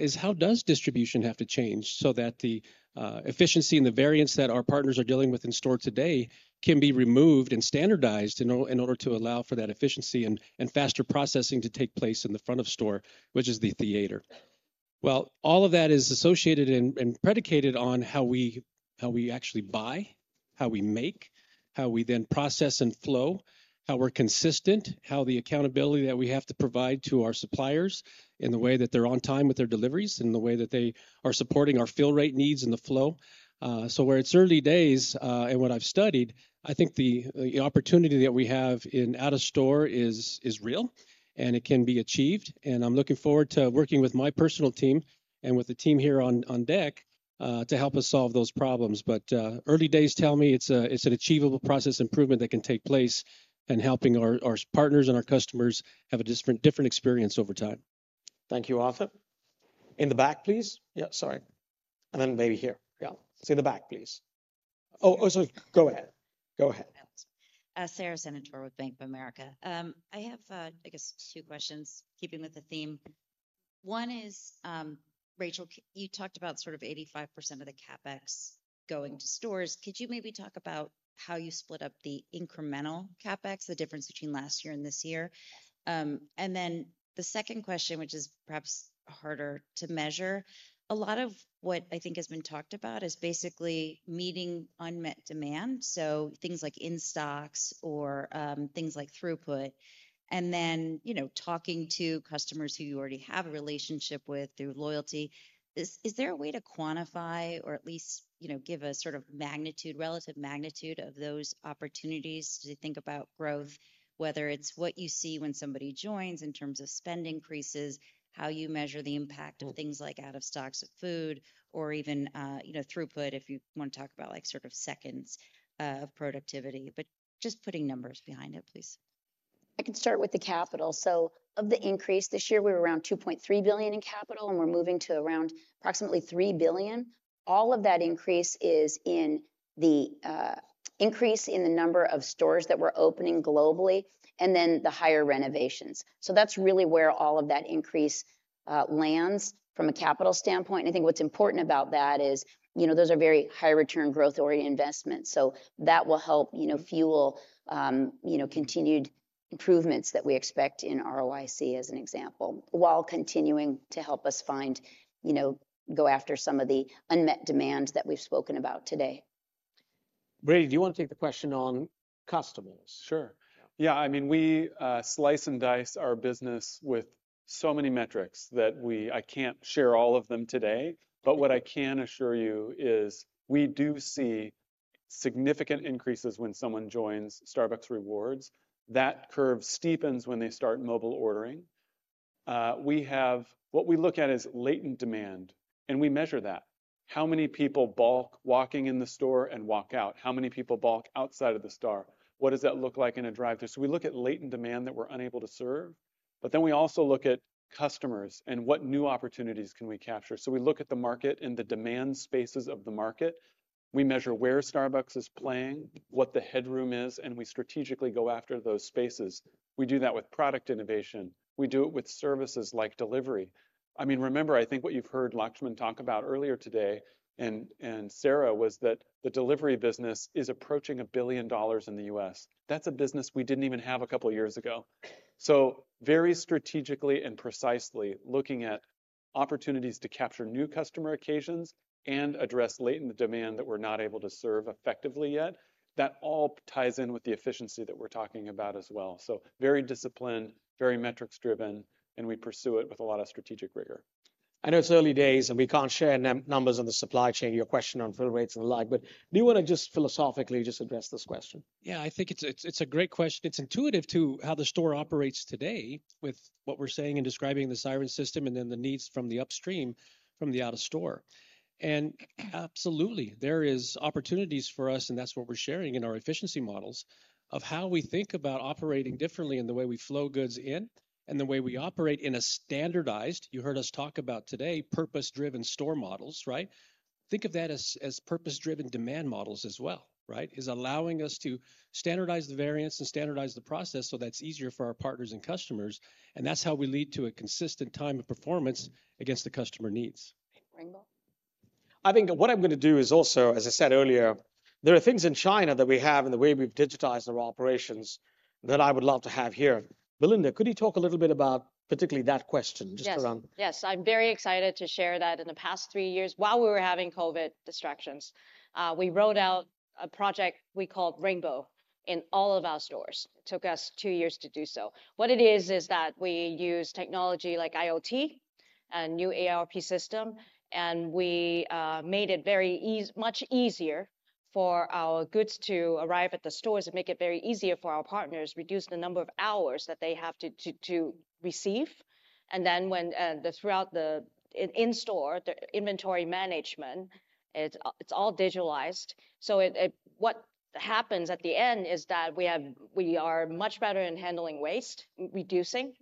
is how does distribution have to change so that the efficiency and the variance that our partners are dealing with in store today can be removed and standardized in order to allow for that efficiency and faster processing to take place in the front of store, which is the theater. Well, all of that is associated and predicated on how we actually buy, how we make, how we then process and flow, how we're consistent, how the accountability that we have to provide to our suppliers in the way that they're on time with their deliveries, and the way that they are supporting our fill rate needs and the flow. So we're at its early days, and what I've studied, I think the opportunity that we have in out-of-store is real, and it can be achieved, and I'm looking forward to working with my personal team and with the team here on deck to help us solve those problems. But early days tell me it's an achievable process improvement that can take place in helping our partners and our customers have a different experience over time. Thank you, Arthur. In the back, please. Yeah, sorry. And then maybe here. Yeah. So in the back, please. Oh, oh, sorry. Go ahead. Go ahead. Sara Senatore with Bank of America. I have, I guess two questions, keeping with the theme. One is, Rachel, you talked about sort of 85% of the CapEx going to stores. Could you maybe talk about how you split up the incremental CapEx, the difference between last year and this year? And then the second question, which is perhaps harder to measure, a lot of what I think has been talked about is basically meeting unmet demand, so things like in-stocks or things like throughput, and then, you know, talking to customers who you already have a relationship with through loyalty. Is there a way to quantify or at least, you know, give a sort of magnitude, relative magnitude of those opportunities to think about growth, whether it's what you see when somebody joins in terms of spend increases, how you measure the impact of things- Mm... like out of stocks of food, or even, you know, throughput, if you want to talk about, like, sort of seconds of productivity, but just putting numbers behind it, please. I can start with the capital. So of the increase this year, we're around $2.3 billion in capital, and we're moving to around approximately $3 billion. All of that increase is in the increase in the number of stores that we're opening globally and then the higher renovations. So that's really where all of that increase lands from a capital standpoint. I think what's important about that is, you know, those are very high return growth-oriented investments, so that will help, you know, fuel, you know, continued improvements that we expect in ROIC, as an example, while continuing to help us find, you know, go after some of the unmet demands that we've spoken about today. Brady, do you want to take the question on customers? Sure. Yeah, I mean, we slice and dice our business with so many metrics that we. I can't share all of them today. But what I can assure you is we do see significant increases when someone joins Starbucks Rewards. That curve steepens when they start mobile ordering. We have. What we look at is latent demand, and we measure that. How many people balk walking in the store and walk out? How many people balk outside of the store? What does that look like in a drive-thru? So we look at latent demand that we're unable to serve, but then we also look at customers and what new opportunities can we capture. So we look at the market and the demand spaces of the market. We measure where Starbucks is playing, what the headroom is, and we strategically go after those spaces. We do that with product innovation. We do it with services like delivery. I mean, remember, I think what you've heard Laxman talk about earlier today and Sara was that the delivery business is approaching $1 billion in the US. That's a business we didn't even have a couple of years ago. So very strategically and precisely looking at opportunities to capture new customer occasions and address latent demand that we're not able to serve effectively yet. That all ties in with the efficiency that we're talking about as well. So very disciplined, very metrics driven, and we pursue it with a lot of strategic rigor. I know it's early days, and we can't share numbers on the supply chain, your question on fill rates and the like, but do you want to just philosophically address this question? Yeah, I think it's a great question. It's intuitive to how the store operates today with what we're saying and describing the Siren System and then the needs from the upstream, from the out-of-store. And absolutely, there is opportunities for us, and that's what we're sharing in our efficiency models, of how we think about operating differently in the way we flow goods in and the way we operate in a standardized, you heard us talk about today, purpose-driven store models, right? Think of that as purpose-driven demand models as well, right? It's allowing us to standardize the variance and standardize the process so that it's easier for our partners and customers, and that's how we lead to a consistent time and performance against the customer needs. Rainbow? I think what I'm going to do is also, as I said earlier, there are things in China that we have and the way we've digitized our operations, that I would love to have here. Belinda, could you talk a little bit about particularly that question, just around- Yes. Yes, I'm very excited to share that in the past three years, while we were having COVID distractions, we rolled out a project we called Rainbow in all of our stores. It took us two years to do so. What it is, is that we use technology like IoT and new ERP system, and we made it much easier for our goods to arrive at the stores and make it very easier for our partners, reduce the number of hours that they have to receive. And then when the throughout the in-store, the inventory management, it's all digitalized. So it. What happens at the end is that we are much better in handling waste, reducing,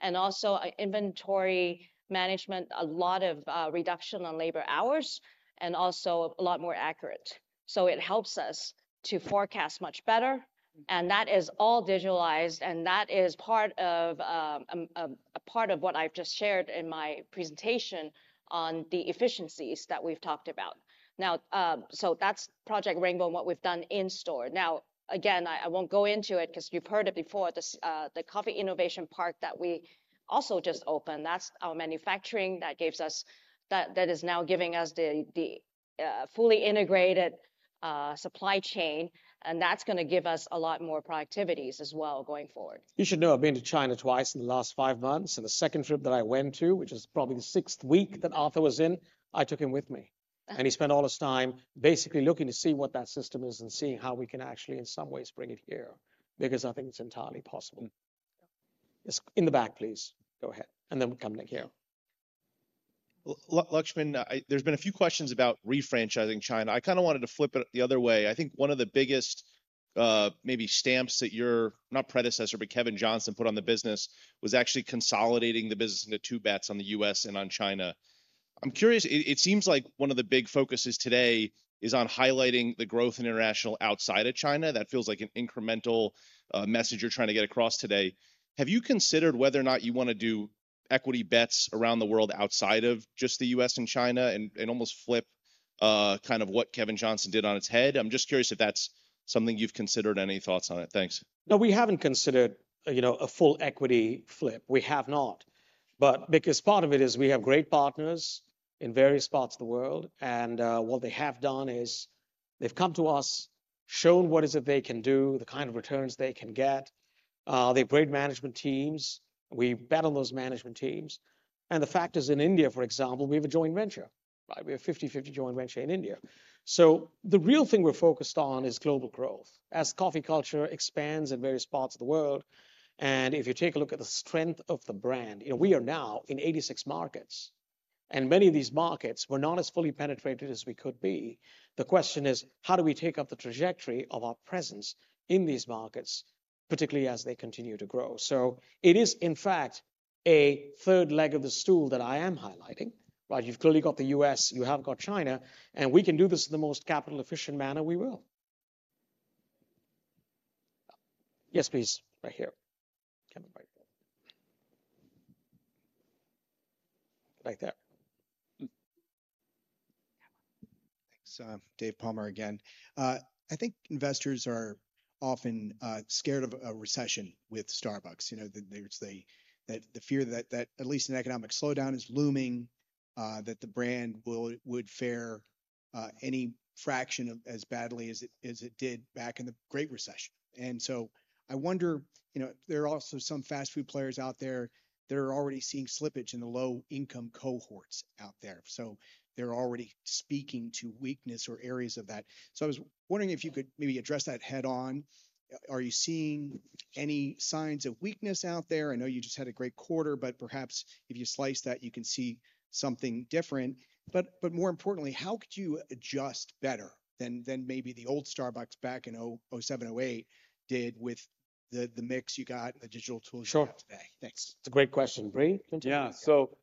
and also inventory management, a lot of reduction on labor hours and also a lot more accurate. So it helps us to forecast much better, and that is all digitalized, and that is part of a part of what I've just shared in my presentation on the efficiencies that we've talked about. Now, so that's Project Rainbow and what we've done in store. Now, again, I won't go into it because you've heard it before, this the Coffee Innovation Park that we also just opened, that's our manufacturing that gives us, that is now giving us the fully integrated supply chain, and that's gonna give us a lot more productivities as well going forward. You should know I've been to China twice in the last five months, and the second trip that I went to, which is probably the sixth week that Arthur was in, I took him with me. And he spent all his time basically looking to see what that system is and seeing how we can actually, in some ways, bring it here because I think it's entirely possible. Yes, in the back, please. Go ahead, and then we'll come back here. Laxman, I... There's been a few questions about refranchising China. I kind of wanted to flip it the other way. I think one of the biggest, maybe stamps that your, not predecessor, but Kevin Johnson put on the business, was actually consolidating the business into two bets on the U.S. and on China. I'm curious, it seems like one of the big focuses today is on highlighting the growth in international outside of China. That feels like an incremental message you're trying to get across today. Have you considered whether or not you want to do-... equity bets around the world outside of just the U.S. and China, and almost flip kind of what Kevin Johnson did on its head. I'm just curious if that's something you've considered. Any thoughts on it? Thanks. No, we haven't considered, you know, a full equity flip. We have not. But because part of it is we have great partners in various parts of the world, and what they have done is they've come to us, shown what is it they can do, the kind of returns they can get. They're great management teams. We bet on those management teams, and the fact is, in India, for example, we have a joint venture, right? We have a 50/50 joint venture in India. So the real thing we're focused on is global growth. As coffee culture expands in various parts of the world, and if you take a look at the strength of the brand, you know, we are now in 86 markets, and many of these markets, we're not as fully penetrated as we could be. The question is: how do we take up the trajectory of our presence in these markets, particularly as they continue to grow? So it is, in fact, a third leg of the stool that I am highlighting, right? You've clearly got the U.S., you have got China, and if we can do this in the most capital-efficient manner, we will. Yes, please. Right here. Come up right... Right there. Mm. Thanks. David Palmer again. I think investors are often scared of a recession with Starbucks. You know, there's the fear that at least an economic slowdown is looming, that the brand would fare any fraction of as badly as it did back in the Great Recession. And so I wonder, you know, there are also some fast food players out there that are already seeing slippage in the low-income cohorts out there, so they're already speaking to weakness or areas of that. So I was wondering if you could maybe address that head-on. Are you seeing any signs of weakness out there? I know you just had a great quarter, but perhaps if you slice that, you can see something different. But more importantly, how could you adjust better than maybe the old Starbucks back in 2000, 2007, 2008 did with the mix you got and the digital tools- Sure You got today? Thanks. It's a great question. Bree, do you want to- Yeah, so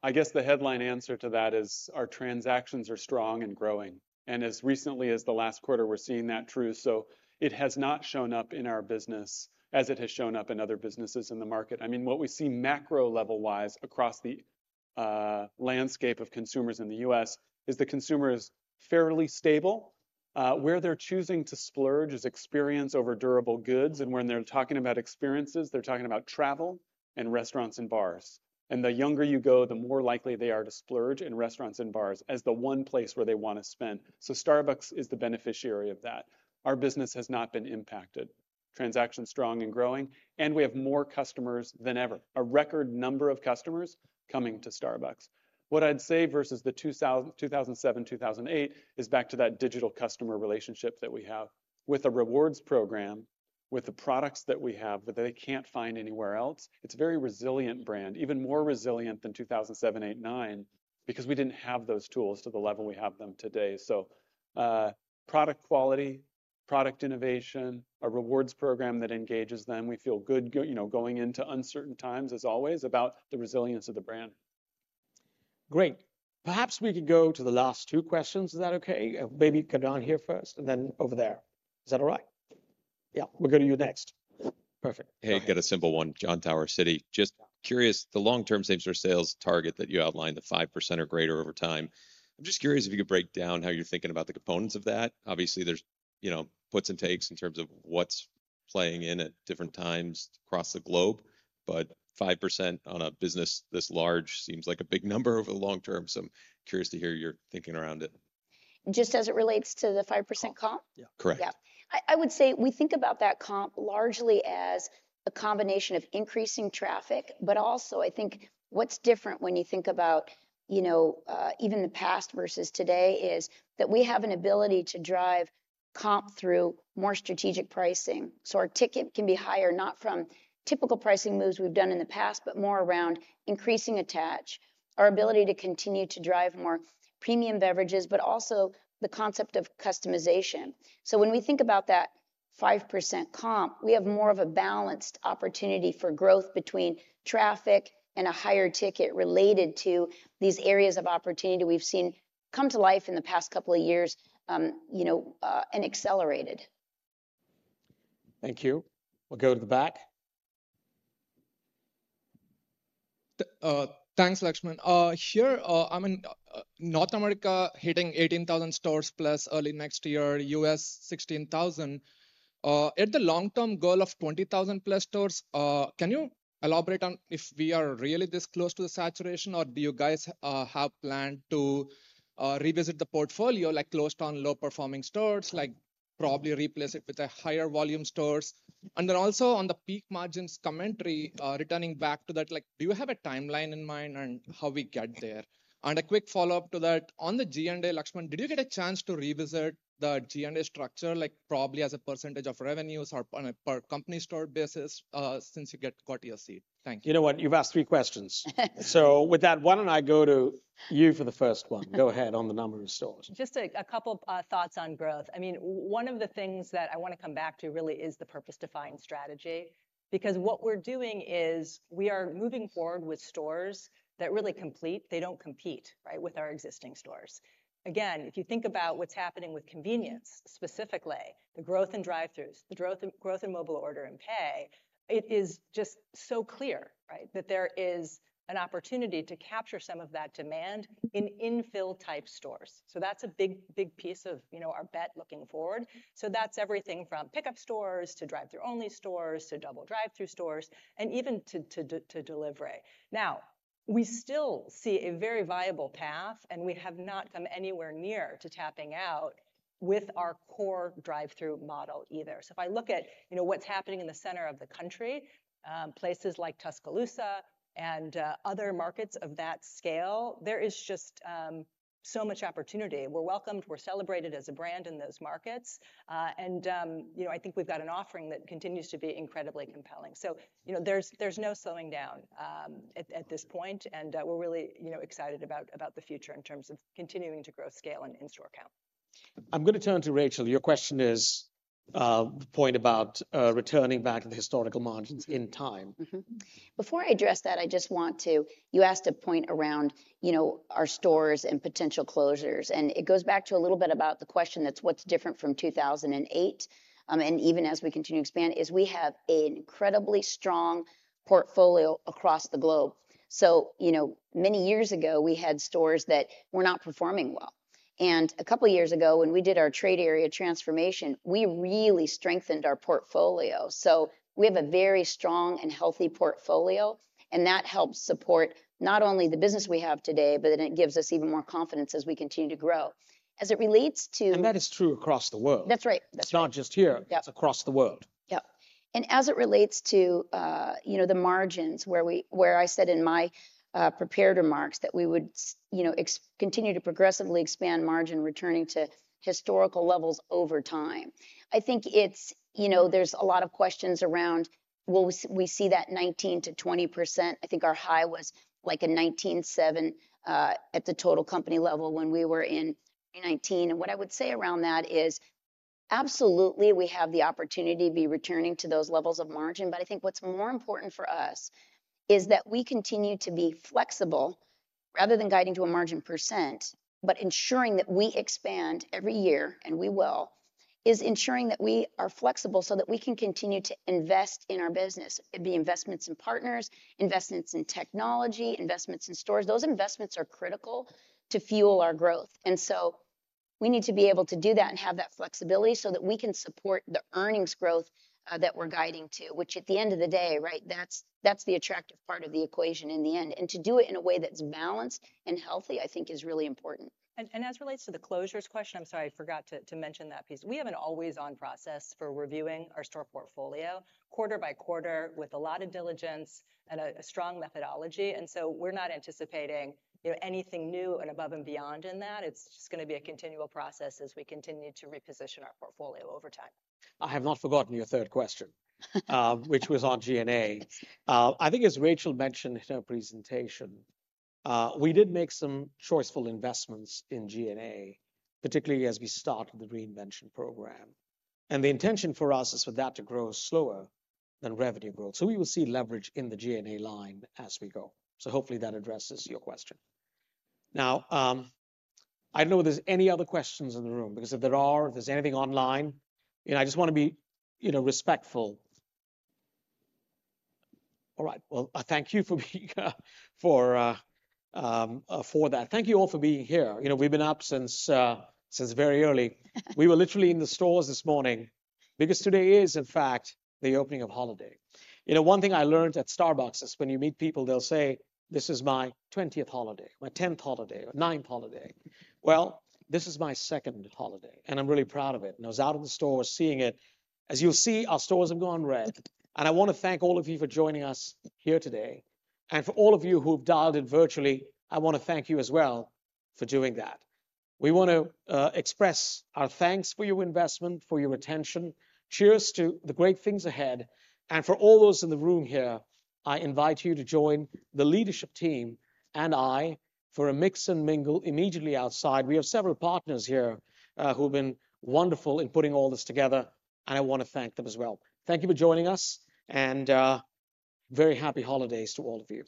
I guess the headline answer to that is, our transactions are strong and growing, and as recently as the last quarter, we're seeing that true. So it has not shown up in our business as it has shown up in other businesses in the market. I mean, what we see macro level-wise across the landscape of consumers in the U.S., is the consumer is fairly stable. Where they're choosing to splurge is experience over durable goods, and when they're talking about experiences, they're talking about travel and restaurants and bars. And the younger you go, the more likely they are to splurge in restaurants and bars as the one place where they want to spend. So Starbucks is the beneficiary of that. Our business has not been impacted. Transactions strong and growing, and we have more customers than ever, a record number of customers coming to Starbucks. What I'd say versus the 2007, 2008, is back to that digital customer relationship that we have. With a rewards program, with the products that we have, that they can't find anywhere else, it's a very resilient brand. Even more resilient than 2007, 2008, 2009, because we didn't have those tools to the level we have them today. So, product quality, product innovation, a rewards program that engages them, we feel good you know, going into uncertain times as always, about the resilience of the brand. Great. Perhaps we could go to the last two questions. Is that okay? Maybe come down here first, and then over there. Is that all right? Yeah, we'll go to you next. Perfect. Hey, got a simple one. Jon Tower, Citi. Just curious, the long-term same-store sales target that you outlined, the 5% or greater over time, I'm just curious if you could break down how you're thinking about the components of that. Obviously, there's, you know, puts and takes in terms of what's playing in at different times across the globe, but 5% on a business this large seems like a big number over the long term, so I'm curious to hear your thinking around it. Just as it relates to the 5% comp? Yeah. Correct. Yeah. I would say we think about that comp largely as a combination of increasing traffic, but also, I think what's different when you think about, you know, even the past versus today, is that we have an ability to drive comp through more strategic pricing. So our ticket can be higher, not from typical pricing moves we've done in the past, but more around increasing attach, our ability to continue to drive more premium beverages, but also the concept of customization. So when we think about that 5% comp, we have more of a balanced opportunity for growth between traffic and a higher ticket related to these areas of opportunity we've seen come to life in the past couple of years, you know, and accelerated. Thank you. We'll go to the back. Thanks, Laxman. Here, I'm in North America, hitting 18,000 stores plus early next year, U.S. 16,000. At the long-term goal of 20,000-plus stores, can you elaborate on if we are really this close to the saturation, or do you guys have plan to revisit the portfolio, like close down low-performing stores, like probably replace it with a higher volume stores? And then also on the peak margins commentary, returning back to that, like do you have a timeline in mind on how we get there? And a quick follow-up to that, on the G&A, Laxman, did you get a chance to revisit the G&A structure, like probably as a percentage of revenues or on a per-company store basis, since you got your seat? Thank you. You know what? You've asked three questions. So with that, why don't I go to you for the first one? Go ahead, on the number of stores. Just a couple thoughts on growth. I mean, one of the things that I want to come back to, really, is the purpose-defined strategy, because what we're doing is we are moving forward with stores that really complete, they don't compete, right, with our existing stores. Again, if you think about what's happening with convenience, specifically, the growth in drive-thrus, the growth in Mobile Order and Pay, it is just so clear, right, that there is an opportunity to capture some of that demand in infill-type stores. So that's a big, big piece of, you know, our bet looking forward. So that's everything from pickup stores to drive-thru-only stores, to double drive-thru stores, and even to delivery. Now we still see a very viable path, and we have not come anywhere near to tapping out with our core drive-thru model either. So if I look at, you know, what's happening in the center of the country, places like Tuscaloosa and other markets of that scale, there is just so much opportunity. We're welcomed, we're celebrated as a brand in those markets. And, you know, I think we've got an offering that continues to be incredibly compelling. So, you know, there's no slowing down at this point, and we're really, you know, excited about the future in terms of continuing to grow scale and in-store count. I'm gonna turn to Rachel. Your question is, the point about, returning back to the historical margins in time. Mm-hmm. Before I address that, I just want to—you asked to point around, you know, our stores and potential closures, and it goes back to a little bit about the question that's what's different from 2008. And even as we continue to expand, is we have an incredibly strong portfolio across the globe. So, you know, many years ago, we had stores that were not performing well. And a couple of years ago, when we did our Trade Area Transformation, we really strengthened our portfolio. So we have a very strong and healthy portfolio, and that helps support not only the business we have today, but then it gives us even more confidence as we continue to grow. As it relates to- That is true across the world. That's right. It's not just here- Yep. It's across the world. Yep. And as it relates to, you know, the margins, where I said in my prepared remarks that we would, you know, expect to continue to progressively expand margin, returning to historical levels over time. I think it's, you know, there's a lot of questions around will we see that 19%-20%? I think our high was like a 19.7%, at the total company level when we were in 2019. And what I would say around that is, absolutely, we have the opportunity to be returning to those levels of margin, but I think what's more important for us is that we continue to be flexible rather than guiding to a margin percent, but ensuring that we expand every year, and we will, is ensuring that we are flexible so that we can continue to invest in our business. It'd be investments in partners, investments in technology, investments in stores. Those investments are critical to fuel our growth, and so we need to be able to do that and have that flexibility so that we can support the earnings growth that we're guiding to, which at the end of the day, right, that's, that's the attractive part of the equation in the end. And to do it in a way that's balanced and healthy, I think is really important. As it relates to the closures question, I'm sorry, I forgot to mention that piece. We have an always-on process for reviewing our store portfolio, quarter by quarter, with a lot of diligence and a strong methodology, and so we're not anticipating, you know, anything new and above and beyond in that. It's just gonna be a continual process as we continue to reposition our portfolio over time. I have not forgotten your third question, which was on G&A. I think as Rachel mentioned in her presentation, we did make some choiceful investments in G&A, particularly as we started the Reinvention program. And the intention for us is for that to grow slower than revenue growth. So we will see leverage in the G&A line as we go. So hopefully that addresses your question. Now, I don't know if there's any other questions in the room, because if there are, if there's anything online, and I just wanna be, you know, respectful. All right, well, I thank you for being for that. Thank you all for being here. You know, we've been up since very early. We were literally in the stores this morning because today is, in fact, the opening of holiday. You know, one thing I learned at Starbucks is when you meet people, they'll say: "This is my 20th holiday, my 10th holiday, or 9th holiday." Well, this is my 2nd holiday, and I'm really proud of it. I was out in the stores seeing it. As you'll see, our stores have gone red, and I want to thank all of you for joining us here today. For all of you who have dialed in virtually, I want to thank you as well for doing that. We want to express our thanks for your investment, for your attention. Cheers to the great things ahead, and for all those in the room here, I invite you to join the leadership team and I for a mix and mingle immediately outside. We have several partners here, who've been wonderful in putting all this together, and I want to thank them as well. Thank you for joining us, and, very happy holidays to all of you.